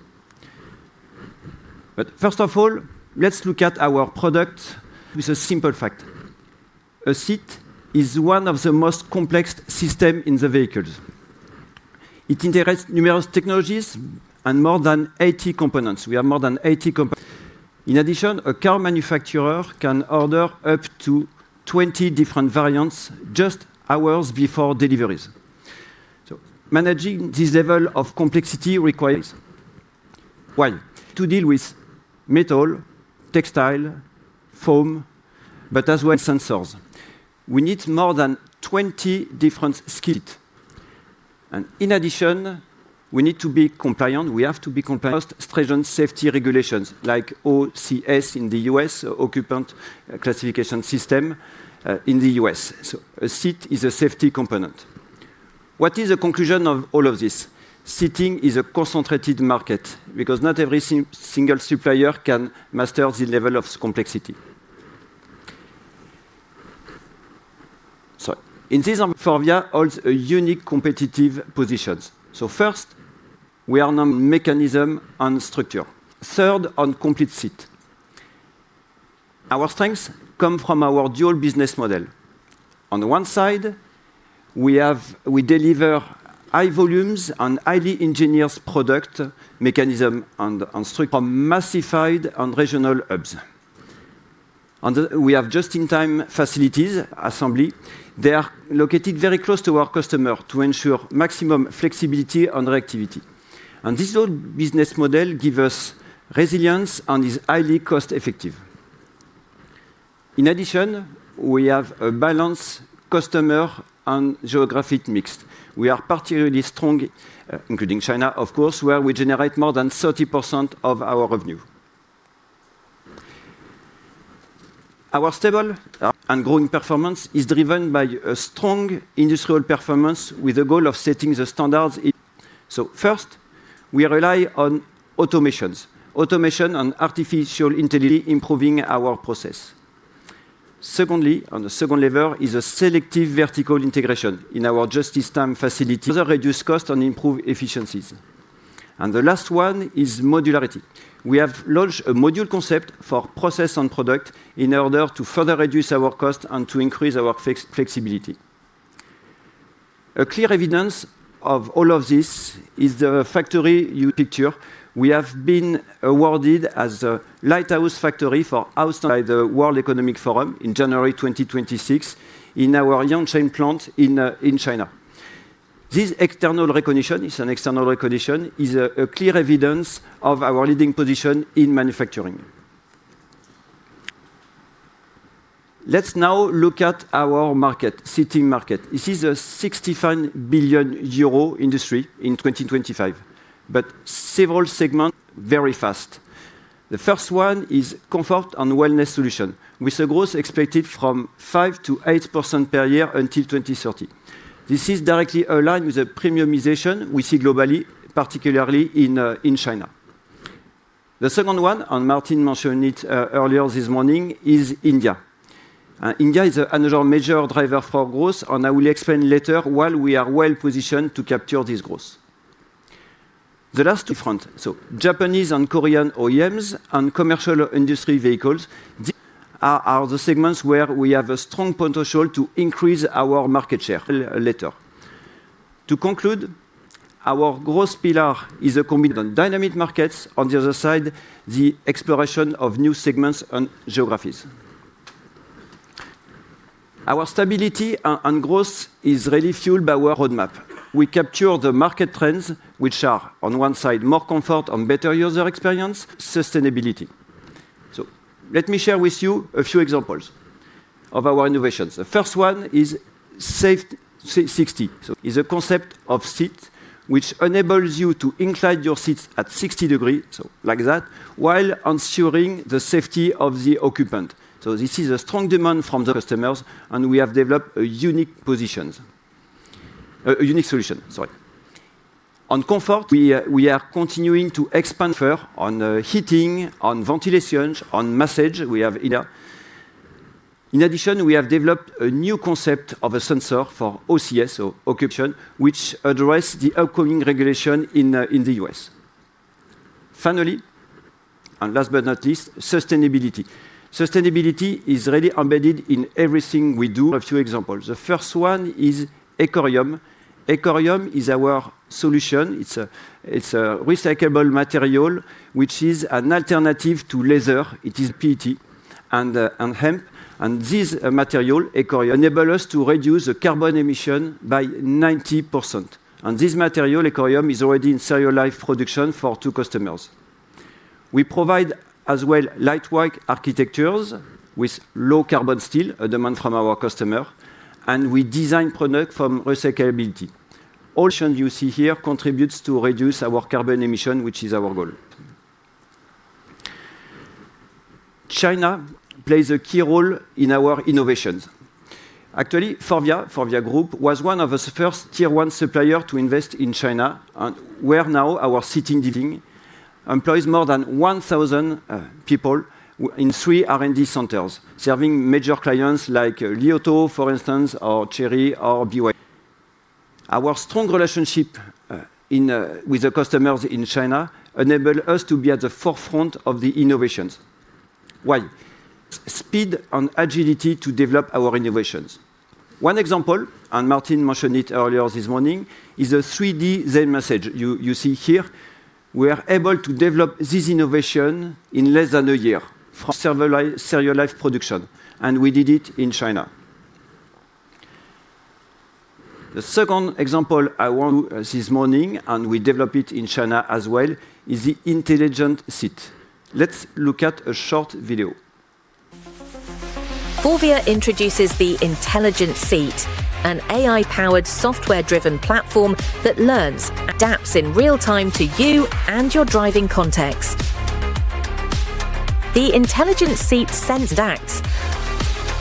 First of all, let's look at our product with a simple fact. A seat is one of the most complex system in the vehicles. It integrates numerous technologies and more than 80 components. We have more than 80 components. In addition, a car manufacturer can order up to 20 different variants just hours before deliveries. Managing this level of complexity requires, one, to deal with metal, textile, foam, but as well, sensors. We need more than 20 different skills. In addition, we need to be compliant. We have to be compliant stringent safety regulations, like OCS in the U.S., Occupant Classification System, in the U.S. A seat is a safety component. What is the conclusion of all of this? Seating is a concentrated market because not every single supplier can master this level of complexity. In this, FORVIA holds a unique competitive positions. First, we are number one worldwide on mechanism and structure, third, on complete seat. Our strengths come from our dual business model. On the one side, we deliver high volumes and highly engineered product, mechanism, and structure *inaudible* massified on regional hubs. We have just-in-time facilities, assembly. They are located very close to our customer to ensure maximum flexibility and reactivity. This business model give us resilience and is highly cost effective. In addition, we have a balanced customer and geographic mix. We are particularly strong, including China, of course, where we generate more than 30% of our revenue. Our stable and growing performance is driven by a strong industrial performance with the goal of setting the standards. First, we rely on automations, automation and artificial intelligence, improving our process. Secondly, on the second level, is a selective vertical integration in our just-in-time facility, further reduce cost, and improve efficiencies. The last one is modularity. We have launched a module concept for process and product in order to further reduce our cost and to increase our flexibility. A clear evidence of all of this is the factory you picture. We have been awarded as a Lighthouse Factory for Outstanding Performance in Productivity by the World Economic Forum in January 2026, in our Yancheng plant in China. This external recognition, it's an external recognition, is a clear evidence of our leading position in manufacturing. Let's now look at our market, seating market. This is a 65 billion euro industry in 2025, but several segment very fast. The first one is comfort and wellness solution, with a growth expected from 5%-8% per year until 2030. This is directly aligned with the premiumization we see globally, particularly in China. The second one, and Martin mentioned it earlier this morning, is India. India is another major driver for growth, and I will explain later why we are well-positioned to capture this growth. The last two front, so Japanese and Korean OEMs and commercial industry vehicles, these are the segments where we have a strong potential to increase our market share later. To conclude, our growth pillar is a commitment dynamic markets, on the other side, the exploration of new segments and geographies. Our stability and growth is really fueled by our roadmap. We capture the market trends, which are, on one side, more comfort and better user experience, sustainability. Let me share with you a few examples of our innovations. The first one is Safe 60. Is a concept of seat, which enables you to incline your seats at 60 degrees, like that, while ensuring the safety of the occupant. This is a strong demand from the customers, and we have developed a unique solution, sorry. On comfort, we are continuing to expand further on heating, on ventilation, on massage, we have either. In addition, we have developed a new concept of a sensor for OCS, or Occupant Classification System, which address the upcoming regulation in the U.S. Finally, last but not least, sustainability. Sustainability is really embedded in everything we do. A few examples. The first one is Ecorium. Ecorium is our solution. It's a recyclable material, which is an alternative to leather. It is PET and hemp, this material, Ecorium, enable us to reduce the carbon emission by 90%. This material, Ecorium, is already in serial life production for two customers. We provide as well lightweight architectures with low-carbon steel, a demand from our customer, and we design product from recyclability. All you see here contributes to reduce our carbon emission, which is our goal. China plays a key role in our innovations. Actually, FORVIA Group, was one of the first Tier 1 suppliers to invest in China, where now our seating division employs more than 1,000 people in three R&D centers, serving major clients like Li Auto, for instance, or Chery, or BYD. Our strong relationship in with the customers in China enable us to be at the forefront of the innovations. One, speed and agility to develop our innovations. One example, Martin mentioned it earlier this morning, is a 3D Zen Massage, you see here. We are able to develop this innovation in less than a year for serial life production, and we did it in China. The second example I want this morning, and we develop it in China as well, is the Intelligent Seat. Let's look at a short video. FORVIA introduces the Intelligent Seat, an AI-powered, software-driven platform that learns, adapts in real time to you and your driving context. The Intelligent Seat sense acts,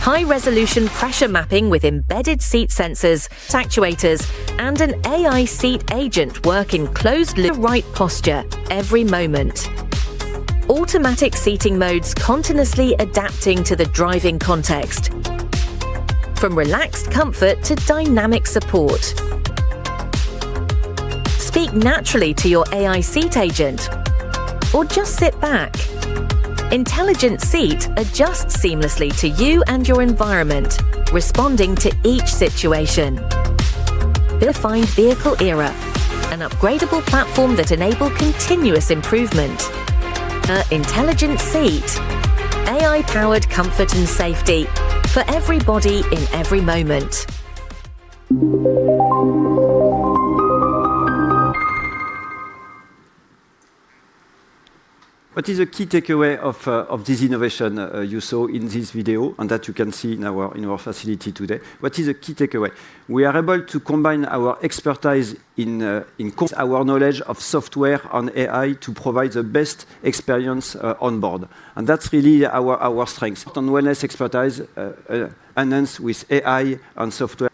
high-resolution pressure mapping with embedded seat sensors, actuators, and an AI seat agent work in closed loop, the right posture every moment. Automatic seating modes continuously adapting to the driving context, from relaxed comfort to dynamic support. Speak naturally to your AI seat agent or just sit back. Intelligent Seat adjusts seamlessly to you and your environment, responding to each situation. Defined vehicle era, an upgradable platform that enable continuous improvement. The Intelligent Seat, AI-powered comfort and safety for everybody in every moment. What is a key takeaway of this innovation you saw in this video, and that you can see in our facility today? What is a key takeaway? We are able to combine our expertise in our knowledge of software and AI to provide the best experience on board, and that's really our strength. On wellness expertise enhanced with AI and software.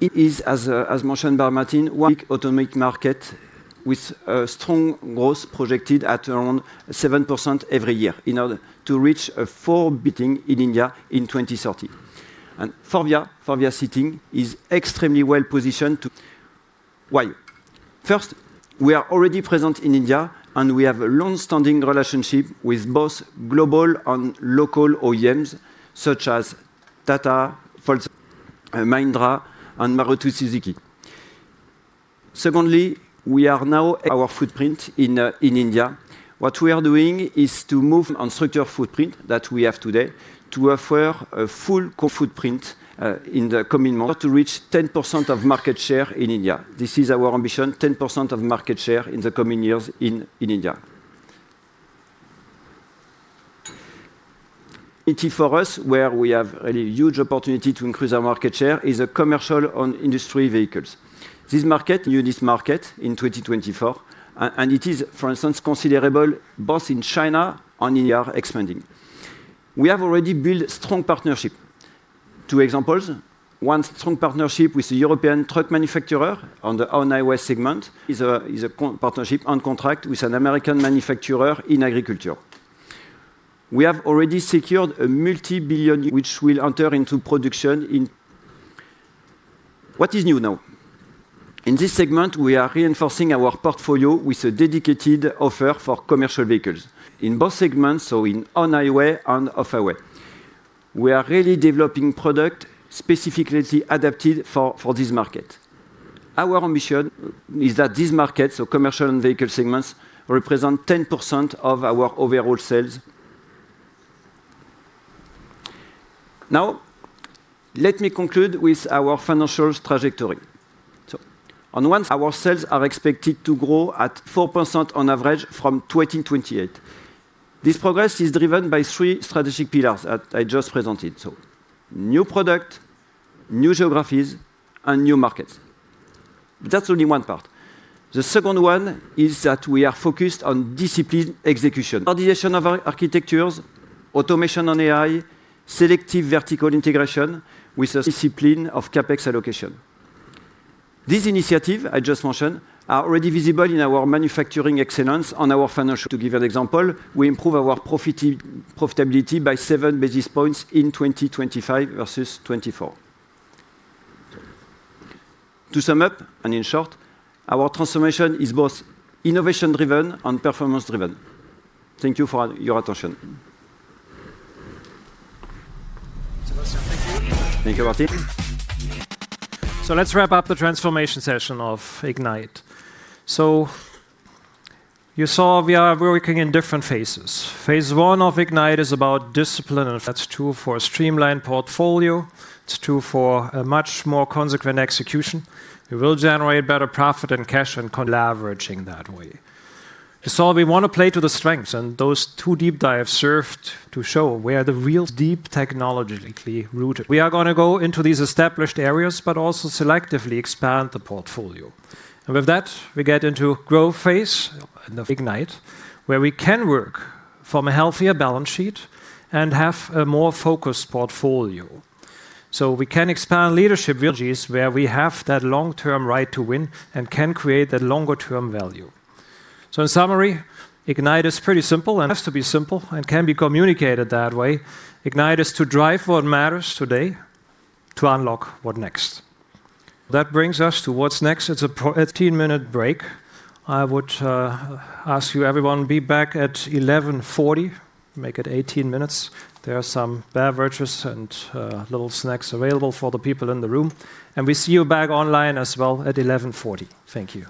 It is, as mentioned by Martin, one *inaudible* automotive market with a strong growth projected at around 7% every year in order to reach 4 billion in India in 2030. FORVIA Seating is extremely well-positioned to. *inaudible* Why? First, we are already present in India, and we have a long-standing relationship with both global and local OEMs, such as Tata, *inaudible* Mahindra, and Maruti Suzuki. Secondly, we are now our footprint in India. What we are doing is to move on structure footprint that we have today to offer a full co-footprint in the coming month *inaudible* to reach 10% of market share in India. This is our ambition, 10% of market share in the coming years in India. IT for us, where we have a really huge opportunity to increase our market share, is a commercial and industrial vehicles. This market, new this market in 2024, and it is, for instance, considerable, both in China and India are expanding. We have already built strong partnership. Two examples, one strong partnership with the European truck manufacturer on the on-highway segment is a co-partnership and contract with an American manufacturer in agriculture. We have already secured a multi-billion, *inaudible* which will enter into production in. *inaudible* What is new now? In this segment, we are reinforcing our portfolio with a dedicated offer for commercial vehicles. In both segments, so in on-highway and off-highway, we are really developing product specifically adapted for this market. Our ambition is that these markets, so commercial and vehicle segments, represent 10% of our overall sales. Now, let me conclude with our financial trajectory. On one, our sales are expected to grow at 4% on average from 2028. This progress is driven by three strategic pillars that I just presented. New product, new geographies, and new markets. That's only one part. The second one is that we are focused on discipline execution, organization of our architectures, automation and AI, selective vertical integration with a discipline of CapEx allocation. These initiative I just mentioned are already visible in our manufacturing excellence and our financial. To give an example, we improve our profitability by 7 basis points in 2025 versus 2024. To sum up, and in short, our transformation is both innovation-driven and performance-driven. Thank you for your attention. Sébastien, thank you. Thank you, Martin. Let's wrap up the Transformation session of IGNITE. You saw we are working in different phases. Phase 2 of IGNITE is about discipline, and that's true for a streamlined portfolio. It's true for a much more consequent execution. It will generate better profit and cash and leveraging that way. You saw we want to play to the strengths, and those two deep dives served to show where the real deep technologically rooted. We are going to go into these established areas, but also selectively expand the portfolio. With that, we get into growth phase of IGNITE, where we can work from a healthier balance sheet and have a more focused portfolio. We can expand leadership villages where we have that long-term right to win and can create that longer-term value. In summary, IGNITE is pretty simple and has to be simple and can be communicated that way. IGNITE is to drive what matters today, to unlock what next. That brings us to what's next. It's an 18-minute break. I would ask you everyone, be back at 11:40, make it 18 minutes. There are some beverages and little snacks available for the people in the room, and we see you back online as well at 11:40. Thank you.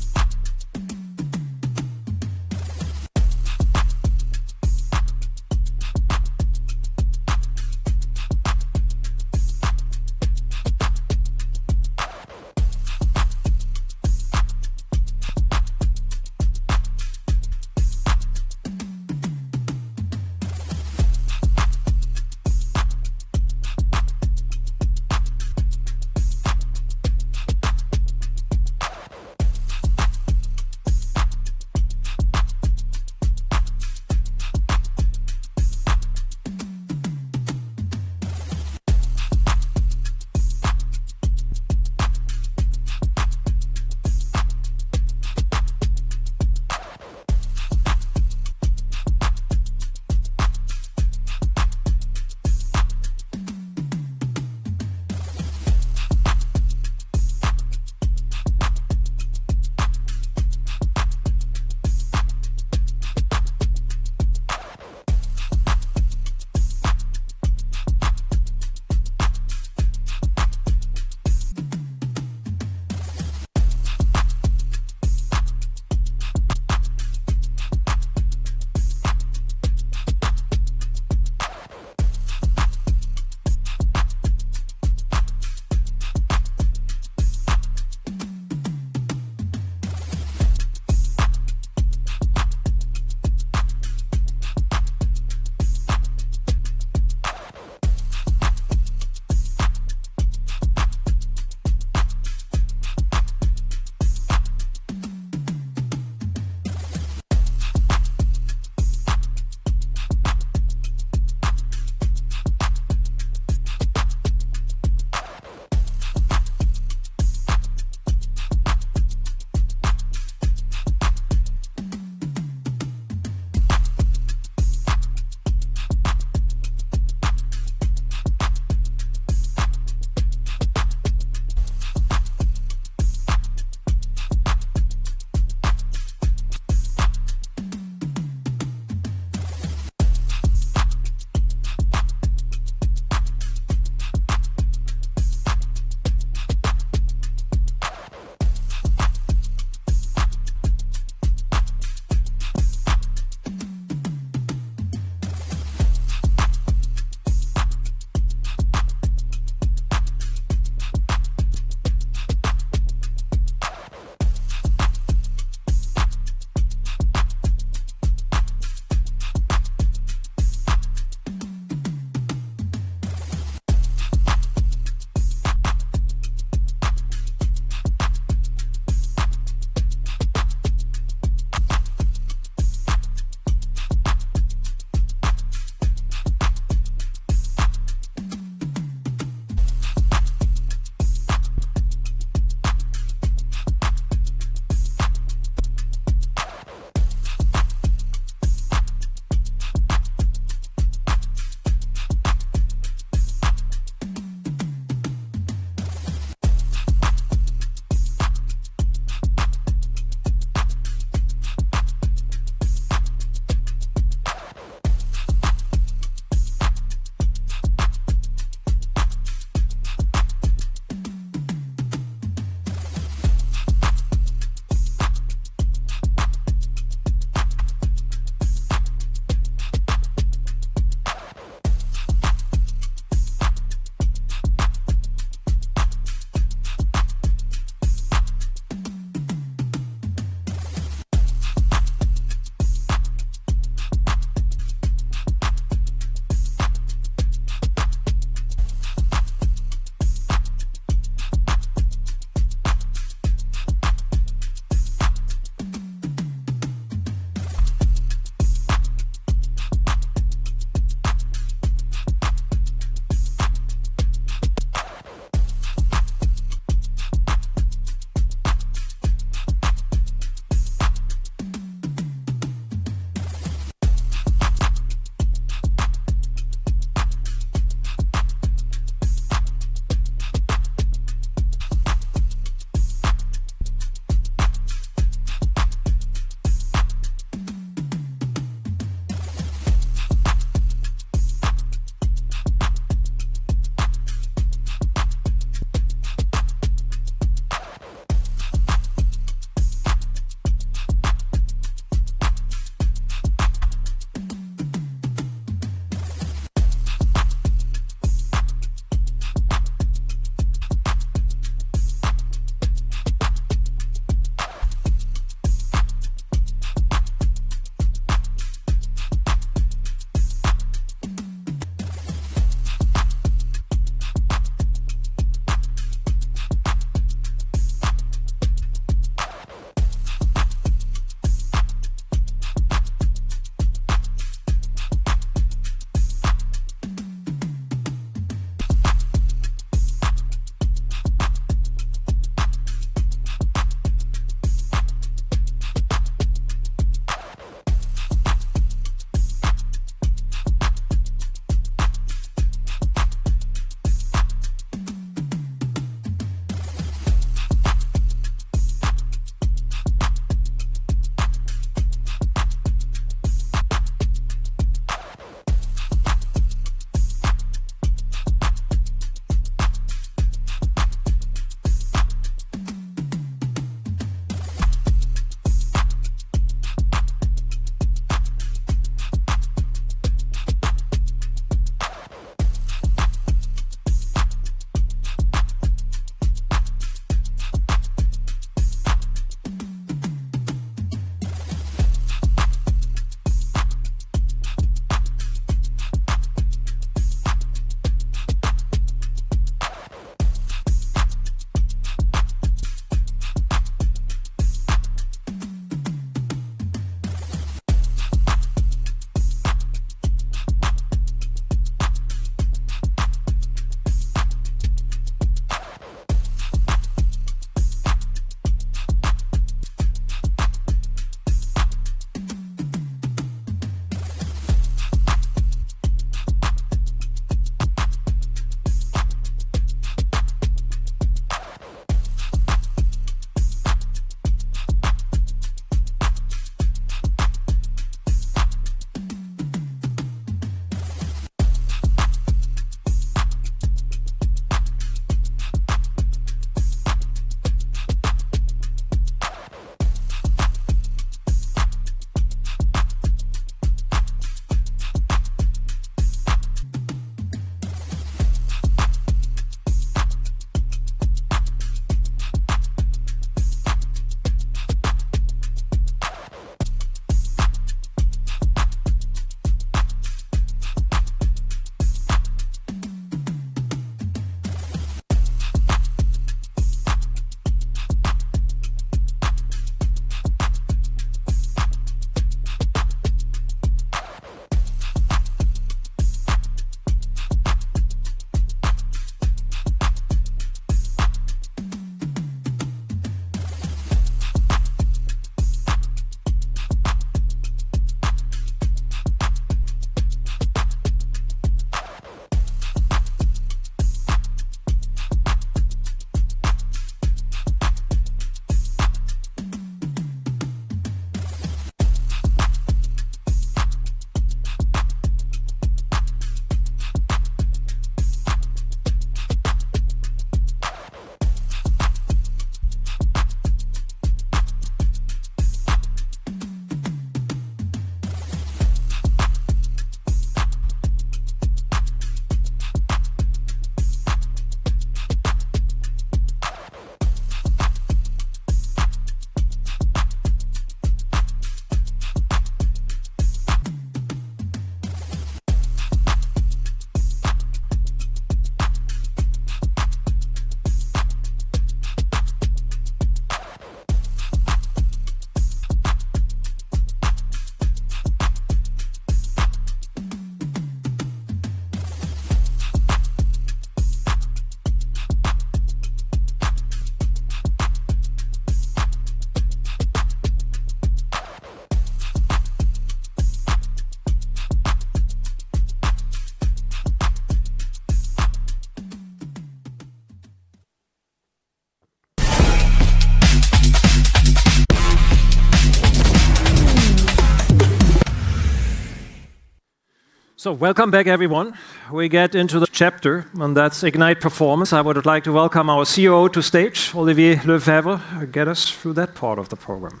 Welcome back, everyone. We get into the chapter, and that's IGNITE Performance. I would like to welcome our COO to stage, Olivier Lefebvre. Get us through that part of the program.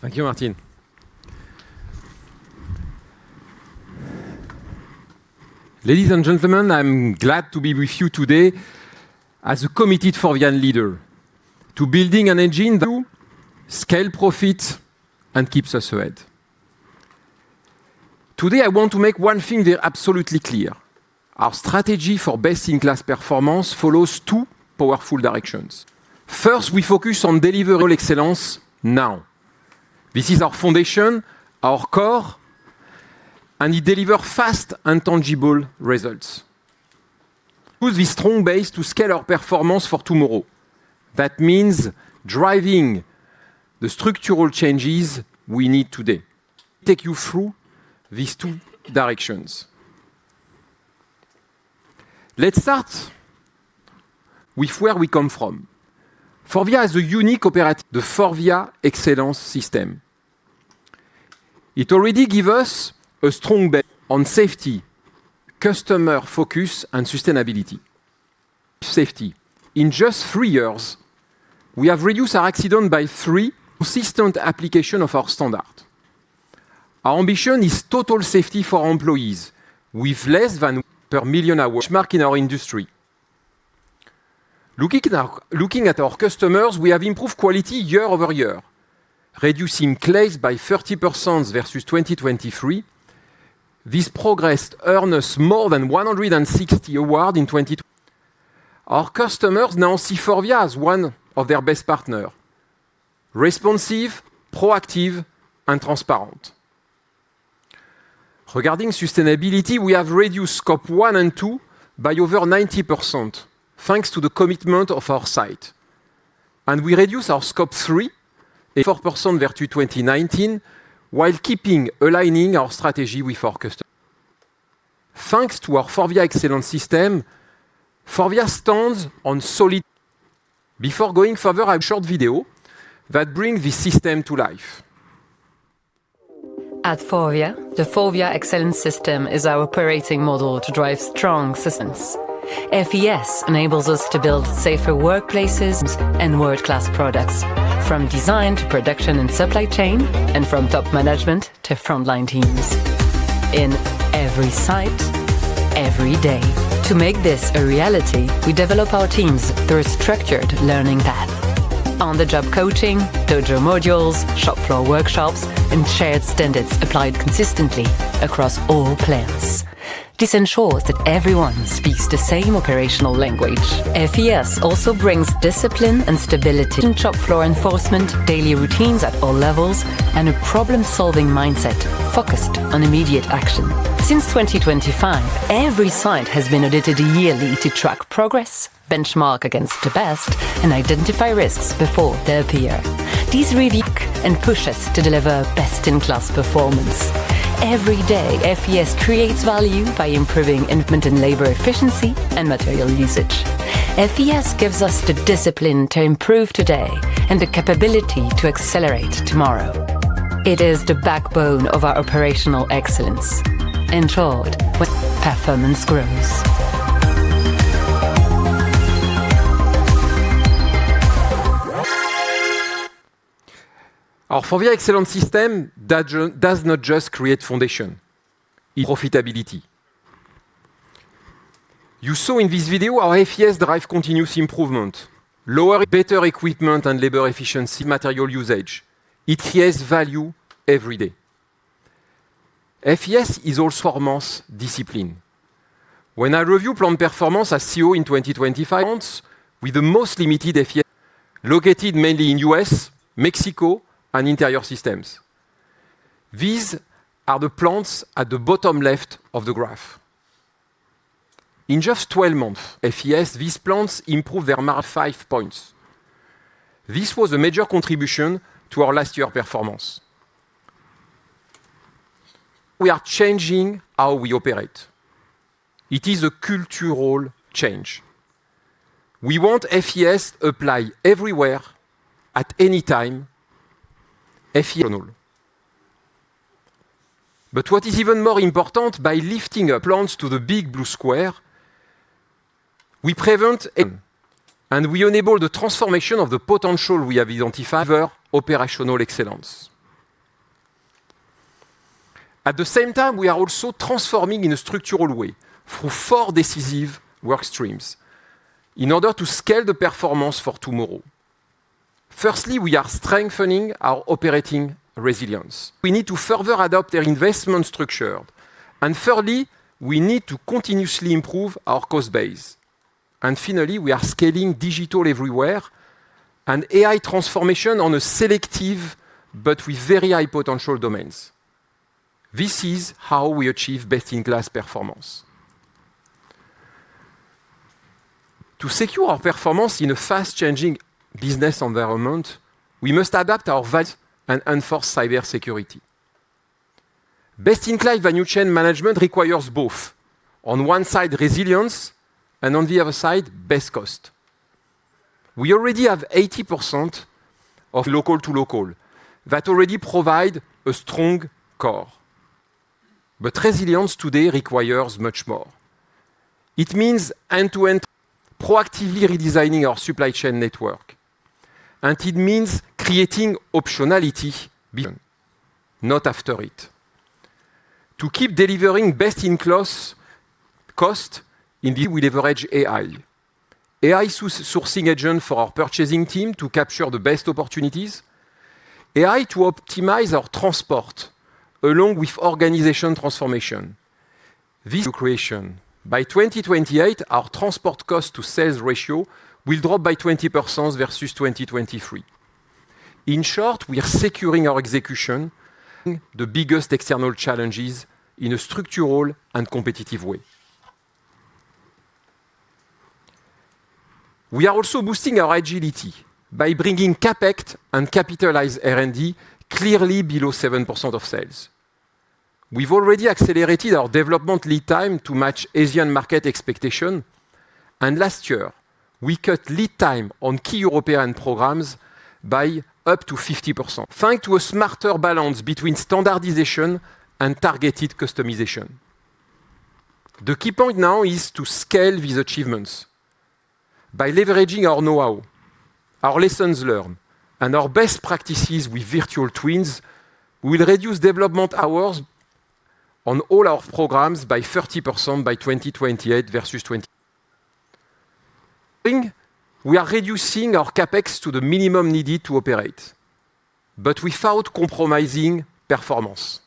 Thank you, Martin. Ladies and gentlemen, I'm glad to be with you today as a committed FORVIA leader to building an engine to scale profit and keeps us ahead. Today, I want to make one thing absolutely clear: our strategy for best-in-class performance follows two powerful directions. First, we focus on delivering excellence now. This is our foundation, our core, and it deliver fast and tangible results. Use this strong base to scale our performance for tomorrow. That means driving the structural changes we need today. Take you through these two directions. Let's start with where we come from. FORVIA has a unique operate, the FORVIA Excellence System. It already give us a strong bet on safety, customer focus, and sustainability. Safety. In just three years, we have reduced our accident by three consistent application of our standard. Our ambition is total safety for our employees, with less than per *inaudible* million, our *inaudible* MAR in our industry. Looking at our customers, we have improved quality year-over-year, reducing claims by 30% versus 2023. This progress earned us more than 160 award in 2025. Our customers now see FORVIA as one of their best partner: responsive, proactive, and transparent. Regarding sustainability, we have reduced Scope 1 and 2 by over 90%, thanks to the commitment of our site. We reduce our Scope 3, a 4% versus 2019, while keeping aligning our strategy with our customer. Thanks to our FORVIA Excellence System, FORVIA stands on solid. *inaudible* Before going further, I've short video that bring this system to life. At FORVIA, the FORVIA Excellence System is our operating model to drive strong systems. FES enables us to build safer workplaces and world-class products, from design to production and supply chain, and from top management to frontline teams in every site, every day. To make this a reality, we develop our teams through a structured learning path. On-the-job coaching, dojo modules, shop floor workshops, and shared standards applied consistently across all plants. This ensures that everyone speaks the same operational language. FES also brings discipline and stability in shop floor enforcement, daily routines at all levels, and a problem-solving mindset focused on immediate action. Since 2025, every site has been audited yearly to track progress, benchmark against the best, and identify risks before they appear. These really push us to deliver best-in-class performance. Every day, FES creates value by improving investment in labor efficiency and material usage. FES gives us the discipline to improve today and the capability to accelerate tomorrow. It is the backbone of our operational excellence. Ensured with *inaudible* performance growth. Our FORVIA Excellence System that does not just create foundation, profitability. You saw in this video our FES drive continuous improvement, lower, better equipment and labor efficiency, material usage. It creates value every day. FES is also for mass discipline. When I review plant performance as CEO in 2025 *inaudible* months, with the most limited FES, *inaudible* located mainly in U.S., Mexico, and Interior Systems. These are the plants at the bottom left of the graph. In just 12 months, FES, these plants improved their MAR by 5 points. This was a major contribution to our last year performance. We are changing how we operate. It is a cultural change. We want FES apply everywhere at any time, FES. *inaudible* What is even more important, by lifting our plants to the big blue square, we prevent, *inaudible* and we enable the transformation of the potential we have identified operational excellence. At the same time, we are also transforming in a structural way through four decisive work streams in order to scale the performance for tomorrow. Firstly, we are strengthening our operating resilience. We need to further adopt their investment structure. Thirdly, we need to continuously improve our cost base. Finally, we are scaling digital everywhere and AI transformation on a selective, but with very high potential domains. This is how we achieve best-in-class performance. To secure our performance in a fast-changing business environment, we must adapt our value and enforce cybersecurity. Best-in-class value chain management requires both, on one side, resilience, and on the other side, best cost. We already have 80% of local to local that already provide a strong core, but resilience today requires much more. It means end-to-end, proactively redesigning our supply chain network, and it means creating optionality, not after it. To keep delivering best-in-class cost, indeed, we leverage AI. AI sourcing agent for our purchasing team to capture the best opportunities, AI to optimize our transport along with organization transformation. This creation, by 2028, our transport cost to sales ratio will drop by 20% versus 2023. In short, we are securing our execution, the biggest external challenges in a structural and competitive way. We are also boosting our agility by bringing CapEx and capitalized R&D clearly below 7% of sales. We've already accelerated our development lead time to match Asian market expectation. Last year, we cut lead time on key European programs by up to 50%, thanks to a smarter balance between standardization and targeted customization. The key point now is to scale these achievements. By leveraging our know-how, our lessons learned, and our best practices with virtual twins, we will reduce development hours on all our programs by 30% by 2028 versus 2023. Without compromising performance.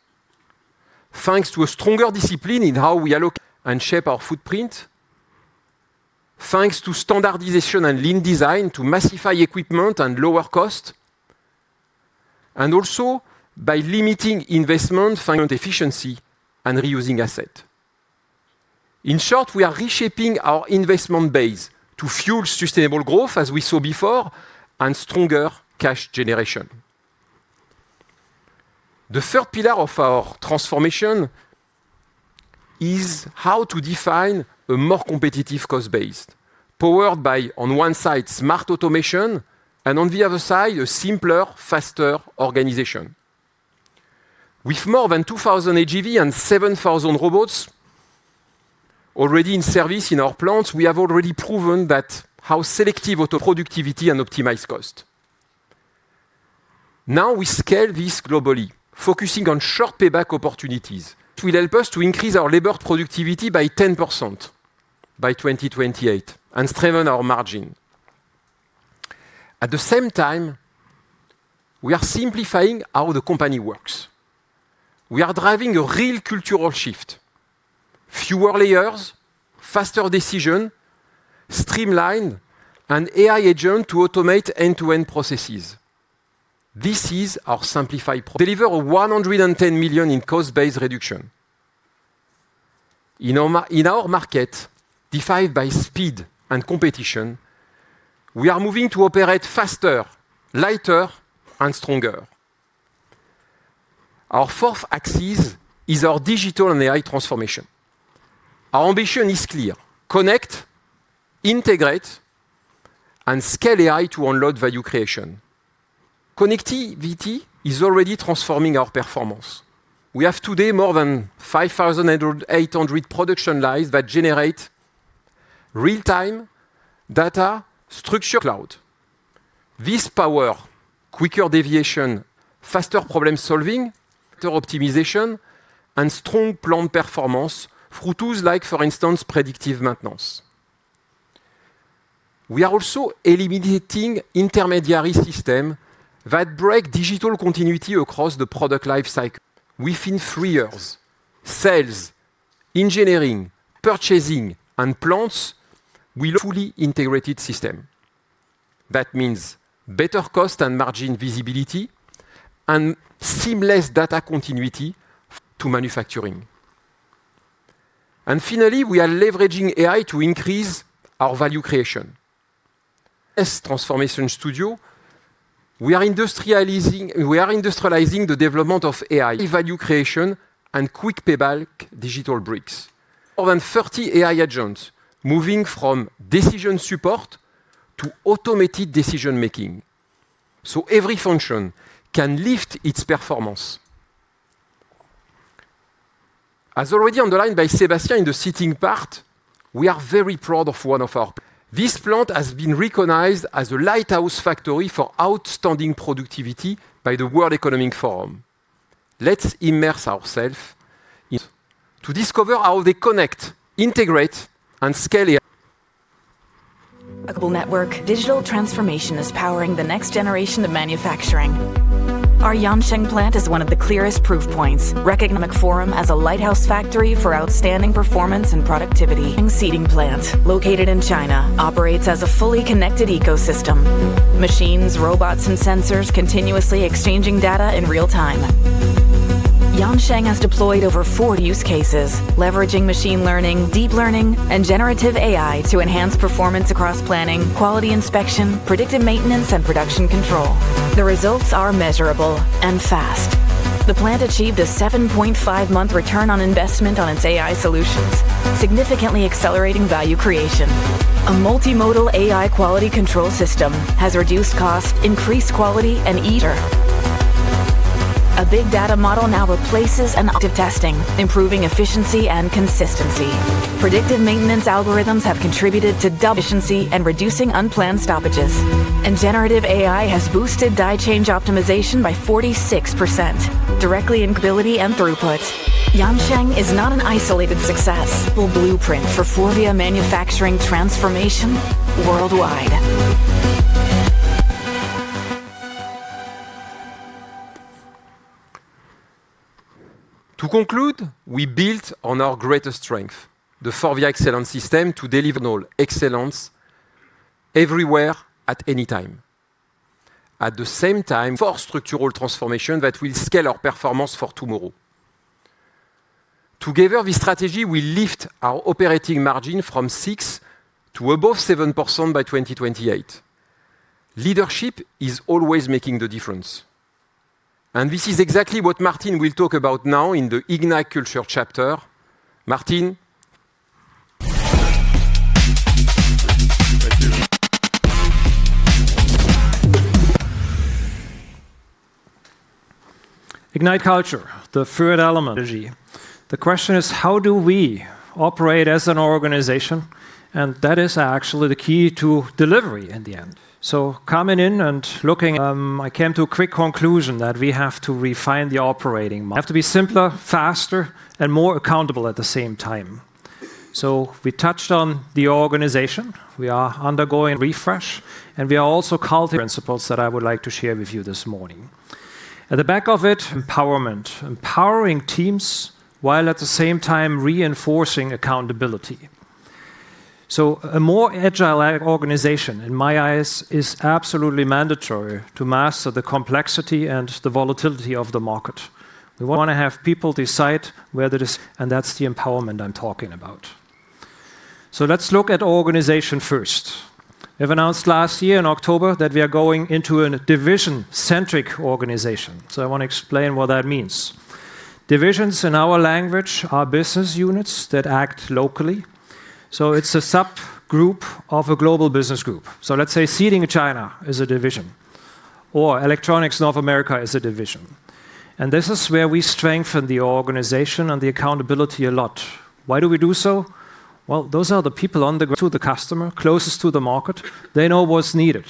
Thanks to a stronger discipline in how we allocate and shape our footprint, thanks to standardization and lean design to massify equipment and lower cost, also by limiting investment, efficient efficiency, and reusing asset. In short, we are reshaping our investment base to fuel sustainable growth, as we saw before, and stronger cash generation. The third pillar of our transformation is how to define a more competitive cost base, powered by, on one side, smart automation, and on the other side, a simpler, faster organization. With more than 2,000 AGV and 7,000 robots already in service in our plants, we have already proven that how selective auto-productivity and optimize cost. We scale this globally, focusing on short payback opportunities. It will help us to increase our labor productivity by 10% by 2028 and strengthen our margin. At the same time, we are simplifying how the company works. We are driving a real cultural shift. Fewer layers, faster decision, streamlined and AI agent to automate end-to-end processes. This is our SIMPLIFY program *inaudible* delivering EUR 110 million in cost base reduction. In our market, defined by speed and competition, we are moving to operate faster, lighter, and stronger. Our fourth axis is our digital and AI transformation. Our ambition is clear: connect, integrate, and scale AI to unlock value creation. Connectivity is already transforming our performance. We have today more than 5,800 production lines that generate real-time data structure cloud. This power quicker deviation, faster problem-solving, better optimization, and strong plant performance through tools like, for instance, predictive maintenance. We are also eliminating intermediary system that break digital continuity across the product Lifecycle. Within three years, sales, engineering, purchasing, and plants will fully integrated system. That means better cost and margin visibility and seamless data continuity to manufacturing. Finally, we are leveraging AI to increase our value creation. As *inaudible* AI Transformation Studio, we are industrializing the development of AI in value creation and quick-payback digital bricks. More than 30 AI agents moving from decision support to automated decision-making, so every function can lift its performance. As already underlined by Sébastien in the sitting part, we are very proud of This plant has been recognized as a Lighthouse Factory for Outstanding Productivity by the World Economic Forum. Let's immerse ourselves to discover how they connect, integrate, and scale AI. *inaudible* Network digital transformation is powering the next generation of manufacturing. Our Yancheng plant is one of the clearest proof points, recognized by the Forum as a Lighthouse Factory for Outstanding Performance and Productivity. *inaudible* and seating plant, located in China, operates as a fully connected ecosystem. Machines, robots, and sensors continuously exchanging data in real time. Yancheng has deployed over 40 use cases, leveraging machine learning, deep learning, and generative AI to enhance performance across planning, quality inspection, predictive maintenance, and production control. The results are measurable and fast. The plant achieved a 7.5 month ROI on its AI solutions, significantly accelerating value creation. A multimodal AI quality control system has reduced cost, increased quality, and eager. *inaudible* A big data model now replaces and active testing, improving efficiency and consistency. Predictive maintenance algorithms have contributed to efficiency and reducing unplanned stoppages. Generative AI has boosted die change optimization by 46%, directly in ability and throughput. Yancheng is not an isolated success *inaudible* blueprint for FORVIA manufacturing transformation worldwide. To conclude, we built on our greatest strength, the FORVIA Excellence System, to deliver excellence everywhere at any time. At the same time, for structural transformation that will scale our performance for tomorrow. Together, this strategy will lift our operating margin from 6% to above 7% by 2028. Leadership is always making the difference, and this is exactly what Martin will talk about now in the IGNITE Culture chapter. Martin? Thank you. IGNITE Culture, the third element. The question is, how do we operate as an organization? That is actually the key to delivery in the end. Coming in and looking, I came to a quick conclusion that we have to refine the operating model. We have to be simpler, faster, and more accountable at the same time. We touched on the organization. We are undergoing refresh, and we are also calling principles that I would like to share with you this morning. At the back of it, empowerment. Empowering teams, while at the same time reinforcing accountability. A more agile organization, in my eyes, is absolutely mandatory to master the complexity and the volatility of the market. We want to have people decide where it is, and that's the empowerment I'm talking about. Let's look at organization first. We've announced last year in October that we are going into a division-centric organization. I want to explain what that means. Divisions in our language are business units that act locally. It's a subgroup of a global business group. Let's say Seating China is a division, or Electronics North America is a division, and this is where we strengthen the organization and the accountability a lot. Why do we do so? Well, those are the people on the ground to the customer, closest to the market. They know what's needed.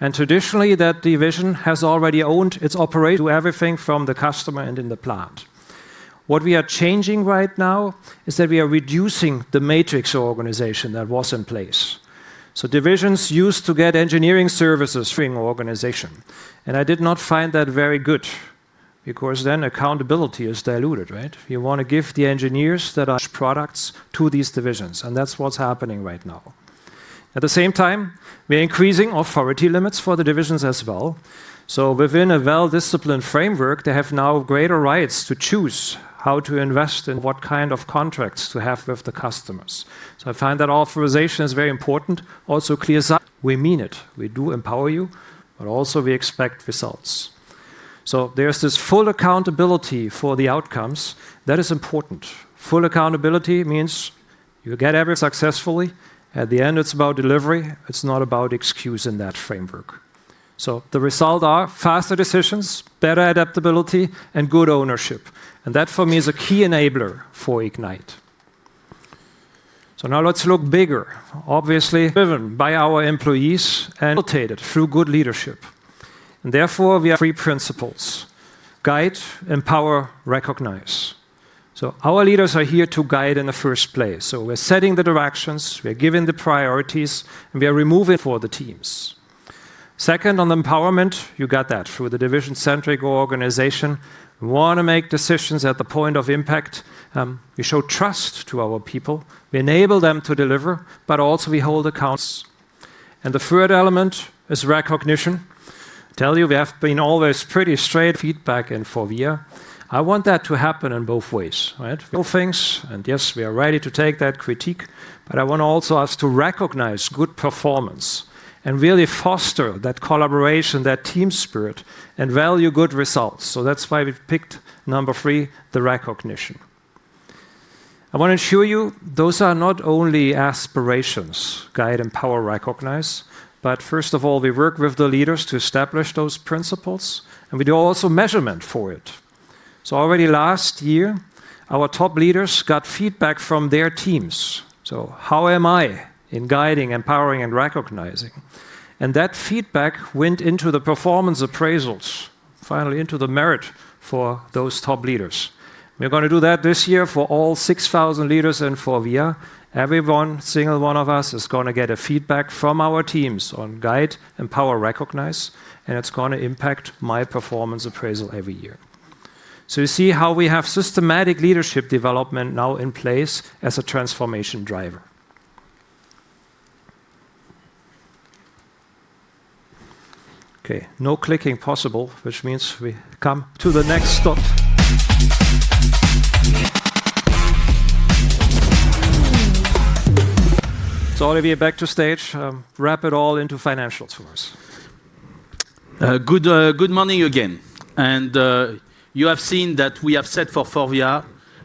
Traditionally, that division has already owned its operate to everything from the customer and in the plant. What we are changing right now is that we are reducing the matrix organization that was in place. Divisions used to get engineering services from organization, and I did not find that very good, because then accountability is diluted, right. You want to give the engineers that *inaudible* are products to these divisions, and that's what's happening right now. At the same time, we're increasing authority limits for the divisions as well. Within a well-disciplined framework, they have now greater rights to choose how to invest and what kind of contracts to have with the customers. I find that authorization is very important, also clears up. We mean it. We do empower you, but also we expect results. There's this full accountability for the outcomes. That is important. Full accountability means you get everything successfully. At the end, it's about delivery. It's not about excuse in that framework. The result are faster decisions, better adaptability, and good ownership. That, for me, is a key enabler for IGNITE. Now let's look bigger. Obviously, driven by our employees and rotated through good leadership, and therefore, we have three principles: guide, empower, recognize. Our leaders are here to guide in the first place. We're setting the directions, we're giving the priorities, and we are removing for the teams. Second, on empowerment, you got that. Through the division-centric organization, we wanna make decisions at the point of impact. We show trust to our people. We enable them to deliver, but also we hold accounts. The third element is recognition. Tell you, we have been always pretty straight feedback in FORVIA. I want that to happen in both ways, right? Real things, yes, we are ready to take that critique, I want to also us to recognize good performance and really foster that collaboration, that team spirit, and value good results. That's why we've picked number three, the recognition. I want to assure you, those are not only aspirations, guide, empower, recognize, first of all, we work with the leaders to establish those principles, we do also measurement for it. Already last year, our top leaders got feedback from their teams. How am I in guiding, empowering, and recognizing? That feedback went into the performance appraisals, finally into the merit for those top leaders. We're gonna do that this year for all 6,000 leaders in FORVIA. Every one, single one of us, is gonna get a feedback from our teams on guide, empower, recognize, and it's gonna impact my performance appraisal every year. You see how we have systematic leadership development now in place as a transformation driver. Okay, no clicking possible, which means we come to the next stop. Olivier, back to stage. Wrap it all into financial for us. Good, good morning again. You have seen that we have set for FORVIA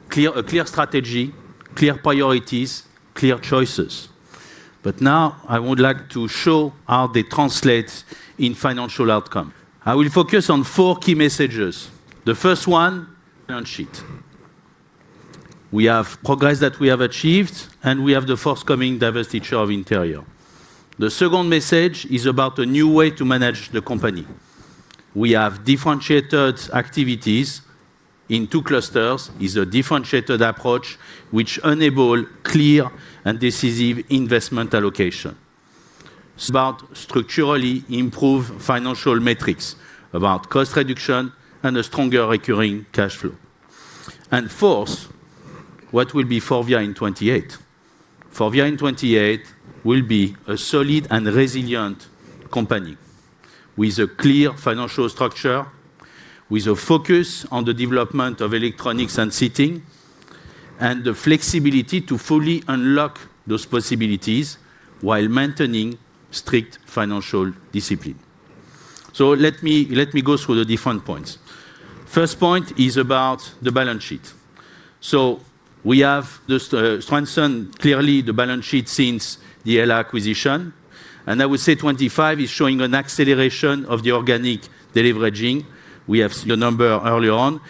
clear, a clear strategy, clear priorities, clear choices. Now, I would like to show how they translate in financial outcome. I will focus on four key messages. The first one, balance sheet. We have progress that we have achieved, and we have the forthcoming divestiture of Interior. The second message is about a new way to manage the company. We have differentiated activities in two clusters, is a differentiated approach, which enable clear and decisive investment allocation. It's about structurally improve financial metrics, about cost reduction and a stronger recurring cash flow. Fourth, what will be FORVIA in 2028? FORVIA in 2028 will be a solid and resilient company with a clear financial structure, with a focus on the development of Electronics and Seating, and the flexibility to fully unlock those possibilities while maintaining strict financial discipline. Let me go through the different points. First point is about the balance sheet. We have just strengthened clearly the balance sheet since the HELLA acquisition, and I would say 2025 is showing an acceleration of the organic deleveraging. We have seen the number earlier on.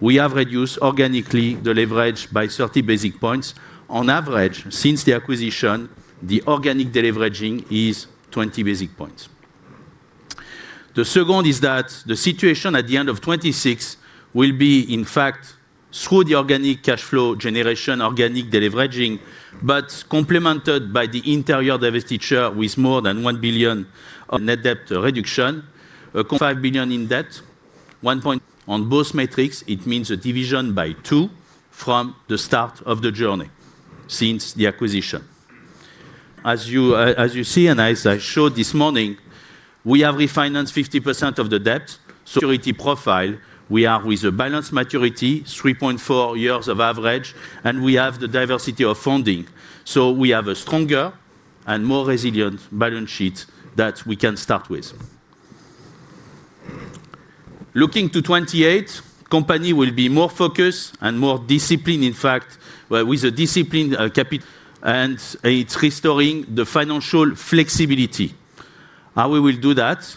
We have reduced, organically, the leverage by 30 basis points. On average, since the acquisition, the organic deleveraging is 20 basis points. The second is that the situation at the end of 2026 will be, in fact, through the organic cash flow generation, organic deleveraging, but complemented by the Interior divestiture, with more than 1 billion of net debt reduction, 5 billion in debt. *inaudible* On both metrics, it means a division by 2 from the start of the journey, since the acquisition. As you, as you see, and as I showed this morning, we have refinanced 50% of the debt. Security profile, we are with a balanced maturity, 3.4 years of average, and we have the diversity of funding. We have a stronger and more resilient balance sheet that we can start with. Looking to 2028, company will be more focused and more disciplined, in fact, with a disciplined and it's restoring the financial flexibility. How we will do that?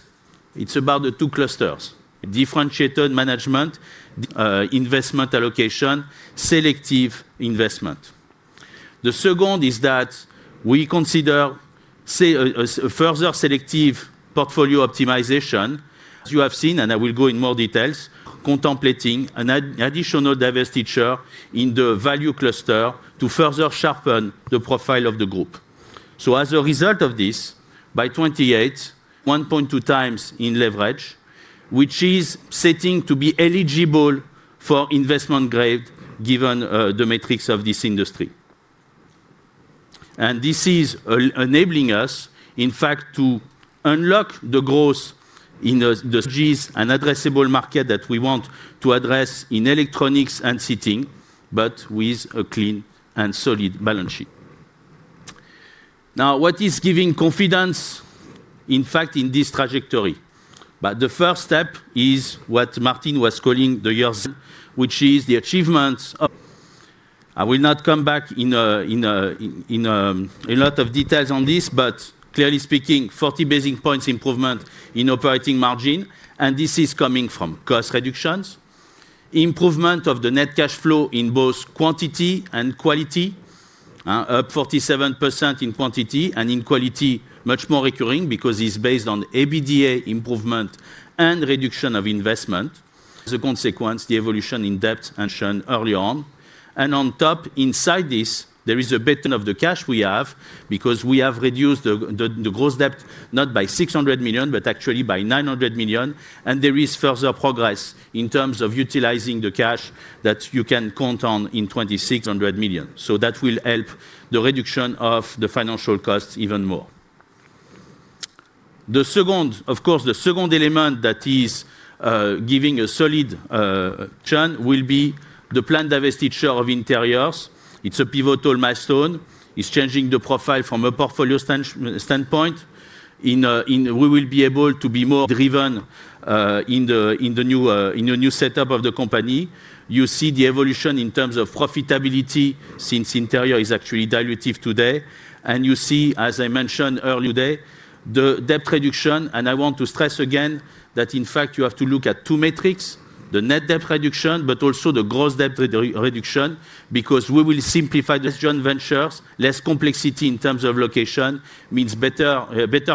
It's about the two clusters: differentiated management, *inaudible* investment allocation, selective investment. The second is that we consider, say, a further selective portfolio optimization. As you have seen, and I will go in more details, contemplating an additional divestiture in the Value cluster to further sharpen the profile of the group. As a result of this, by 2028, 1.2x in leverage, which is setting to be eligible for investment grade, given the metrics of this industry. This is enabling us, in fact, to unlock the growth in the strategies and addressable market that we want to address in Electronics and Seating, but with a clean and solid balance sheet. Now, what is giving confidence, in fact, in this trajectory? But the first step is what Martin was calling the years, which is the achievements. I will not come back in a lot of details on this, but clearly speaking, 40 basis points improvement in operating margin. This is coming from cost reductions. Improvement of the net cash flow in both quantity and quality, up 47% in quantity and in quality, much more recurring because it's based on EBITDA improvement and reduction of investment. As a consequence, the evolution in debt I mentioned early on. On top, inside this, there is a bit of the cash we have because we have reduced the gross debt, not by 600 million, but actually by 900 million. There is further progress in terms of utilizing the cash that you can count on in 2,600 million. That will help the reduction of the financial costs even more. The second, of course, the second element that is giving a solid trend will be the planned divestiture of Interiors. It's a pivotal milestone. It's changing the profile from a portfolio standpoint. In we will be able to be more driven in the new setup of the company. You see the evolution in terms of profitability since Interior is actually dilutive today. You see, as I mentioned earlier today, the debt reduction, and I want to stress again that, in fact, you have to look at two metrics: the net debt reduction, but also the gross debt reduction, because we will simplify the joint ventures. Less complexity in terms of location means better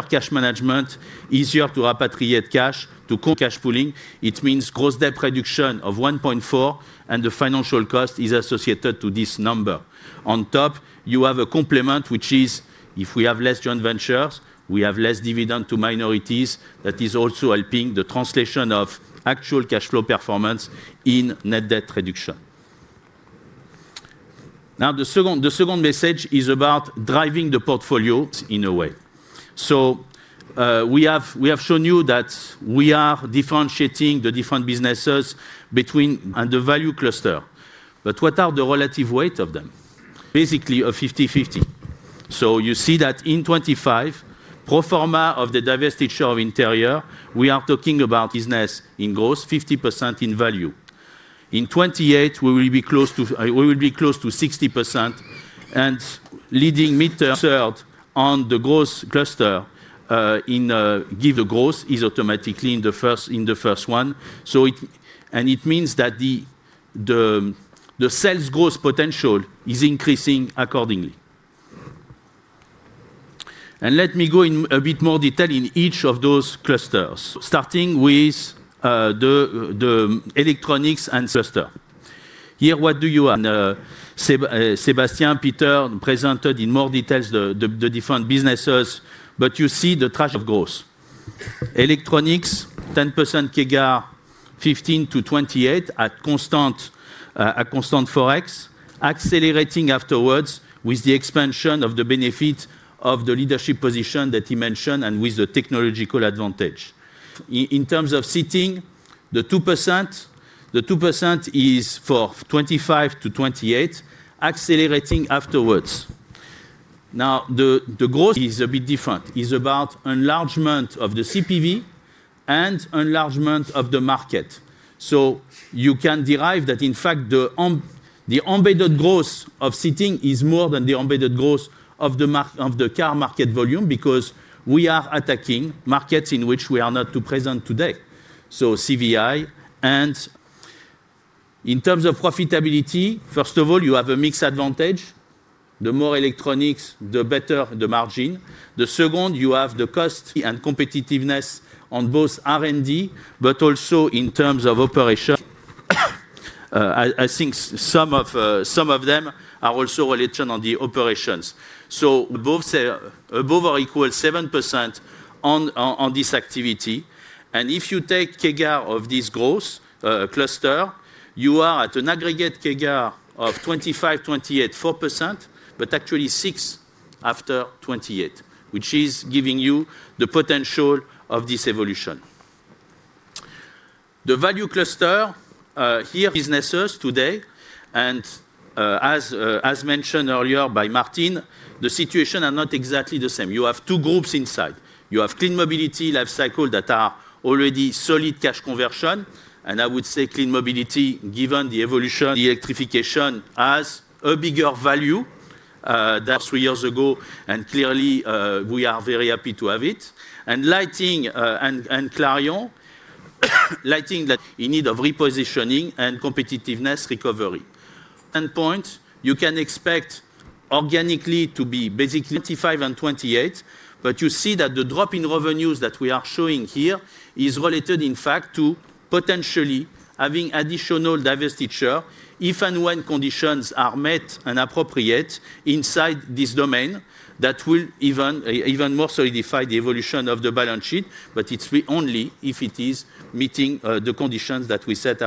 cash management, easier to repatriate cash, *inaudible* to cash pooling. It means gross debt reduction of 1.4 billion, and the financial cost is associated to this number. On top, you have a complement, which is, if we have less joint ventures, we have less dividend to minorities. That is also helping the translation of actual cash flow performance in net debt reduction. The second message is about driving the portfolio in a way. We have shown you that we are differentiating the different businesses between and the Value cluster. What are the relative weight of them? Basically, a 50/50. You see that in 2025, pro forma of the divestiture of Interior, we are talking about business in gross, 50% in value. In 2028, we will be close to 60%, and leading mid-term *inaudible* third on the Growth cluster, in, give the growth is automatically in the first one. It means that the sales growth potential is increasing accordingly. Let me go in a bit more detail in each of those clusters, starting with the Electronics and Seating Growth cluster. here, what do you *inaudible* Sébastien, Peter presented in more details the different businesses, but you see the track of growth. Electronics, 10% CAGR, 2025-2028 at constant forex, accelerating afterwards with the expansion of the benefit of the leadership position that he mentioned and with the technological advantage. In terms of Seating, the 2%, the 2% is for 2025-2028, accelerating afterwards. The growth is a bit different, is about enlargement of the CPV and enlargement of the market. You can derive that, in fact, the embedded growth of Seating is more than the embedded growth of the car market volume, because we are attacking markets in which we are not too present today. So, CVI and in terms of profitability, first of all, you have a mix advantage. The more Electronics, the better the margin. Second, you have the cost and competitiveness on both R&D, but also in terms of operation. I think some of them are also related on the operations. Both, above or equal 7% on this activity. If you take CAGR of this Growth cluster, you are at an aggregate CAGR of 2025, 2028, 4%, but actually 6 after 2028, which is giving you the potential of this evolution. The Value cluster, here businesses today, as mentioned earlier by Martin, the situation are not exactly the same. You have two groups inside. You have Clean Mobility, Lifecycle, that are already solid cash conversion. I would say Clean Mobility, given the evolution, the electrification, has a bigger value than three years ago, and clearly, we are very happy to have it. Lighting, and Clarion, Lighting that in need of repositioning and competitiveness recovery. End point, you can expect organically to be basically *inaudible* 2025 and 2028, but you see that the drop in revenues that we are showing here is related, in fact, to potentially having additional divestiture, if and when conditions are met and appropriate inside this domain, that will even more solidify the evolution of the balance sheet, but it's only if it is meeting the conditions that we set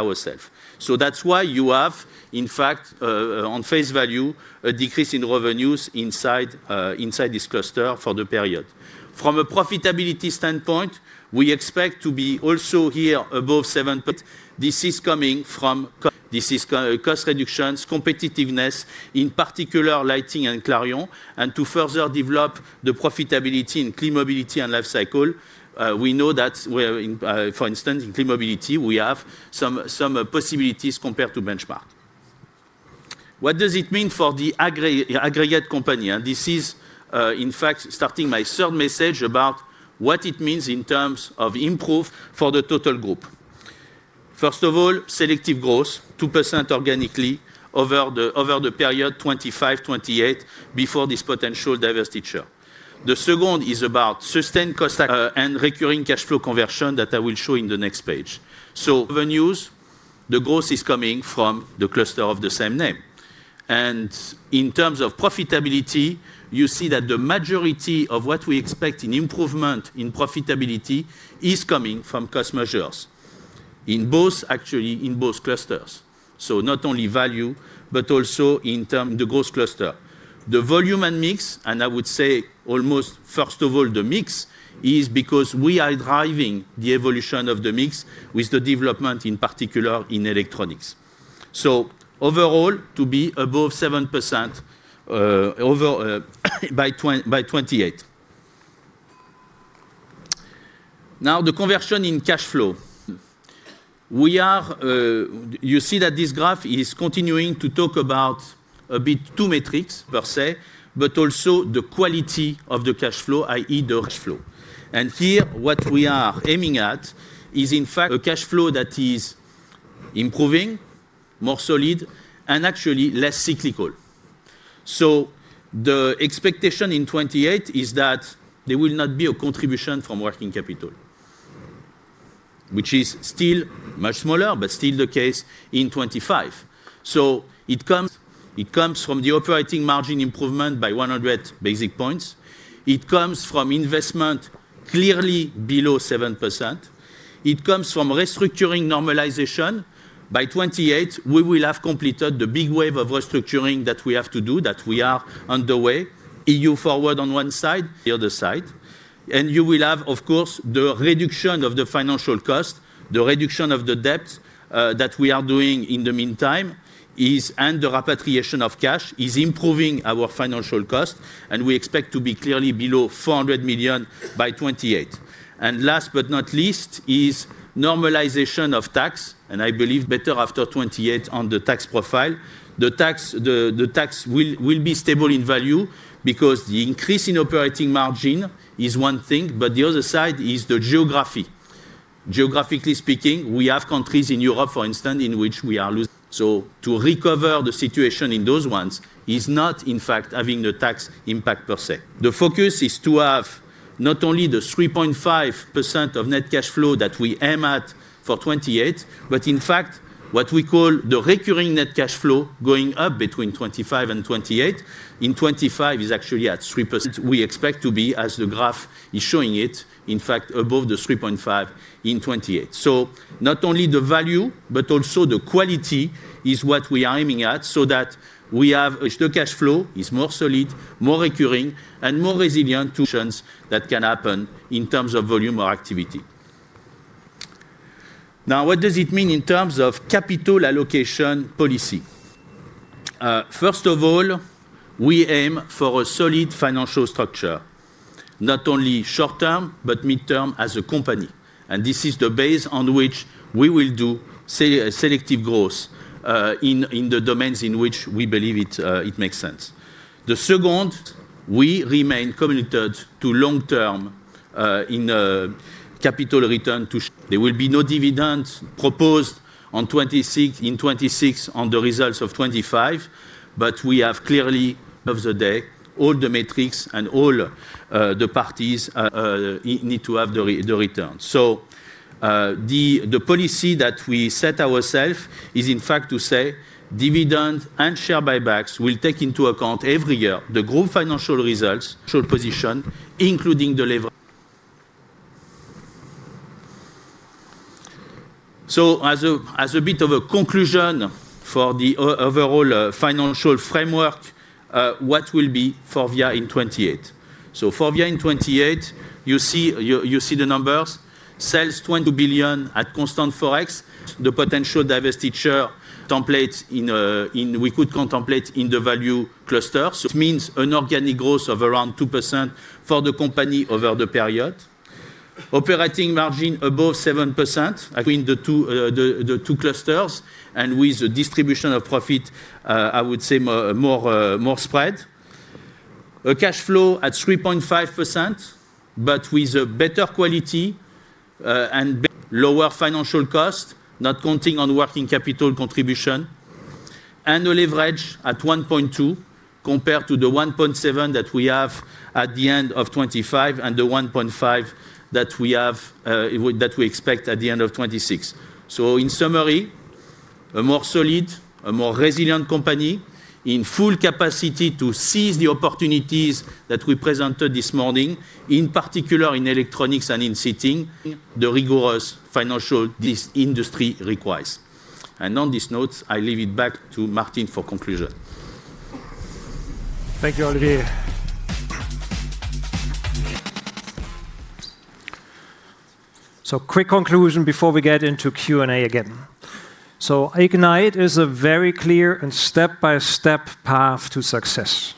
ourselves. That's why you have, in fact, on face value, a decrease in revenues inside this cluster for the period. From a profitability standpoint, we expect to be also here above 7%, but this is coming from cost reductions, competitiveness, in particular, Lighting and Clarion, and to further develop the profitability in Clean Mobility and Lifecycle. We know that we're in, for instance, in Clean Mobility, we have some possibilities compared to benchmark. What does it mean for the aggregate company? This is, in fact, starting my third message about what it means in terms of improve for the total group. First of all, selective growth, 2% organically over the period 2025-2028, before this potential divestiture. The second is about sustained cost and recurring cash flow conversion that I will show in the next page. Revenues, the growth is coming from the cluster of the same name. In terms of profitability, you see that the majority of what we expect in improvement in profitability is coming from cost measures, actually, in both clusters. Not only value, but also in term, the Growth cluster. I would say almost first of all, the mix, is because we are driving the evolution of the mix with the development, in particular in Electronics. Overall, to be above 7% by 2028. The conversion in cash flow. We are, you see that this graph is continuing to talk about a bit two metrics per se, but also the quality of the cash flow, i.e., *inaudible* the cash flow. Here, what we are aiming at is, in fact, *inaudible* a cash flow that is improving, more solid, and actually less cyclical. The expectation in 2028 is that there will not be a contribution from working capital, which is still much smaller, but still the case in 2025. It comes from the operating margin improvement by 100 basis points. It comes from investment clearly below 7%. It comes from restructuring normalization. By 2028, we will have completed the big wave of restructuring that we have to do, that we are underway. EU-FORWARD on one side, the other side. You will have, of course, the reduction of the financial cost, the reduction of the debt that we are doing in the meantime, and the repatriation of cash, is improving our financial cost, and we expect to be clearly below 400 million by 2028. Last but not least, is normalization of tax, and I believe better after 2028 on the tax profile. The tax will be stable in value because the increase in operating margin is one thing, but the other side is the geography. Geographically speaking, we have countries in Europe, for instance, in which we are losing. To recover the situation in those ones is not, in fact, having the tax impact per se. The focus is to have not only the 3.5% of net cash flow that we aim at for 2028, but in fact, what we call the recurring net cash flow going up between 2025 and 2028. In 2025, is actually at 3%. We expect to be, as the graph is showing it, in fact, above the 3.5% in 2028. Not only the value, but also the quality is what we are aiming at so that we have the cash flow is more solid, more recurring, and more resilient to actions that can happen in terms of volume or activity. Now, what does it mean in terms of capital allocation policy? First of all, we aim for a solid financial structure, not only short term, but midterm as a company, and this is the base on which we will do selective growth in the domains in which we believe it makes sense. The second, we remain committed to long term capital return. There will be no dividends proposed on 2026 on the results of 2025, but we have clearly, of the day, all the metrics and all the parties need to have the return. The policy that we set ourself is, in fact, to say dividends and share buybacks will take into account every year the group financial results, share position, including the level. As a bit of a conclusion for the overall financial framework, what will be FORVIA in 2028? FORVIA in 2028, you see the numbers. Sales, 21 billion-22 billion at constant forex. The potential divestiture templates we could contemplate in the Value cluster. It means an organic growth of around 2% for the company over the period. Operating margin above 7% between the two clusters, and with the distribution of profit, I would say, more spread. A cash flow at 3.5%, but with a better quality and lower financial cost, not counting on working capital contribution. Annual leverage at 1.2x, compared to the 1.7x that we have at the end of 2025, and the 1.5x that we expect at the end of 2026. In summary, a more solid, a more resilient company in full capacity to seize the opportunities that we presented this morning, in particular in Electronics and in Seating, the rigorous financial this industry requires. On this note, I leave it back to Martin for conclusion. Thank you, Olivier. Quick conclusion before we get into Q&A again. IGNITE is a very clear and step-by-step path to success.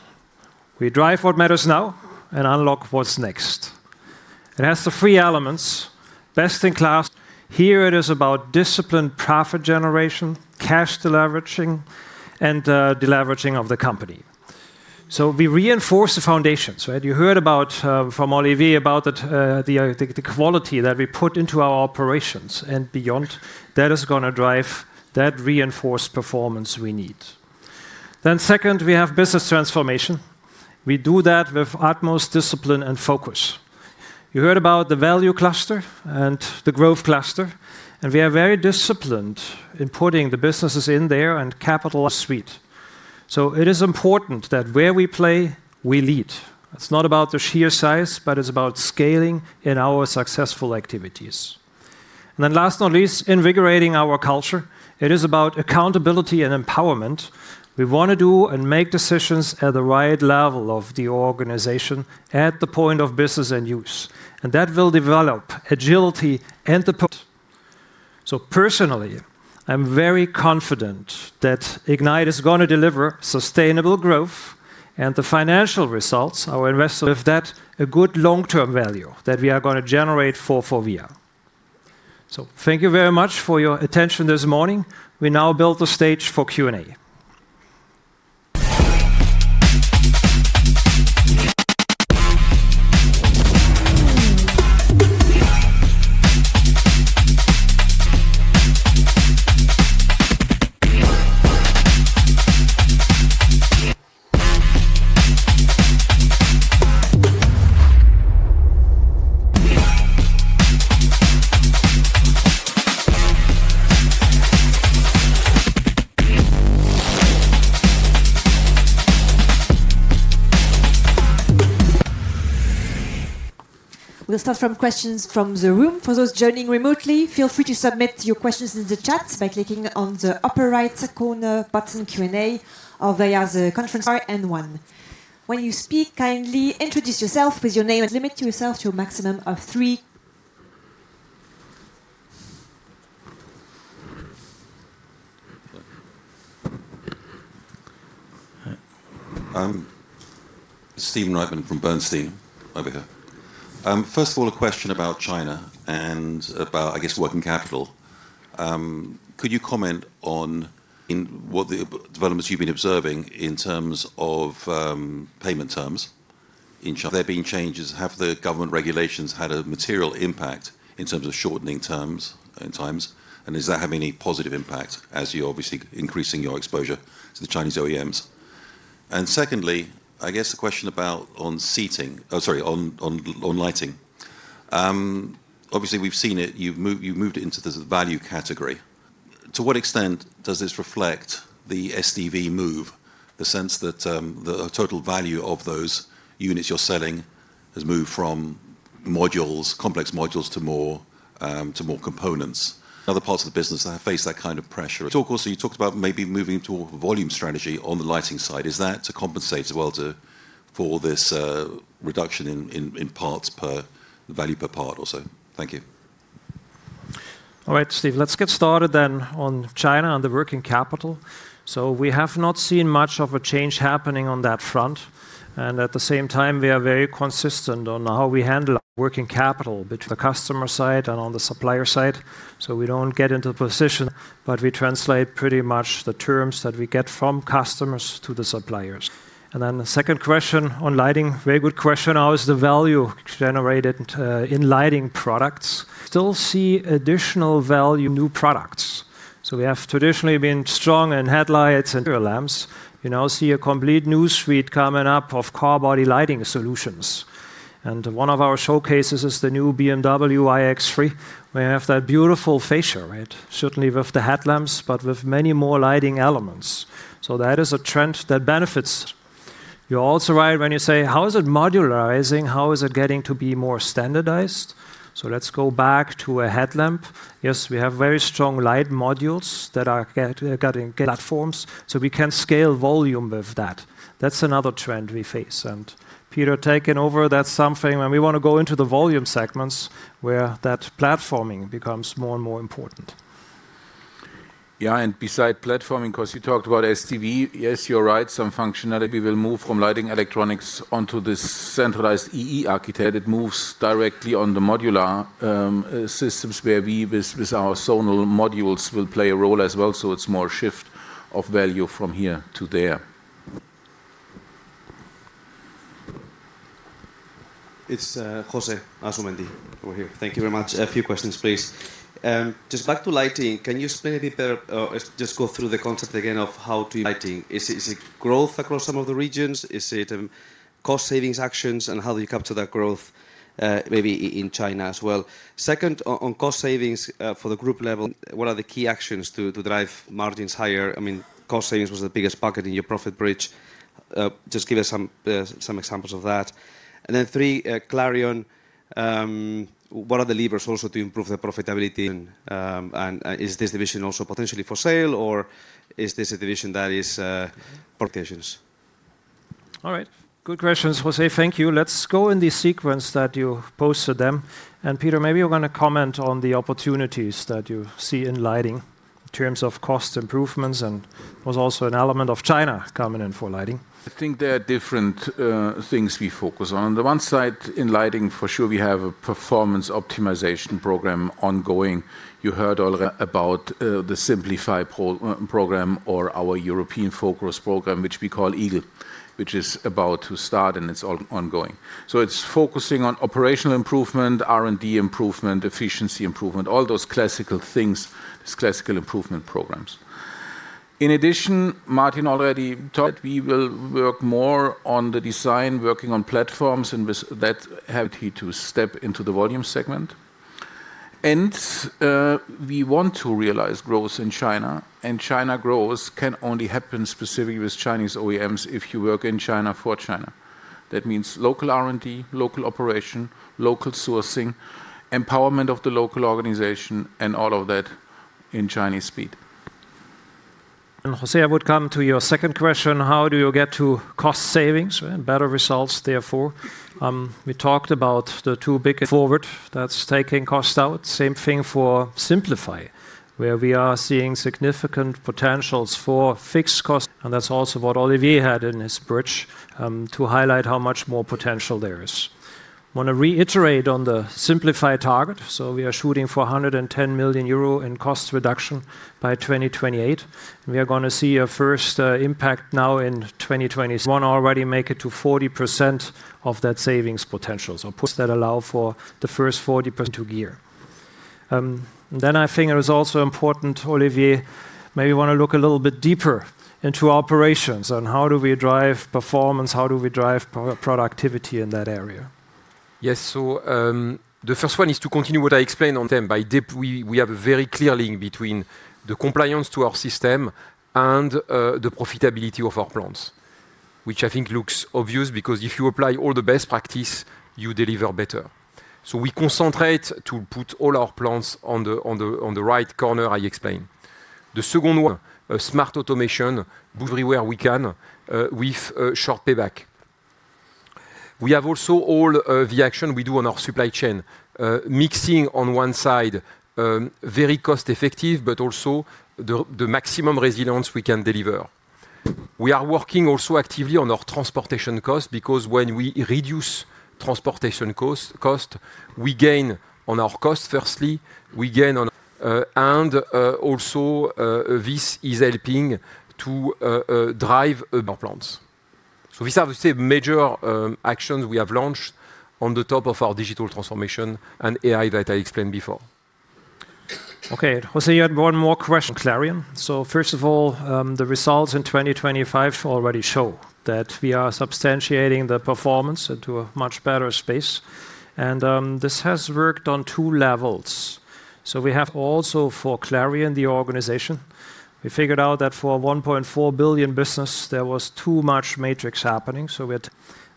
We drive what matters now and unlock what's next. It has the three elements, best in class. Here it is about disciplined profit generation, cash deleveraging, and deleveraging of the company. We reinforce the foundations, right? You heard about from Olivier about the quality that we put into our operations and beyond. That is gonna drive that reinforced performance we need. Second, we have business transformation. We do that with utmost discipline and focus. You heard about the Value cluster and the Growth cluster, and we are very disciplined in putting the businesses in there and capital suite. It is important that where we play, we lead. It's not about the sheer size, but it's about scaling in our successful activities. Last but not least, invigorating our culture. It is about accountability and empowerment. We wanna do and make decisions at the right level of the organization, at the point of business and use, and that will develop agility and the pot. Personally, I'm very confident that IGNITE is gonna deliver sustainable growth, and the financial results are invested with that, a good long-term value that we are gonna generate for FORVIA. Thank you very much for your attention this morning. We now build the stage for Q&A. We'll start from questions from the room. For those joining remotely, feel free to submit your questions in the chat by clicking on the upper right corner button, Q&A, or via the conference line N1. When you speak, kindly introduce yourself with your name, and limit yourself to a maximum of three— Hi. Stephen Reitman from Bernstein. Over here. First of all, a question about China and about, I guess, working capital. Could you comment on what the developments you've been observing in terms of payment terms in China? There being changes, have the government regulations had a material impact in terms of shortening terms, times? Does that have any positive impact as you're obviously increasing your exposure to the Chinese OEMs? Secondly, I guess the question about Seating. Oh, sorry, on Lighting. Obviously, we've seen it. You've moved it into this value category. To what extent does this reflect the SDV move, the sense that the total value of those units you're selling has moved from modules, complex modules, to more components? Other parts of the business have faced that kind of pressure. Of course, you talked about maybe moving toward a volume strategy on the Lighting side. Is that to compensate as well to, for this reduction in parts per value per part or so? Thank you. All right, Steve. Let's get started on China and the working capital. We have not seen much of a change happening on that front, and at the same time, we are very consistent on how we handle working capital between the customer side and on the supplier side. We don't get into a position, but we translate pretty much the terms that we get from customers to the suppliers. The second question on Lighting. Very good question. How is the value generated in lighting products? Still see additional value, new products. We have traditionally been strong in headlights and tail lamps. You now see a complete new suite coming up of car body lighting solutions, and one of our showcases is the new BMW iX3, where you have that beautiful fascia, right? Certainly with the headlamps, but with many more lighting elements. That is a trend that benefits. You're also right when you say, how is it modularizing? How is it getting to be more standardized? Let's go back to a headlamp. Yes, we have very strong light modules that are getting platforms, so we can scale volume with that. That's another trend we face. Peter, taking over, that's something when we want to go into the volume segments, where that platforming becomes more and more important. Beside platforming, because you talked about SDV. Yes, you're right, some functionality we will move from Lighting, Electronics onto this centralized E/E architecture. It moves directly on the modular systems, where we, with our zonal modules, will play a role as well. It's more shift of value from here to there. It's José Asumendi over here. Thank you very much. A few questions, please. Just back to Lighting, can you explain a bit better, just go through the concept again of how to *inaudible* Lighting? Is it growth across some of the regions? Is it cost savings actions, and how do you capture that growth, maybe in China as well? Second, on cost savings, for the group level, what are the key actions to drive margins higher? I mean, cost savings was the biggest bucket in your profit bridge. Just give us some examples of that. Then three, Clarion. What are the levers also to improve the profitability? Is this division also potentially for sale, or is this a division that is for patients? All right. Good questions, José. Thank you. Let's go in the sequence that you posted them. Peter, maybe you're going to comment on the opportunities that you see in Lighting, in terms of cost improvements, and was also an element of China coming in for Lighting. I think there are different things we focus on. On the one side, in Lighting, for sure, we have a performance optimization program ongoing. You heard already about the SIMPLIFY program or our European focus program, which we call EU-FORWARD, which is about to start, and it's ongoing. It's focusing on operational improvement, R&D improvement, efficiency improvement, all those classical things, these classical improvement programs. In addition, Martin already talked, we will work more on the design, working on platforms, and with that, have to step into the volume segment. We want to realize growth in China, and China growth can only happen specifically with Chinese OEMs if you work in China for China. That means local R&D, local operation, local sourcing, empowerment of the local organization, and all of that in Chinese speed. José, I would come to your second question: How do you get to cost savings and better results, therefore? We talked about the two big *inaudible* EU-FORWARD, that's taking costs out. Same thing for SIMPLIFY, where we are seeing significant potentials for fixed costs, and that's also what Olivier had in his bridge to highlight how much more potential there is. I wanna reiterate on the SIMPLIFY target. We are shooting for 110 million euro in cost reduction by 2028. We are gonna see a first impact now in 2021 already make it to 40% of that savings potential, so push that allow for the first 40% to year. I think it is also important, Olivier, maybe want to look a little bit deeper into operations on how do we drive performance, how do we drive productivity in that area? Yes. The first one is to continue what I explained on them. We have a very clear link between the compliance to our system and the profitability of our plants. Which I think looks obvious, because if you apply all the best practice, you deliver better. We concentrate to put all our plants on the right corner I explained. The second one, a smart automation, everywhere we can, with short payback. We have also all the action we do on our supply chain. Mixing on one side, very cost effective, but also the maximum resilience we can deliver. We are working also actively on our transportation cost, because when we reduce transportation cost, we gain on our cost, firstly, we gain on. Also, this is helping to drive urban plants. These are the same major actions we have launched on the top of our digital transformation and AI that I explained before. Okay, José, you had one more question, Clarion. First of all, the results in 2025 already show that we are substantiating the performance into a much better space. This has worked on two levels. We have also, for Clarion, the organization, we figured out that for a 1.4 billion business, there was too much matrix happening,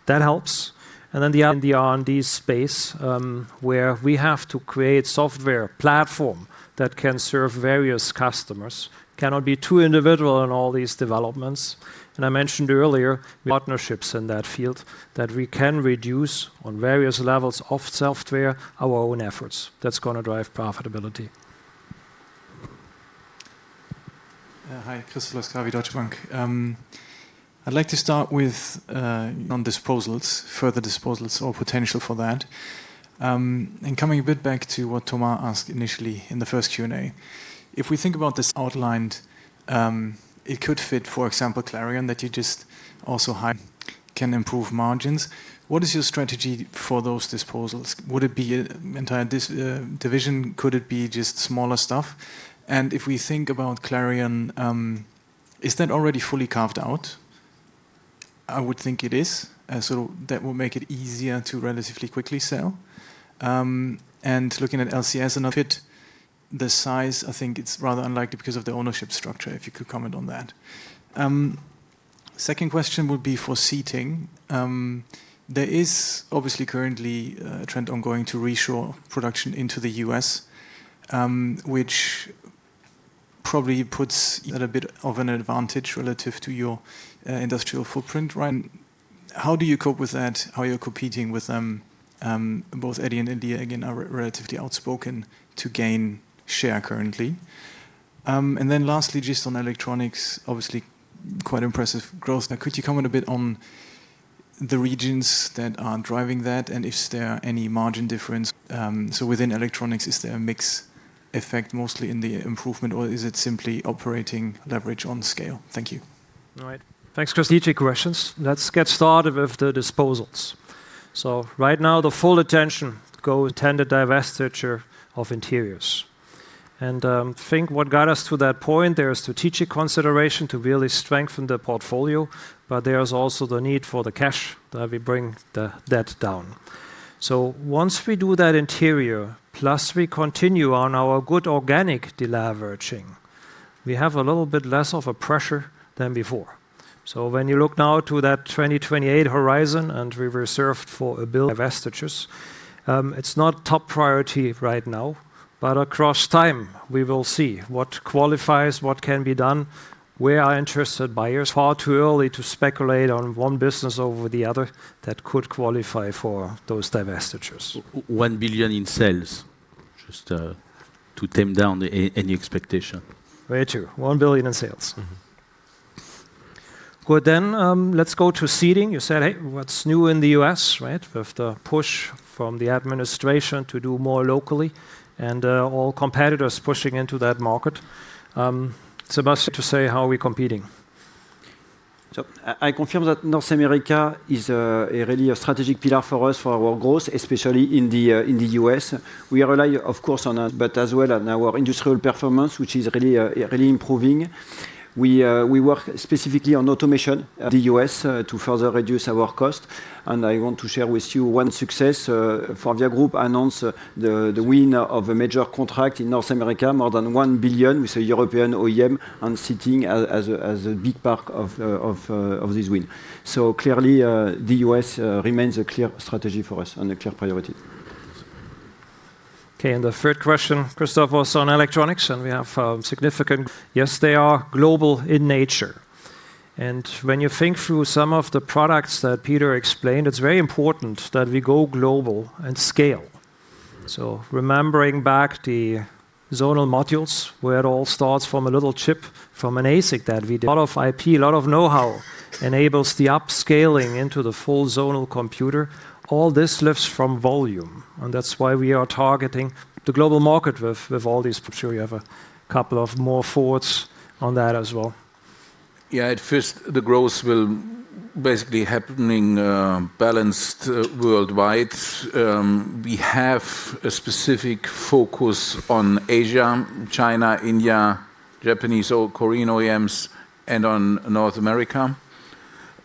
that helps. The R&D space, where we have to create software platform that can serve various customers, cannot be too individual in all these developments. I mentioned earlier, partnerships in that field, that we can reduce on various levels of software, our own efforts. That's gonna drive profitability. Hi, Christoph Laskawi, Deutsche Bank. I'd like to start with on disposals, further disposals or potential for that. Coming a bit back to what Thomas asked initially in the first Q&A, if we think about this outlined, it could fit, for example, Clarion, that you just also high can improve margins. What is your strategy for those disposals? Would it be an entire division? Could it be just smaller stuff? If we think about Clarion, is that already fully carved out? I would think it is. That will make it easier to relatively quickly sell. Looking at LCS and of it, the size, I think it's rather unlikely because of the ownership structure, if you could comment on that. Second question would be for Seating. There is obviously currently a trend on going to reshore production into the U.S., which probably puts a little bit of an advantage relative to your industrial footprint, right? How do you cope with that? How are you competing with them? Both Audi and India, again, are relatively outspoken to gain share currently. Lastly, just on Electronics, obviously quite impressive growth. Now, could you comment a bit on the regions that are driving that, and is there any margin difference? Within Electronics, is there a mix effect mostly in the improvement, or is it simply operating leverage on scale? Thank you. All right. Thanks, Christoph, strategic questions. Let's get started with the disposals. Right now, the full attention go toward the divestiture of Interiors. I think what got us to that point, there is strategic consideration to really strengthen the portfolio, but there's also the need for the cash that we bring the debt down. Once we do that Interiors, plus we continue on our good organic deleveraging, we have a little bit less of a pressure than before. When you look now to that 2028 horizon, and we reserved for a bill *inaudible* divestitures, it's not top priority right now, but across time, we will see what qualifies, what can be done, where are interested buyers. Far too early to speculate on one business over the other that could qualify for those divestitures. 1 billion in sales, just to tame down any expectation. Very true. 1 billion in sales. Good, then, let's go to Seating. You said, "Hey, what's new in the U.S.?" Right? With the push from the administration to do more locally and, all competitors pushing into that market. Sébastien, to say how are we competing? I confirm that North America is a really a strategic pillar for us, for our growth, especially in the U.S. We rely, of course, on us, but as well on our industrial performance, which is really improving. We work specifically on automation at the U.S. to further reduce our cost, and I want to share with you one success, FORVIA Group announce the win of a major contract in North America, more than 1 billion with a European OEM, and seating as a big part of this win. Clearly, the U.S. remains a clear strategy for us and a clear priority. Okay, the third question, Christoph, was on Electronics, and we have significant. Yes, they are global in nature. When you think through some of the products that Peter explained, it's very important that we go global and scale. Remembering back the zonal modules, where it all starts from a little chip from an ASIC. *inaudible* A lot of IP, a lot of know-how enables the upscaling into the full zonal computer. All this lives from volume, and that's why we are targeting the global market with all these. I'm sure you have a couple of more thoughts on that as well. Yeah. At first, the growth will basically happening, balanced, worldwide. We have a specific focus on Asia, China, India, Japanese, or Korean OEMs, and on North America.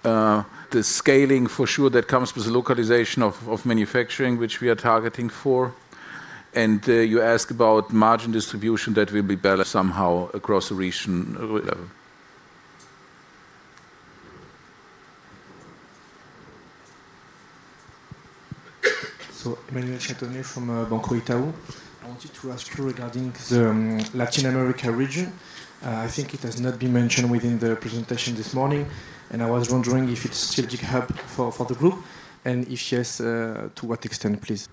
The scaling for sure, that comes with the localization of manufacturing, which we are targeting for. You ask about margin distribution, that will be balanced somehow across the region level. Emmanuel Chatonnay from Banco Itaú. I wanted to ask you regarding the Latin America region. I think it has not been mentioned within the presentation this morning, and I was wondering if it's a strategic hub for the group, and if yes, to what extent, please?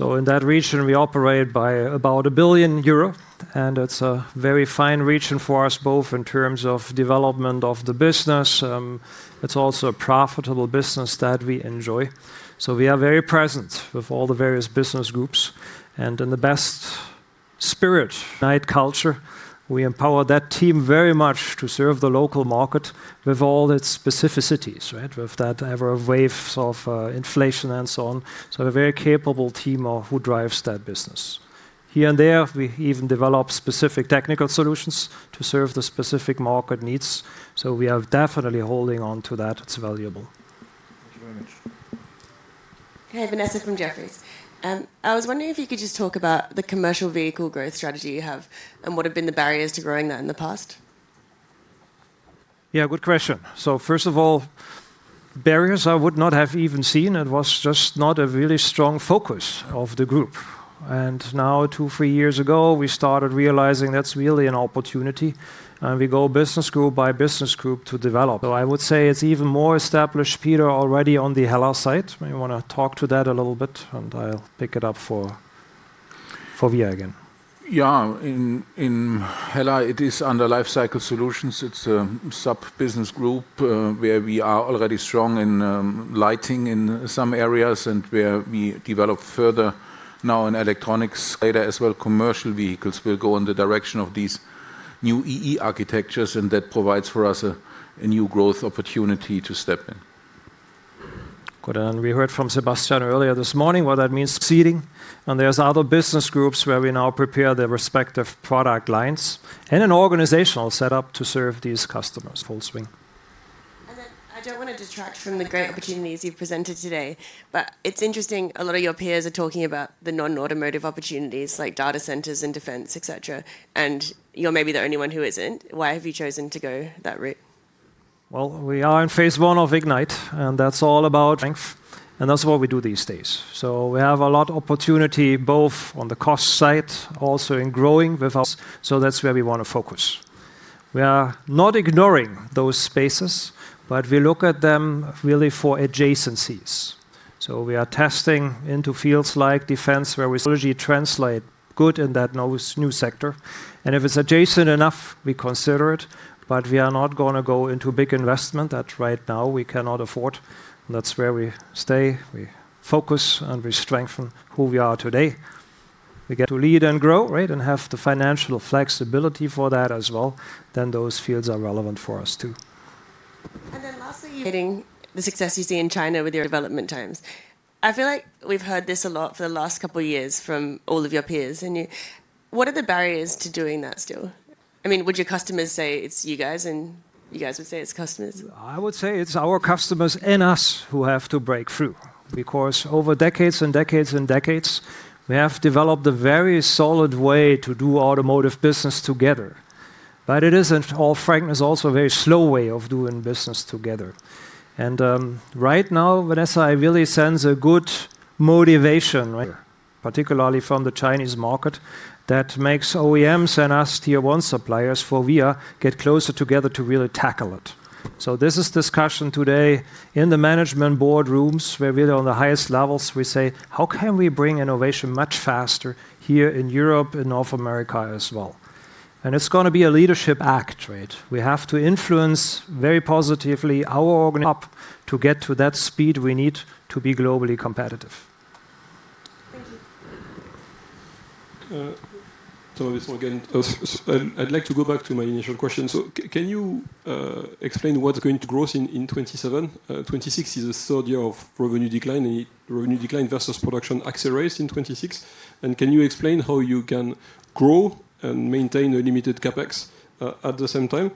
In that region, we operate by about 1 billion euro, and it's a very fine region for us, both in terms of development of the business, it's also a profitable business that we enjoy. We are very present with all the various business groups and in the best spirit, night culture. We empower that team very much to serve the local market with all its specificities, right? With that, ever of waves of inflation and so on. A very capable team of who drives that business. Here and there, we even develop specific technical solutions to serve the specific market needs, so we are definitely holding on to that. It's valuable. Thank you very much. Hey, Vanessa from Jefferies. I was wondering if you could just talk about the commercial vehicle growth strategy you have, and what have been the barriers to growing that in the past? Yeah, good question. First of all, barriers I would not have even seen. It was just not a really strong focus of the group. Now, two, three years ago, we started realizing that's really an opportunity, we go business group by business group to develop. I would say it's even more established, Peter, already on the HELLA side. Maybe you wanna talk to that a little bit, I'll pick it up for FORVIA again. Yeah. In HELLA, it is under Lifecycle Solutions. It's a sub-business group, where we are already strong in Lighting in some areas and where we develop further now in Electronics later as well. Commercial vehicles will go in the direction of these new E/E architectures, and that provides for us a new growth opportunity to step in. Good. We heard from Sébastien earlier this morning what that means Seating, and there's other business groups where we now prepare their respective product lines and an organizational set up to serve these customers full swing. I don't want to detract from the great opportunities you've presented today, but it's interesting, a lot of your peers are talking about the non-automotive opportunities, like data centers and defense, et cetera, and you're maybe the only one who isn't. Why have you chosen to go that route? Well, we are in Phase 1 of IGNITE, and that's all about strength, and that's what we do these days. We have a lot opportunity, both on the cost side, also in growing with us, so that's where we want to focus. We are not ignoring those spaces, but we look at them really for adjacencies. We are testing into fields like defense, where we usually translate good in that new sector, and if it's adjacent enough, we consider it, but we are not gonna go into big investment that right now we cannot afford. That's where we stay, we focus, and we strengthen who we are today. We get to Lead & Grow, right, and have the financial flexibility for that as well, then those fields are relevant for us, too. Lastly, hitting the success you see in China with your development times. I feel like we've heard this a lot for the last couple of years from all of your peers, you. What are the barriers to doing that still? I mean, would your customers say it's you guys, and you guys would say it's customers? I would say it's our customers and us who have to break through, because over decades and decades and decades, we have developed a very solid way to do automotive business together. It isn't all. It's also a very slow way of doing business together. Right now, Vanessa, I really sense a good motivation, right? Particularly from the Chinese market, that makes OEMs and us Tier 1 suppliers FORVIA get closer together to really tackle it. This is discussion today in the management boardrooms, where we are on the highest levels, we say: How can we bring innovation much faster here in Europe and North America as well? It's gonna be a leadership act, right? We have to influence very positively our organ up to get to that speed we need to be globally competitive. Thank you. Thomas on again. I'd like to go back to my initial question. Can you explain what's going to growth in 2027? 2026 is the third year of revenue decline, and revenue decline versus production accelerates in 2026. Can you explain how you can grow and maintain a limited CapEx at the same time?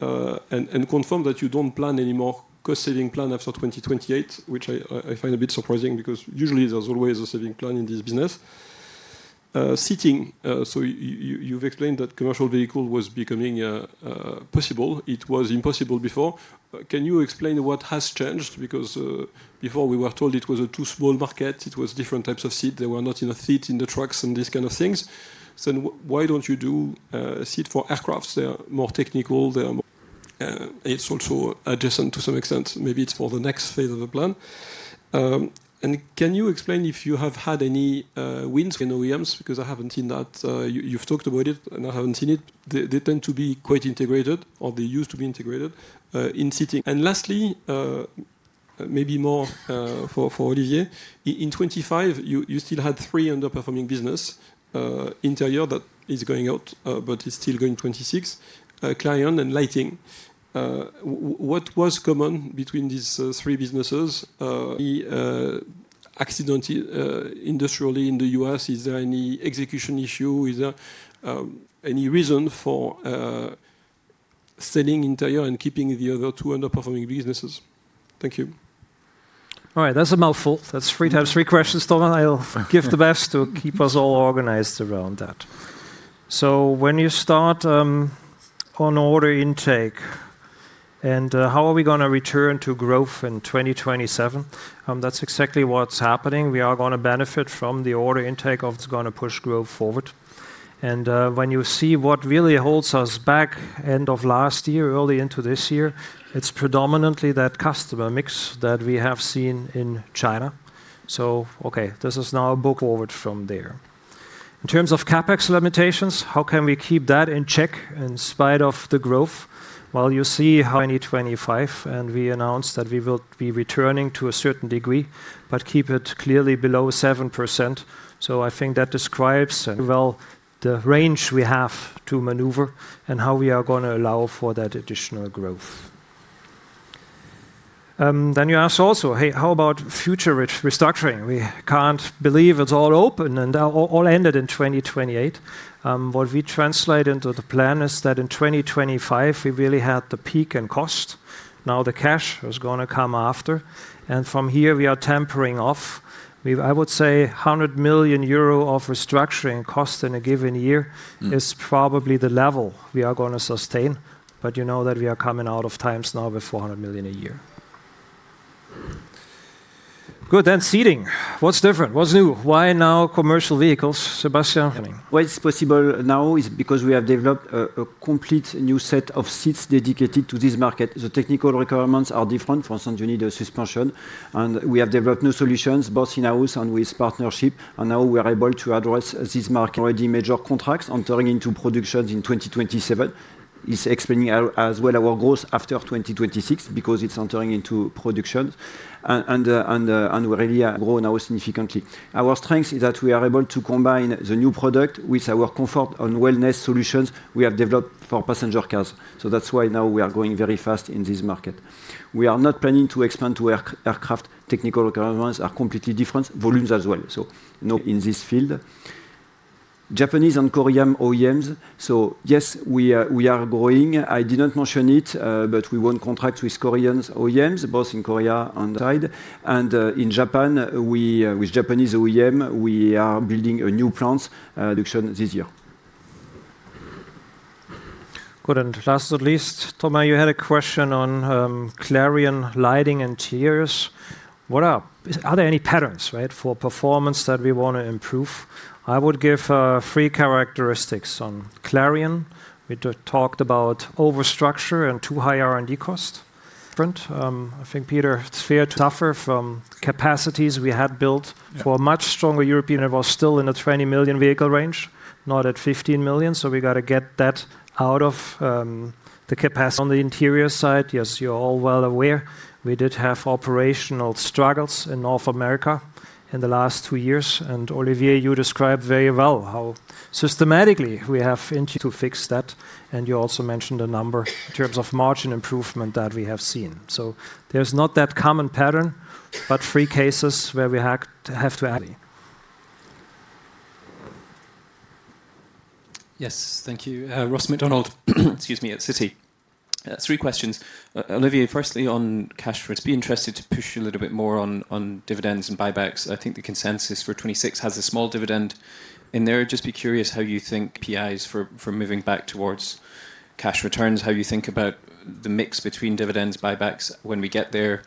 Confirm that you don't plan any more cost-saving plan after 2028, which I find a bit surprising, because usually there's always a saving plan in this business. Seating, you've explained that commercial vehicle was becoming possible. It was impossible before. Can you explain what has changed? Because, before we were told it was a too small market, it was different types of seat, they were not enough seat in the trucks and these kind of things. Why don't you do a seat for aircrafts? They are more technical, they are more. It's also adjacent to some extent. Maybe it's for the next phase of the plan. Can you explain if you have had any wins in OEMs? Because I haven't seen that. You've talked about it, and I haven't seen it. They tend to be quite integrated, or they used to be integrated, in seating. Lastly, maybe more for Olivier. In 2025, you still had three underperforming business, Interior that is going out, but it's still going 2026, Clarion and Lighting. What was common between these three businesses? Industrially in the U.S., is there any execution issue? Is there any reason for selling interior and keeping the other two underperforming businesses? Thank you. All right, that's a mouthful. That's three times, three questions, Thomas. I'll give the best to keep us all organized around that. When you start on order intake and how are we gonna return to growth in 2027? That's exactly what's happening. We are gonna benefit from the order intake of it's gonna push growth forward. When you see what really holds us back end of last year, early into this year, it's predominantly that customer mix that we have seen in China. Okay, this is now a book forward from there. In terms of CapEx limitations, how can we keep that in check in spite of the growth? Well, you see how in 2025, and we announced that we will be returning to a certain degree, but keep it clearly below 7%. I think that describes well the range we have to maneuver and how we are gonna allow for that additional growth. You ask also, "Hey, how about future restructuring?" We can't believe it's all open and all ended in 2028. What we translate into the plan is that in 2025, we really had the peak in cost. The cash is gonna come after, and from here we are tempering off. I would say 100 million euro of restructuring cost in a given year is probably the level we are gonna sustain, but you know that we are coming out of times now with 400 million a year. Good, then seating. What's different? What's new? Why now commercial vehicles, Sébastien? Why it's possible now is because we have developed a complete new set of seats dedicated to this market. The technical requirements are different. For instance, you need a suspension, and we have developed new solutions, both in-house and with partnership. Now we are able to address this market. Already major contracts entering into productions in 2027, is expanding our—as well our growth after 2026 because it's entering into production. We really are growing now significantly. Our strength is that we are able to combine the new product with our comfort and wellness solutions we have developed for passenger cars. That's why now we are growing very fast in this market. We are not planning to expand to aircraft. Technical requirements are completely different, volumes as well. No in this field. Japanese and Korean OEMs. Yes, we are growing. I didn't mention it. We won contract with Korean OEMs, both in Korea and inside. In Japan, we, with Japanese OEM, we are building a new plant production this year. Good, last but least, Thomas, you had a question on Clarion, Lighting, and Interiors. Are there any patterns, right, for performance that we wanna improve? I would give three characteristics. On Clarion, we talked about overstructure and too-high R&D cost. *inaudible* front, I think Peter sphere tougher from capacities we had built. For a much stronger European, it was still in a 20 million vehicle range, not at 15 million. We got to get that out of the capacity. On the Interiors side, yes, you're all well aware, we did have operational struggles in North America in the last two years, and Olivier, you described very well how systematically we have into to fix that, and you also mentioned a number in terms of margin improvement that we have seen. There's not that common pattern, but three cases where we have to add. *inaudible* Yes. Thank you. Ross MacDonald, excuse me, at Citi. Three questions. Olivier, firstly, on cash flows, be interested to push you a little bit more on dividends and buybacks. I think the consensus for 2026 has a small dividend in there. Just be curious how you think PIs for moving back towards cash returns, how you think about the mix between dividends, buybacks when we get there,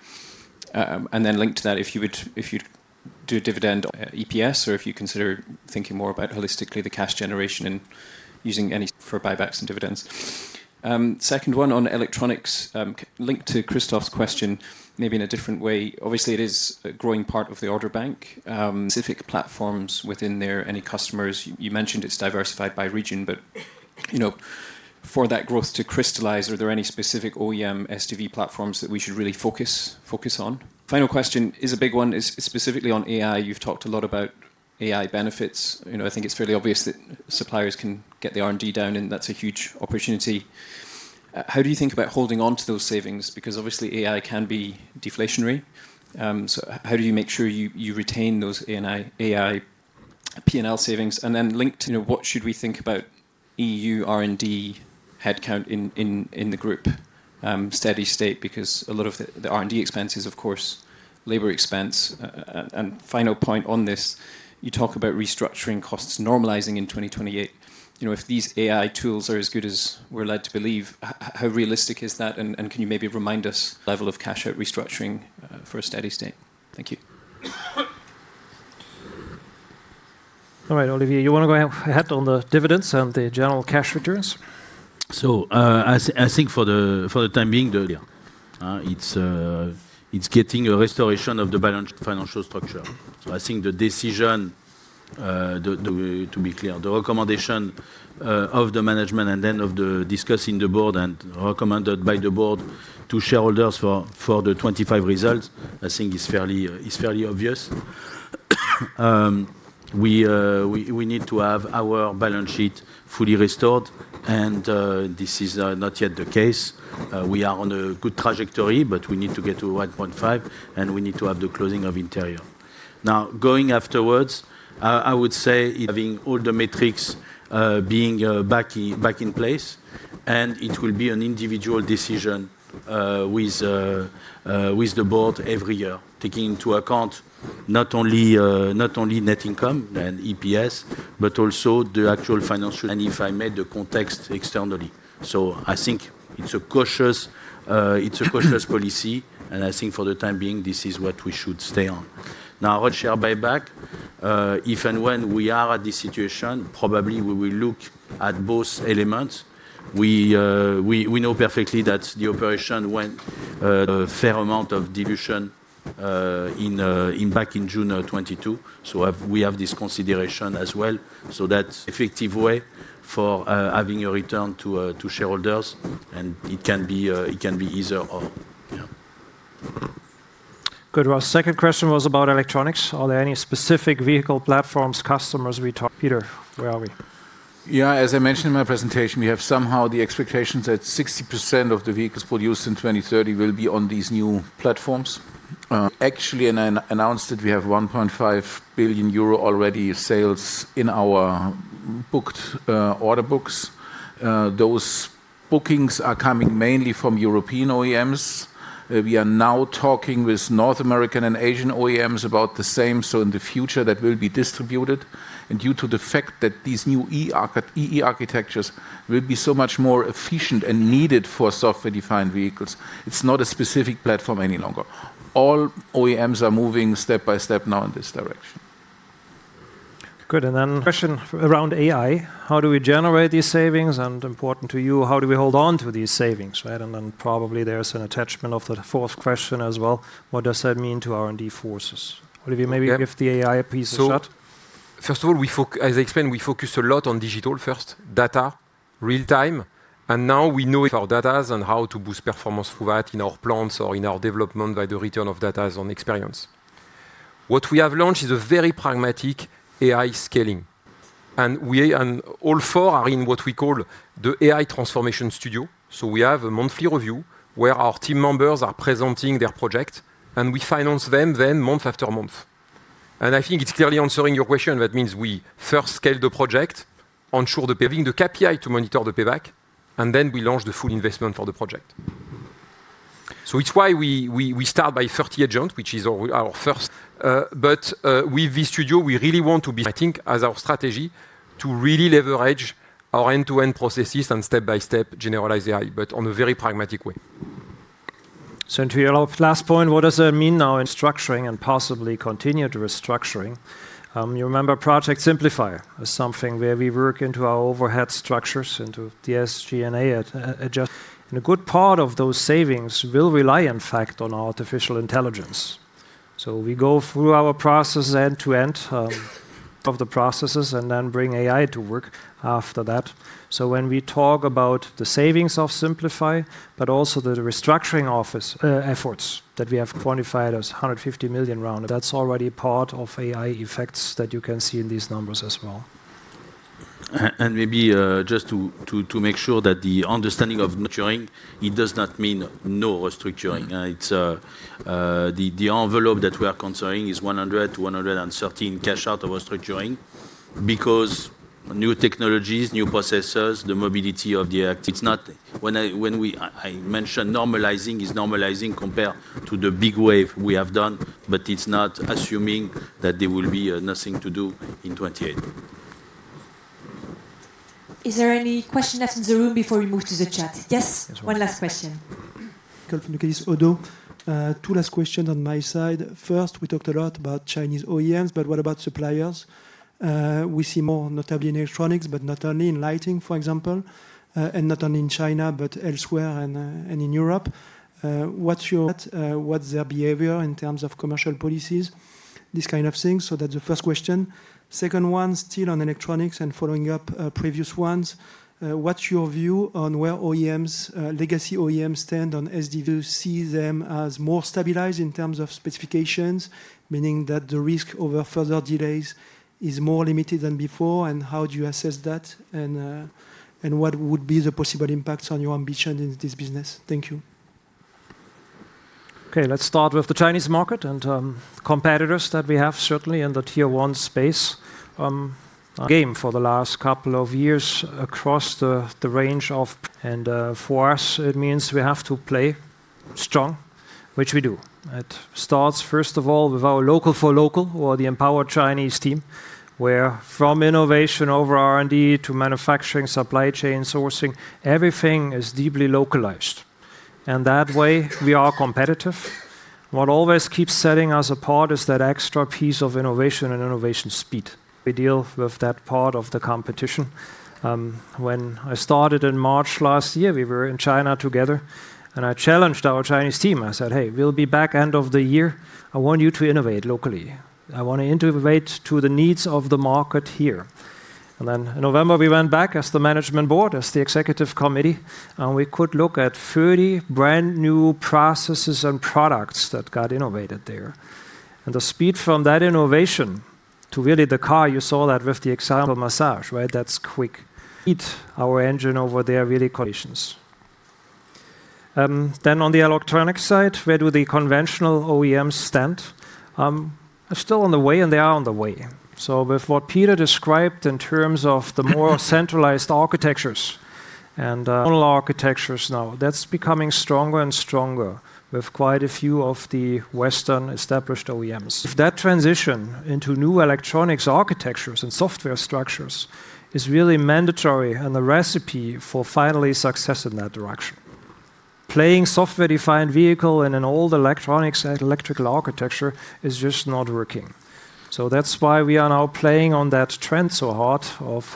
linked to that, if you would, if you do dividend EPS or if you consider thinking more about holistically the cash generation and using any for buybacks and dividends. Second one on Electronics, linked to Christoph's question, maybe in a different way. Obviously, it is a growing part of the order bank, specific platforms within there, any customers? You mentioned it's diversified by region, but, you know, for that growth to crystallize, are there any specific OEM SDV platforms that we should really focus on? Final question is a big one. It's specifically on AI. You've talked a lot about AI benefits. You know, I think it's fairly obvious that suppliers can get the R&D down, and that's a huge opportunity. How do you think about holding on to those savings? Because obviously, AI can be deflationary. So how do you make sure you retain those AI P&L savings? Linked to, you know, what should we think about EU R&D headcount in the group, steady state? Because a lot of the R&D expenses, of course, labor expense. Final point on this: you talk about restructuring costs normalizing in 2028. You know, if these AI tools are as good as we're led to believe, how realistic is that? And can you maybe remind us level of cash out restructuring for a steady state? Thank you. All right, Olivier, you want to go ahead on the dividends and the general cash returns? As, I think for the time being, it's getting a restoration of the financial structure. I think the decision, to be clear, the recommendation of the management and then of the discussing the board and recommended by the board to shareholders for the 2025 results, I think is fairly obvious. We need to have our balance sheet fully restored, and this is not yet the case. We are on a good trajectory, but we need to get to 1.5x, and we need to have the closing of Interiors. Going afterwards, I would say, having all the metrics being back in place, and it will be an individual decision with the board every year, taking into account not only net income and EPS, but also the actual financial. If I made the context externally. I think it's a cautious policy, and I think for the time being, this is what we should stay on. Our share buyback, if and when we are at this situation, probably we will look at both elements. We know perfectly that the operation went a fair amount of dilution in back in June of 2022. We have this consideration as well. That's effective way for having a return to shareholders, and it can be, it can be either or. Yeah. Good. Second question was about Electronics. Are there any specific vehicle platforms, customers, Peter, where are we? Yeah, as I mentioned in my presentation, we have somehow the expectations that 60% of the vehicles produced in 2030 will be on these new platforms. Actually, I announced it, we have 1.5 billion euro already sales in our booked order books. Those bookings are coming mainly from European OEMs. We are now talking with North American and Asian OEMs about the same, in the future, that will be distributed. Due to the fact that these new E/E architectures will be so much more efficient and needed for software-defined vehicles, it's not a specific platform any longer. All OEMs are moving step by step now in this direction. Good. Then question around AI, how do we generate these savings? Important to you, how do we hold on to these savings, right? Then probably there's an attachment of the fourth question as well. What does that mean to R&D forces? Olivier, maybe give the AI a piece of shot. Yeah. First of all, as I explained, we focused a lot on digital first, data, real-time, and now we know our datas and how to boost performance through that in our plants or in our development by the return of datas on experience. What we have launched is a very pragmatic AI scaling, and we, and all four are in what we call the AI Transformation Studio. We have a monthly review, where our team members are presenting their project, and we finance them then month after month. I think it's clearly answering your question. That means we first scale the project, ensure the paying, the KPI to monitor the payback, and then we launch the full investment for the project. It's why we start by 30 agents, which is our first. With this AI Transformation Studio, we really want to be, I think, as our strategy, to really leverage our end-to-end processes and step-by-step generalize the AI, but on a very pragmatic way. To your last point, what does that mean now in structuring and possibly continued restructuring? You remember Project SIMPLIFY as something where we work into our overhead structures, into the SG&A adjust, and a good part of those savings will rely, in fact, on artificial intelligence. We go through our processes end to end, of the processes, and then bring AI to work after that. When we talk about the savings of SIMPLIFY, but also the restructuring office, efforts that we have quantified as 150 million round, that's already part of AI effects that you can see in these numbers as well. Maybe, just to make sure that the understanding of maturing, it does not mean no restructuring. it's, the envelope that we are considering is 100 million to 113 million cash out of restructuring because new technologies, new processes, the mobility of the act, it's not nothing. When I, when we, I mentioned normalizing, is normalizing compared to the big wave we have done, it's not assuming that there will be nothing to do in 2028. Is there any question left in the room before we move to the chat? Yes, one last question. Michael Foundoukidis, Oddo. Two last questions on my side. First, we talked a lot about Chinese OEMs, but what about suppliers? We see more, notably in Electronics, but not only in Lighting, for example, and not only in China, but elsewhere and in Europe. What's their behavior in terms of commercial policies, this kind of thing? That's the first question. Second one, still on Electronics and following up previous ones, what's your view on where OEMs, legacy OEMs stand on SDV? Do you see them as more stabilized in terms of specifications, meaning that the risk over further delays is more limited than before, and how do you assess that? What would be the possible impacts on your ambition in this business? Thank you. Okay, let's start with the Chinese market and competitors that we have certainly in the Tier 1 space, game for the last couple of years across the range of. *inaudible* For us, it means we have to play strong, which we do. It starts, first of all, with our local for local or the empowered Chinese team, where from innovation over R&D to manufacturing, supply chain, sourcing, everything is deeply localized, and that way we are competitive. What always keeps setting us apart is that extra piece of innovation and innovation speed. We deal with that part of the competition. When I started in March last year, we were in China together, and I challenged our Chinese team. I said, "Hey, we'll be back end of the year. I want you to innovate locally. I want to innovate to the needs of the market here." In November, we went back as the management board, as the executive committee, and we could look at 30 brand-new processes and products that got innovated there. The speed from that innovation to really the car, you saw that with the example of massage, right? That's quick. *inaudible* our engine over there, really. *inaudible* On the Electronic side, where do the conventional OEMs stand? Still on the way, they are on the way. With what Peter described in terms of the more centralized architectures, all architectures now, that's becoming stronger and stronger with quite a few of the Western established OEMs. If that transition into new electronics architectures and software structures is really mandatory and the recipe for finally success in that direction. Playing software-defined vehicle in an old electronics and electrical architecture is just not working. That's why we are now playing on that trend so hard of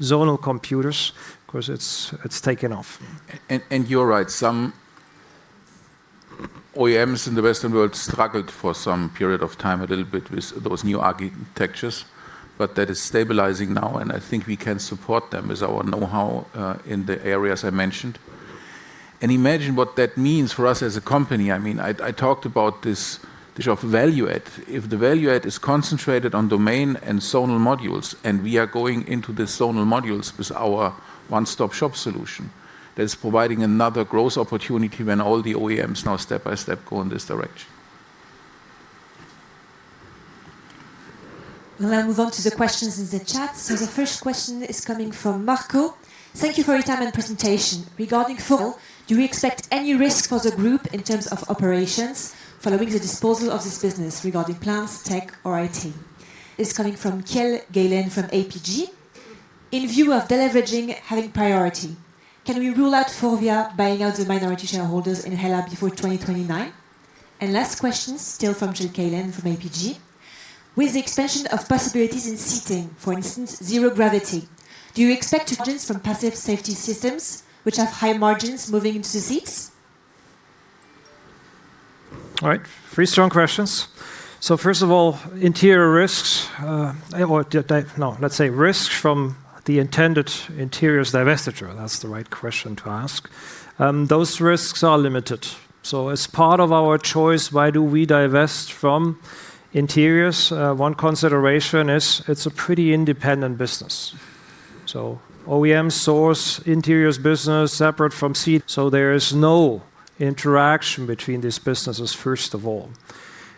zonal computers, 'cause it's taken off. Yeah, and you're right, some OEMs in the Western world struggled for some period of time, a little bit with those new architectures, but that is stabilizing now, and I think we can support them with our know-how in the areas I mentioned. And imagine what that means for us as a company. I mean, I talked about this, the show of value add. If the value add is concentrated on domain and zonal modules, and we are going into the zonal modules with our one-stop-shop solution, that is providing another growth opportunity when all the OEMs now step by step, go in this direction. We'll now move on to the questions in the chat. The first question is coming from Marco: Thank you for your time and presentation. Regarding FORVIA, do we expect any risk for the group in terms of operations following the disposal of this business regarding plans, tech, or IT? This coming from Kjell Galan from APG: In view of deleveraging having priority, can we rule out FORVIA buying out the minority shareholders in HELLA before 2029? Last question, still from Kjell Galan from APG: With the expansion of possibilities in Seating, for instance, zero gravity, do you expect to gains from passive safety systems, which have high margins moving into seats? All right. Three strong questions. First of all, interior risks, or, no, let's say risks from the intended Interiors divestiture. That's the right question to ask. Those risks are limited. As part of our choice, why do we divest from Interiors? One consideration is it's a pretty independent business. OEM source, Interiors business, separate from Seating, so there is no interaction between these businesses, first of all.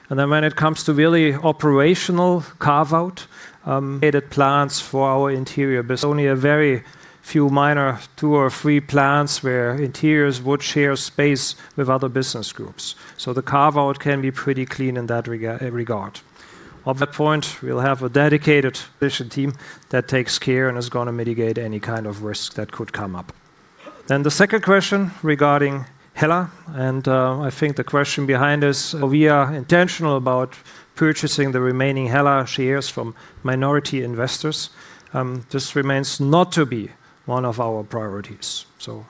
When it comes to really operational carve-out, *inaudible* added plans for our Interiors business, *inaudible* only a very few minor, two or three plans, where Interiors would share space with other business groups. The carve out can be pretty clean in that regard. At that point, we'll have a dedicated team that takes care and is gonna mitigate any kind of risk that could come up. The second question regarding HELLA, and, I think the question behind is, we are intentional about purchasing the remaining HELLA shares from minority investors. This remains not to be one of our priorities.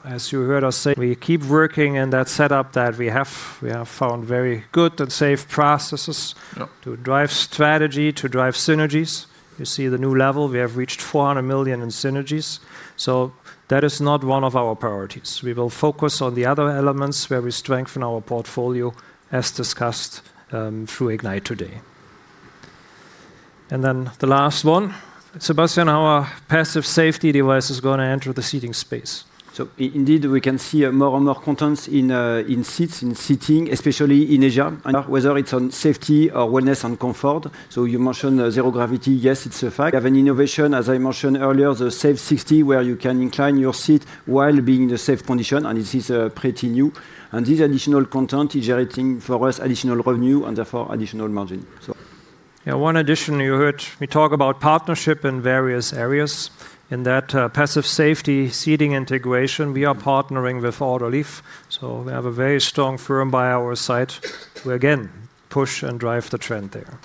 As you heard us say, we keep working in that setup that we have. We have found very good and safe processes to drive strategy, to drive synergies. You see the new level, we have reached 400 million in synergies. That is not one of our priorities. We will focus on the other elements where we strengthen our portfolio, as discussed, through IGNITE today. The last one, Sébastien, how are passive safety devices gonna enter the seating space? Indeed, we can see more and more contents in seats, in Seating, especially in Asia, whether it's on safety or wellness and comfort. You mentioned zero gravity. Yes, it's a fact. We have an innovation, as I mentioned earlier, the Safe 60, where you can incline your seat while being in a safe condition, and this is pretty new. This additional content is generating for us additional revenue and therefore additional margin. Yeah, one addition you heard, we talk about partnership in various areas. In that, passive safety seating integration, we are partnering with Autoliv, so we have a very strong firm by our side to again, push and drive the trend there.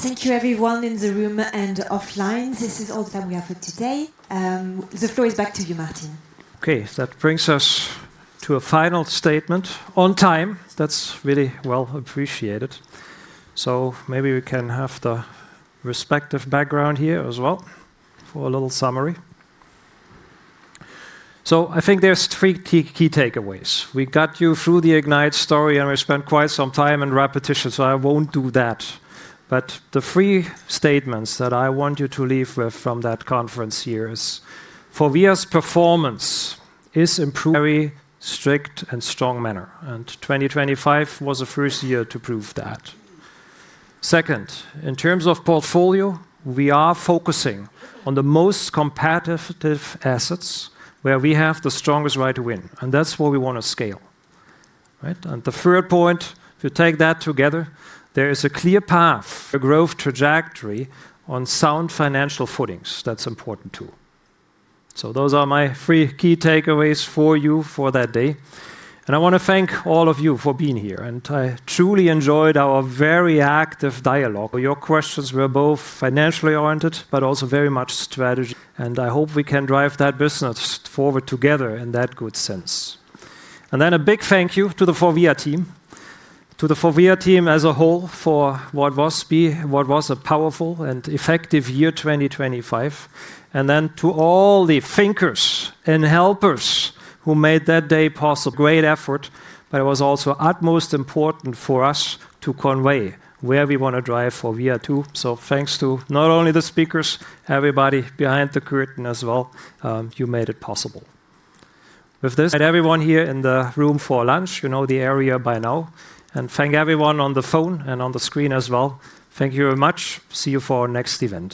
Thank you everyone in the room and offline. This is all the time we have for today. The floor is back to you, Martin. Okay, that brings us to a final statement on time. That's really well appreciated. Maybe we can have the respective background here as well for a little summary. I think there's three key takeaways. We got you through the IGNITE story, and we spent quite some time in repetition, so I won't do that. The three statements that I want you to leave with from that conference here is: FORVIA's performance is improving very strict and strong manner, and 2025 was the first year to prove that. Second, in terms of portfolio, we are focusing on the most competitive assets where we have the strongest right to win, and that's where we want to scale, right? The third point, if you take that together, there is a clear path, a growth trajectory on sound financial footings. That's important, too. Those are my three key takeaways for you for that day, and I want to thank all of you for being here, and I truly enjoyed our very active dialogue, where your questions were both financially oriented, but also very much strategy, and I hope we can drive that business forward together in that good sense. A big thank you to the FORVIA team, to the FORVIA team as a whole, for what was a powerful and effective year 2025, and then to all the thinkers and helpers who made that day possible. Great effort, but it was also utmost important for us to convey where we want to drive FORVIA to. Thanks to not only the speakers, everybody behind the curtain as well, you made it possible. With this, everyone here in the room for lunch, you know the area by now. Thank everyone on the phone and on the screen as well. Thank you very much. See you for our next event.